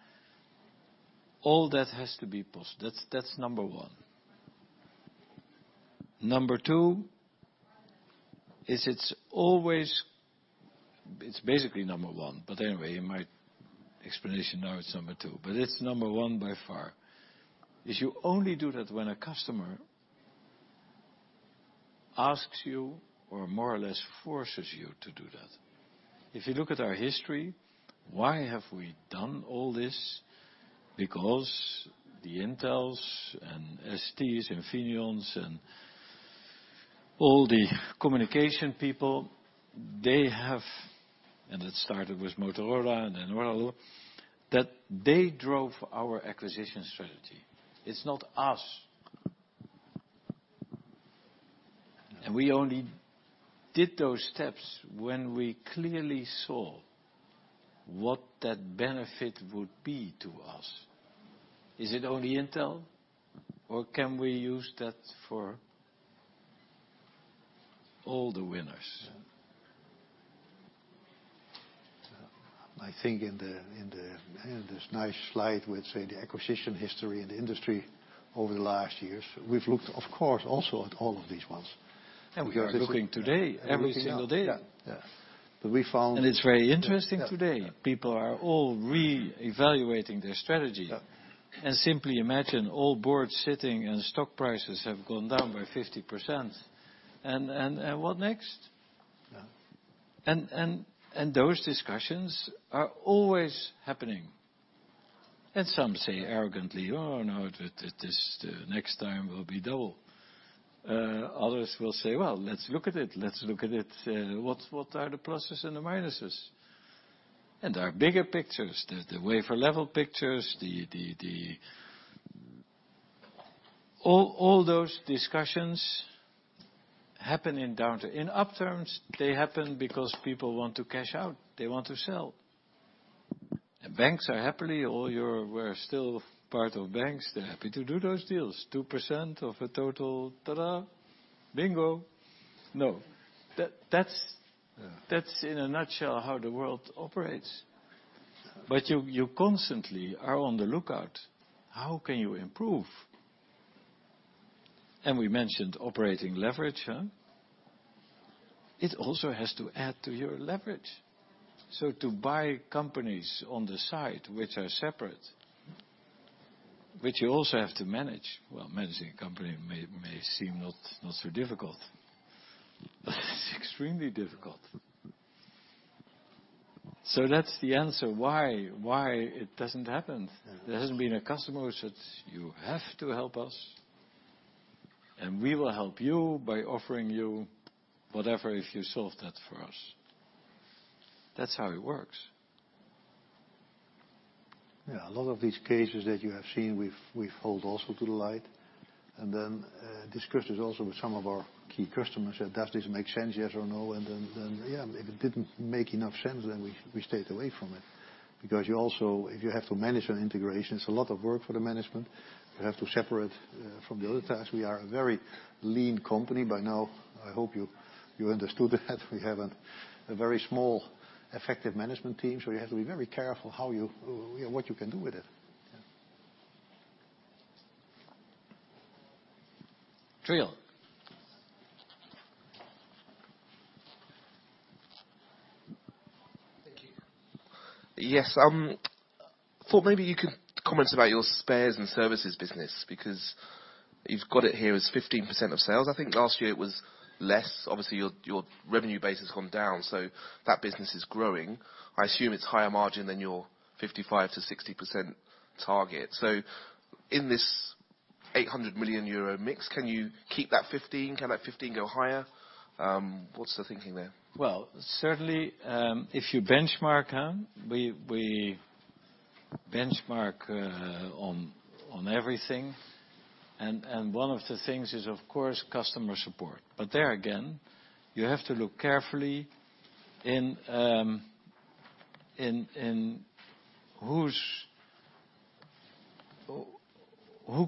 All that has to be possible. That's number one. Number two is it's basically number one, but anyway, in my explanation now it's number two, but it's number one by far, is you only do that when a customer- Asks you or more or less forces you to do that. If you look at our history, why have we done all this? Because the Intels and STs, Infineon, and all the communication people, they have, and it started with Motorola, and then Orbotech, that they drove our acquisition strategy. It's not us. No. We only did those steps when we clearly saw what that benefit would be to us. Is it only Intel, or can we use that for all the winners? Yeah. I think in this nice slide, with say, the acquisition history in the industry over the last years, we've looked, of course, also at all of these ones. We are looking today every single day. Yeah. We found It's very interesting today, people are all re-evaluating their strategy. Yeah. Simply imagine all boards sitting and stock prices have gone down by 50%, and what next? Yeah. Those discussions are always happening. Some say arrogantly, "Oh, no, the next time will be double." Others will say, "Well, let's look at it. What are the pluses and the minuses?" There are bigger pictures. The wafer level pictures. All those discussions happen in downturn. In upturns, they happen because people want to cash out, they want to sell. Banks are happily, all your were still part of banks, they're happy to do those deals. 2% of a total, ta-da. Bingo. No. Yeah. That's in a nutshell how the world operates. You constantly are on the lookout, how can you improve? We mentioned operating leverage, huh? It also has to add to your leverage. To buy companies on the side which are separate, which you also have to manage. Managing a company may seem not so difficult, but it's extremely difficult. That's the answer why it doesn't happen. Yeah. There hasn't been a customer who says, "You have to help us, and we will help you by offering you whatever if you solve that for us." That's how it works. Yeah. A lot of these cases that you have seen, we hold also to the light. Then, discussed this also with some of our key customers, said, "Does this make sense? Yes or no?" Then, yeah, if it didn't make enough sense, then we stayed away from it. You also, if you have to manage an integration, it's a lot of work for the management. You have to separate from the other tasks. We are a very lean company by now. I hope you understood that we have a very small effective management team, you have to be very careful what you can do with it. Yeah. Trio. Thank you. Yes. I thought maybe you could comment about your spares and services business, You've got it here as 15% of sales. I think last year it was less. Obviously, your revenue base has gone down, That business is growing. I assume it's higher margin than your 55%-60% target. In this 800 million euro mix, can you keep that 15? Can that 15 go higher? What's the thinking there? Certainly, if you benchmark, we benchmark on everything, one of the things is, of course, customer support. There again, you have to look carefully in who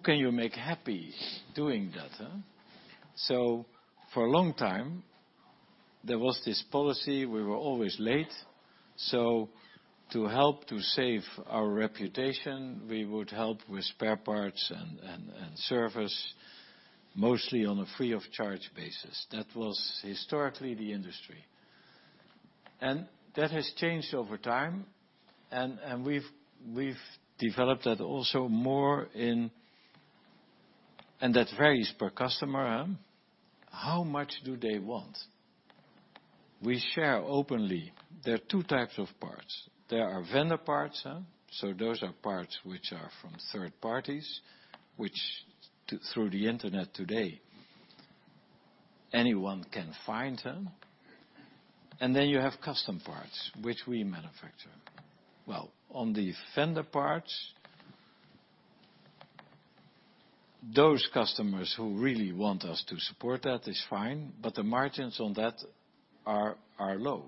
can you make happy doing that? For a long time, there was this policy, we were always late, so to help to save our reputation, we would help with spare parts and service, mostly on a free of charge basis. That was historically the industry. That has changed over time. We've developed that also more in, that varies per customer, how much do they want? We share openly. There are two types of parts. There are vendor parts. Those are parts which are from third parties, which through the internet today, anyone can find them. Then you have custom parts, which we manufacture. On the vendor parts, those customers who really want us to support that, it's fine, the margins on that are low.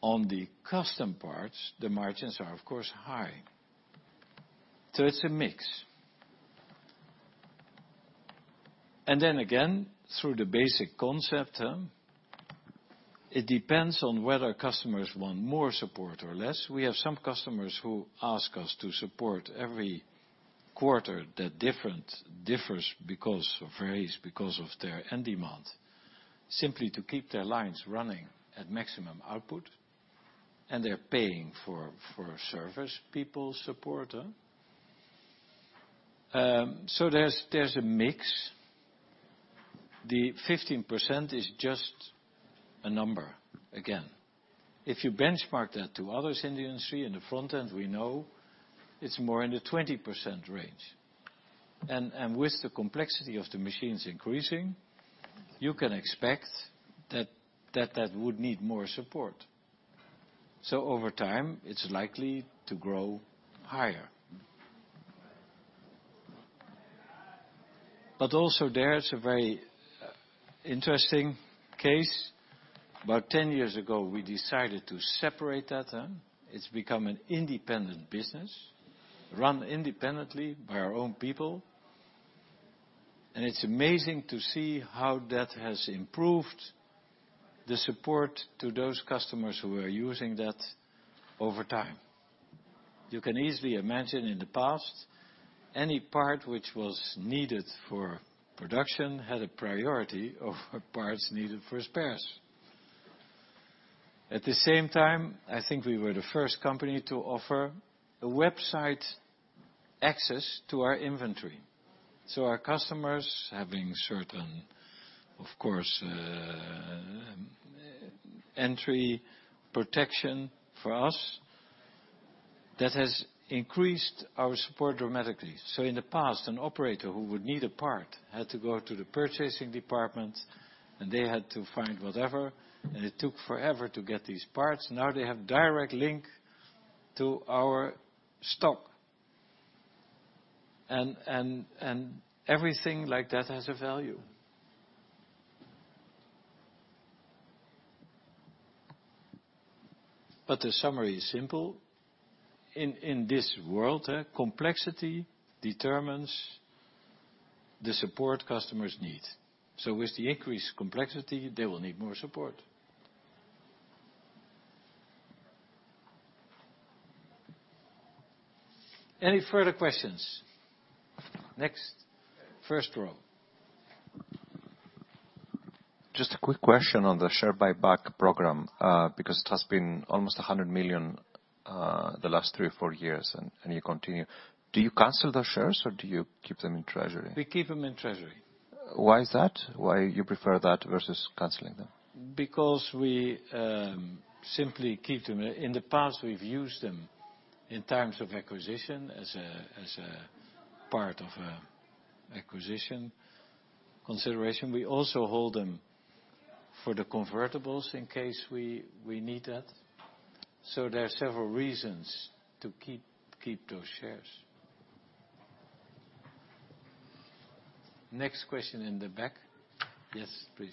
On the custom parts, the margins are, of course, high. It's a mix. Then again, through the basic concept, it depends on whether customers want more support or less. We have some customers who ask us to support every quarter. That differs because, or varies because of their end demand, simply to keep their lines running at maximum output. They're paying for service people support. So there's a mix. The 15% is just a number, again. If you benchmark that to others in the industry, in the front end, we know it's more in the 20% range. With the complexity of the machines increasing, you can expect that that would need more support. Over time, it's likely to grow higher. Also there's a very interesting case. About 10 years ago, we decided to separate that. It's become an independent business, run independently by our own people. It's amazing to see how that has improved the support to those customers who are using that over time. You can easily imagine in the past, any part which was needed for production had a priority over parts needed for spares. At the same time, I think we were the first company to offer a website access to our inventory. Our customers, having certain, of course, entry protection for us, that has increased our support dramatically. In the past, an operator who would need a part had to go to the purchasing department, they had to find whatever, it took forever to get these parts. Now they have direct link to our stock, everything like that has a value. The summary is simple. In this world, complexity determines the support customers need. With the increased complexity, they will need more support. Any further questions? Next. First row. Just a quick question on the share buyback program, because it has been almost 100 million the last three or four years. You continue. Do you cancel those shares or do you keep them in treasury? We keep them in treasury. Why is that? Why you prefer that versus canceling them? We simply keep them. In the past, we've used them in terms of acquisition, as a part of acquisition consideration. We also hold them for the convertibles in case we need that. There are several reasons to keep those shares. Next question in the back. Yes, please.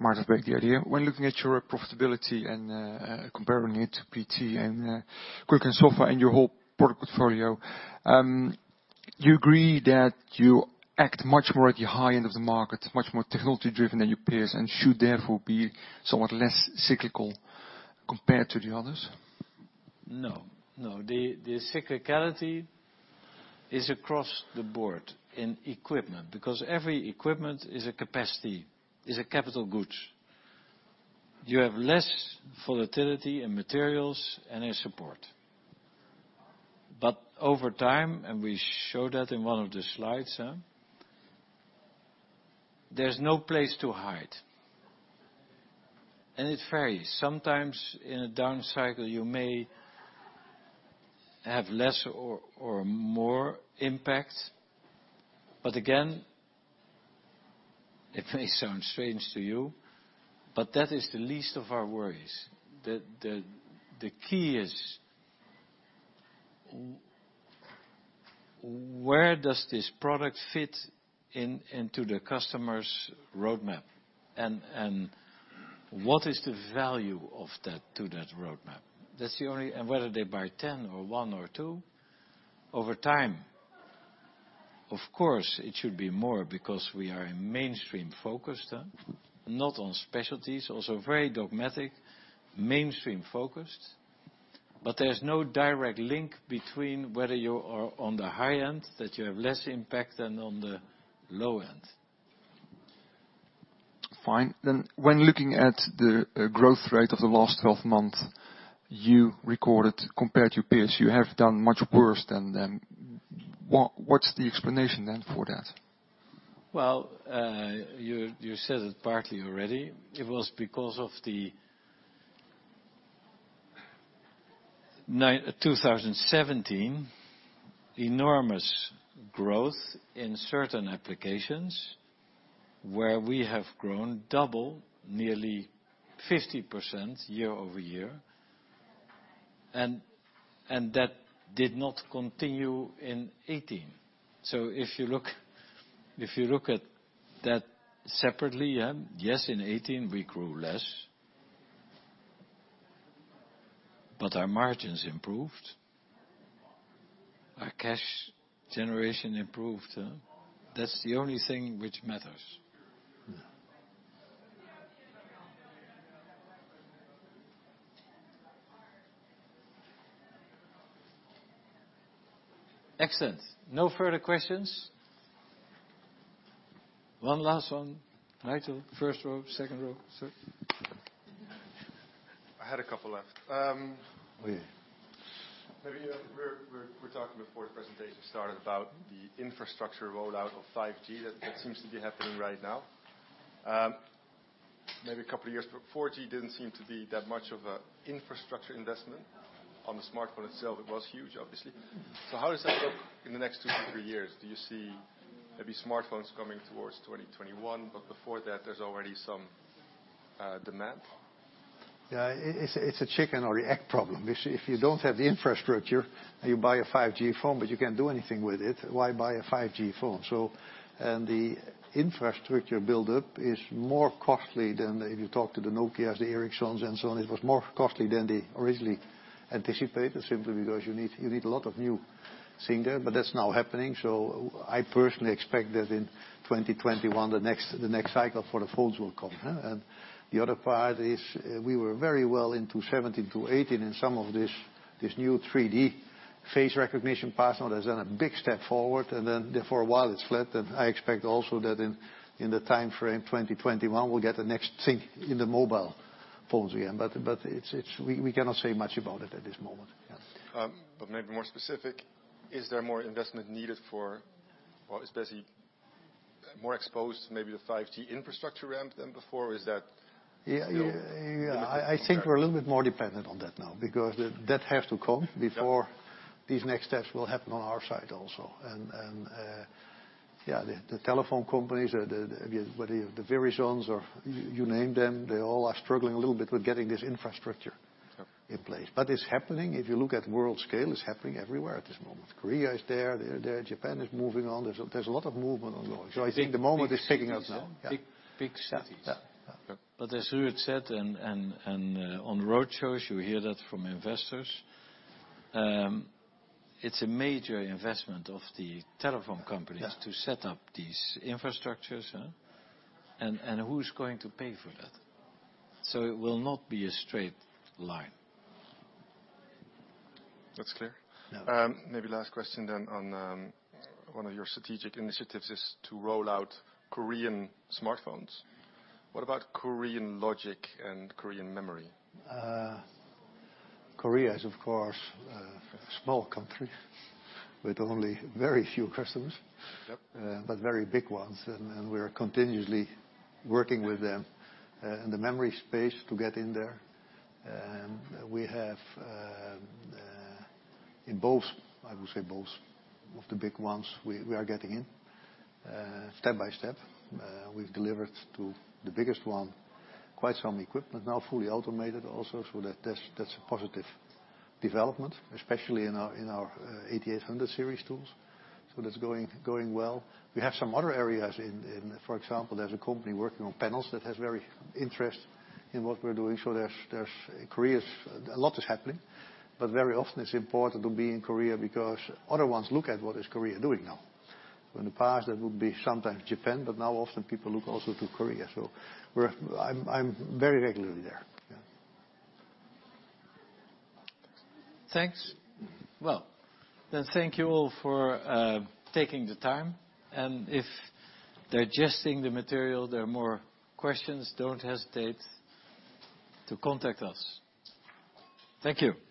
Martin from Gaarde. When looking at your profitability and comparing it to ASMPT and Kulicke & Soffa and your whole product portfolio, do you agree that you act much more at the high end of the market, much more technology driven than your peers, and should therefore be somewhat less cyclical compared to the others? No. The cyclicality is across the board in equipment, because every equipment is a capital goods. You have less volatility in materials and in support. Over time, we show that in one of the slides, there's no place to hide. It varies. Sometimes in a down cycle, you may have less or more impact. Again, it may sound strange to you, but that is the least of our worries. The key is, where does this product fit into the customer's roadmap? What is the value of that to that roadmap? Whether they buy 10 or one or two, over time, of course, it should be more because we are mainstream focused, not on specialties, also very dogmatic, mainstream focused. There's no direct link between whether you are on the high end, that you have less impact than on the low end. Fine. When looking at the growth rate of the last 12 months you recorded compared to peers, you have done much worse than them. What's the explanation then for that? Well, you said it partly already. It was because of the 2017 enormous growth in certain applications where we have grown double, nearly 50% year-over-year. That did not continue in 2018. If you look at that separately, yes, in 2018, we grew less, but our margins improved, our cash generation improved. That's the only thing which matters. Yeah. Excellent. No further questions? One last one. Michael, first row, second row, sir. I had a couple left. Okay. Maybe we were talking before the presentation started about the infrastructure rollout of 5G that seems to be happening right now. Maybe a couple of years, but 4G didn't seem to be that much of a infrastructure investment. On the smartphone itself, it was huge, obviously. How does that look in the next two to three years? Do you see maybe smartphones coming towards 2021, but before that there's already some demand? Yeah, it's a chicken or the egg problem. If you don't have the infrastructure, you buy a 5G phone, but you can't do anything with it. Why buy a 5G phone? The infrastructure buildup is more costly than if you talk to the Nokia, the Ericssons, and so on. It was more costly than they originally anticipated, simply because you need a lot of new things there. That's now happening. I personally expect that in 2021, the next cycle for the phones will come. The other part is we were very well into 2017 to 2018 in some of this new 3D face recognition, password. That's done a big step forward, and then for a while it's flat. I expect also that in the timeframe 2021, we'll get the next thing in the mobile phones again. We cannot say much about it at this moment. Yeah. Maybe more specific, is there more investment needed for, or especially more exposed maybe to 5G infrastructure ramp than before? Is that still? Yeah. I think we're a little bit more dependent on that now, because that has to come before these next steps will happen on our side also. Yeah, the telephone companies are the Verizon, or you name them, they all are struggling a little bit with getting this infrastructure. Yep In place. It's happening. If you look at world scale, it's happening everywhere at this moment. Korea is there. Japan is moving on. There's a lot of movement on going. I think the moment is ticking up now. Big cities. Yeah. As Ruud said, and on roadshows, you hear that from investors, it's a major investment of the telephone companies. Yeah To set up these infrastructures. Who's going to pay for that? It will not be a straight line. That's clear. Yeah. Maybe last question on one of your strategic initiatives is to roll out Korean smartphones. What about Korean logic and Korean memory? Korea is, of course, a small country with only very few customers. Yep. Very big ones. We are continuously working with them in the memory space to get in there. We have in both, I would say both of the big ones, we are getting in step by step. We've delivered to the biggest one quite some equipment now, fully automated also. That's a positive development, especially in our 8800 Series tools. That's going well. We have some other areas in, for example, there's a company working on panels that has very interest in what we're doing. There's Korea's, a lot is happening, but very often it's important to be in Korea because other ones look at what is Korea doing now. In the past, that would be sometimes Japan, but now often people look also to Korea. I'm very regularly there. Yeah. Thanks. Thank you all for taking the time, if digesting the material, there are more questions, don't hesitate to contact us. Thank you. Thanks.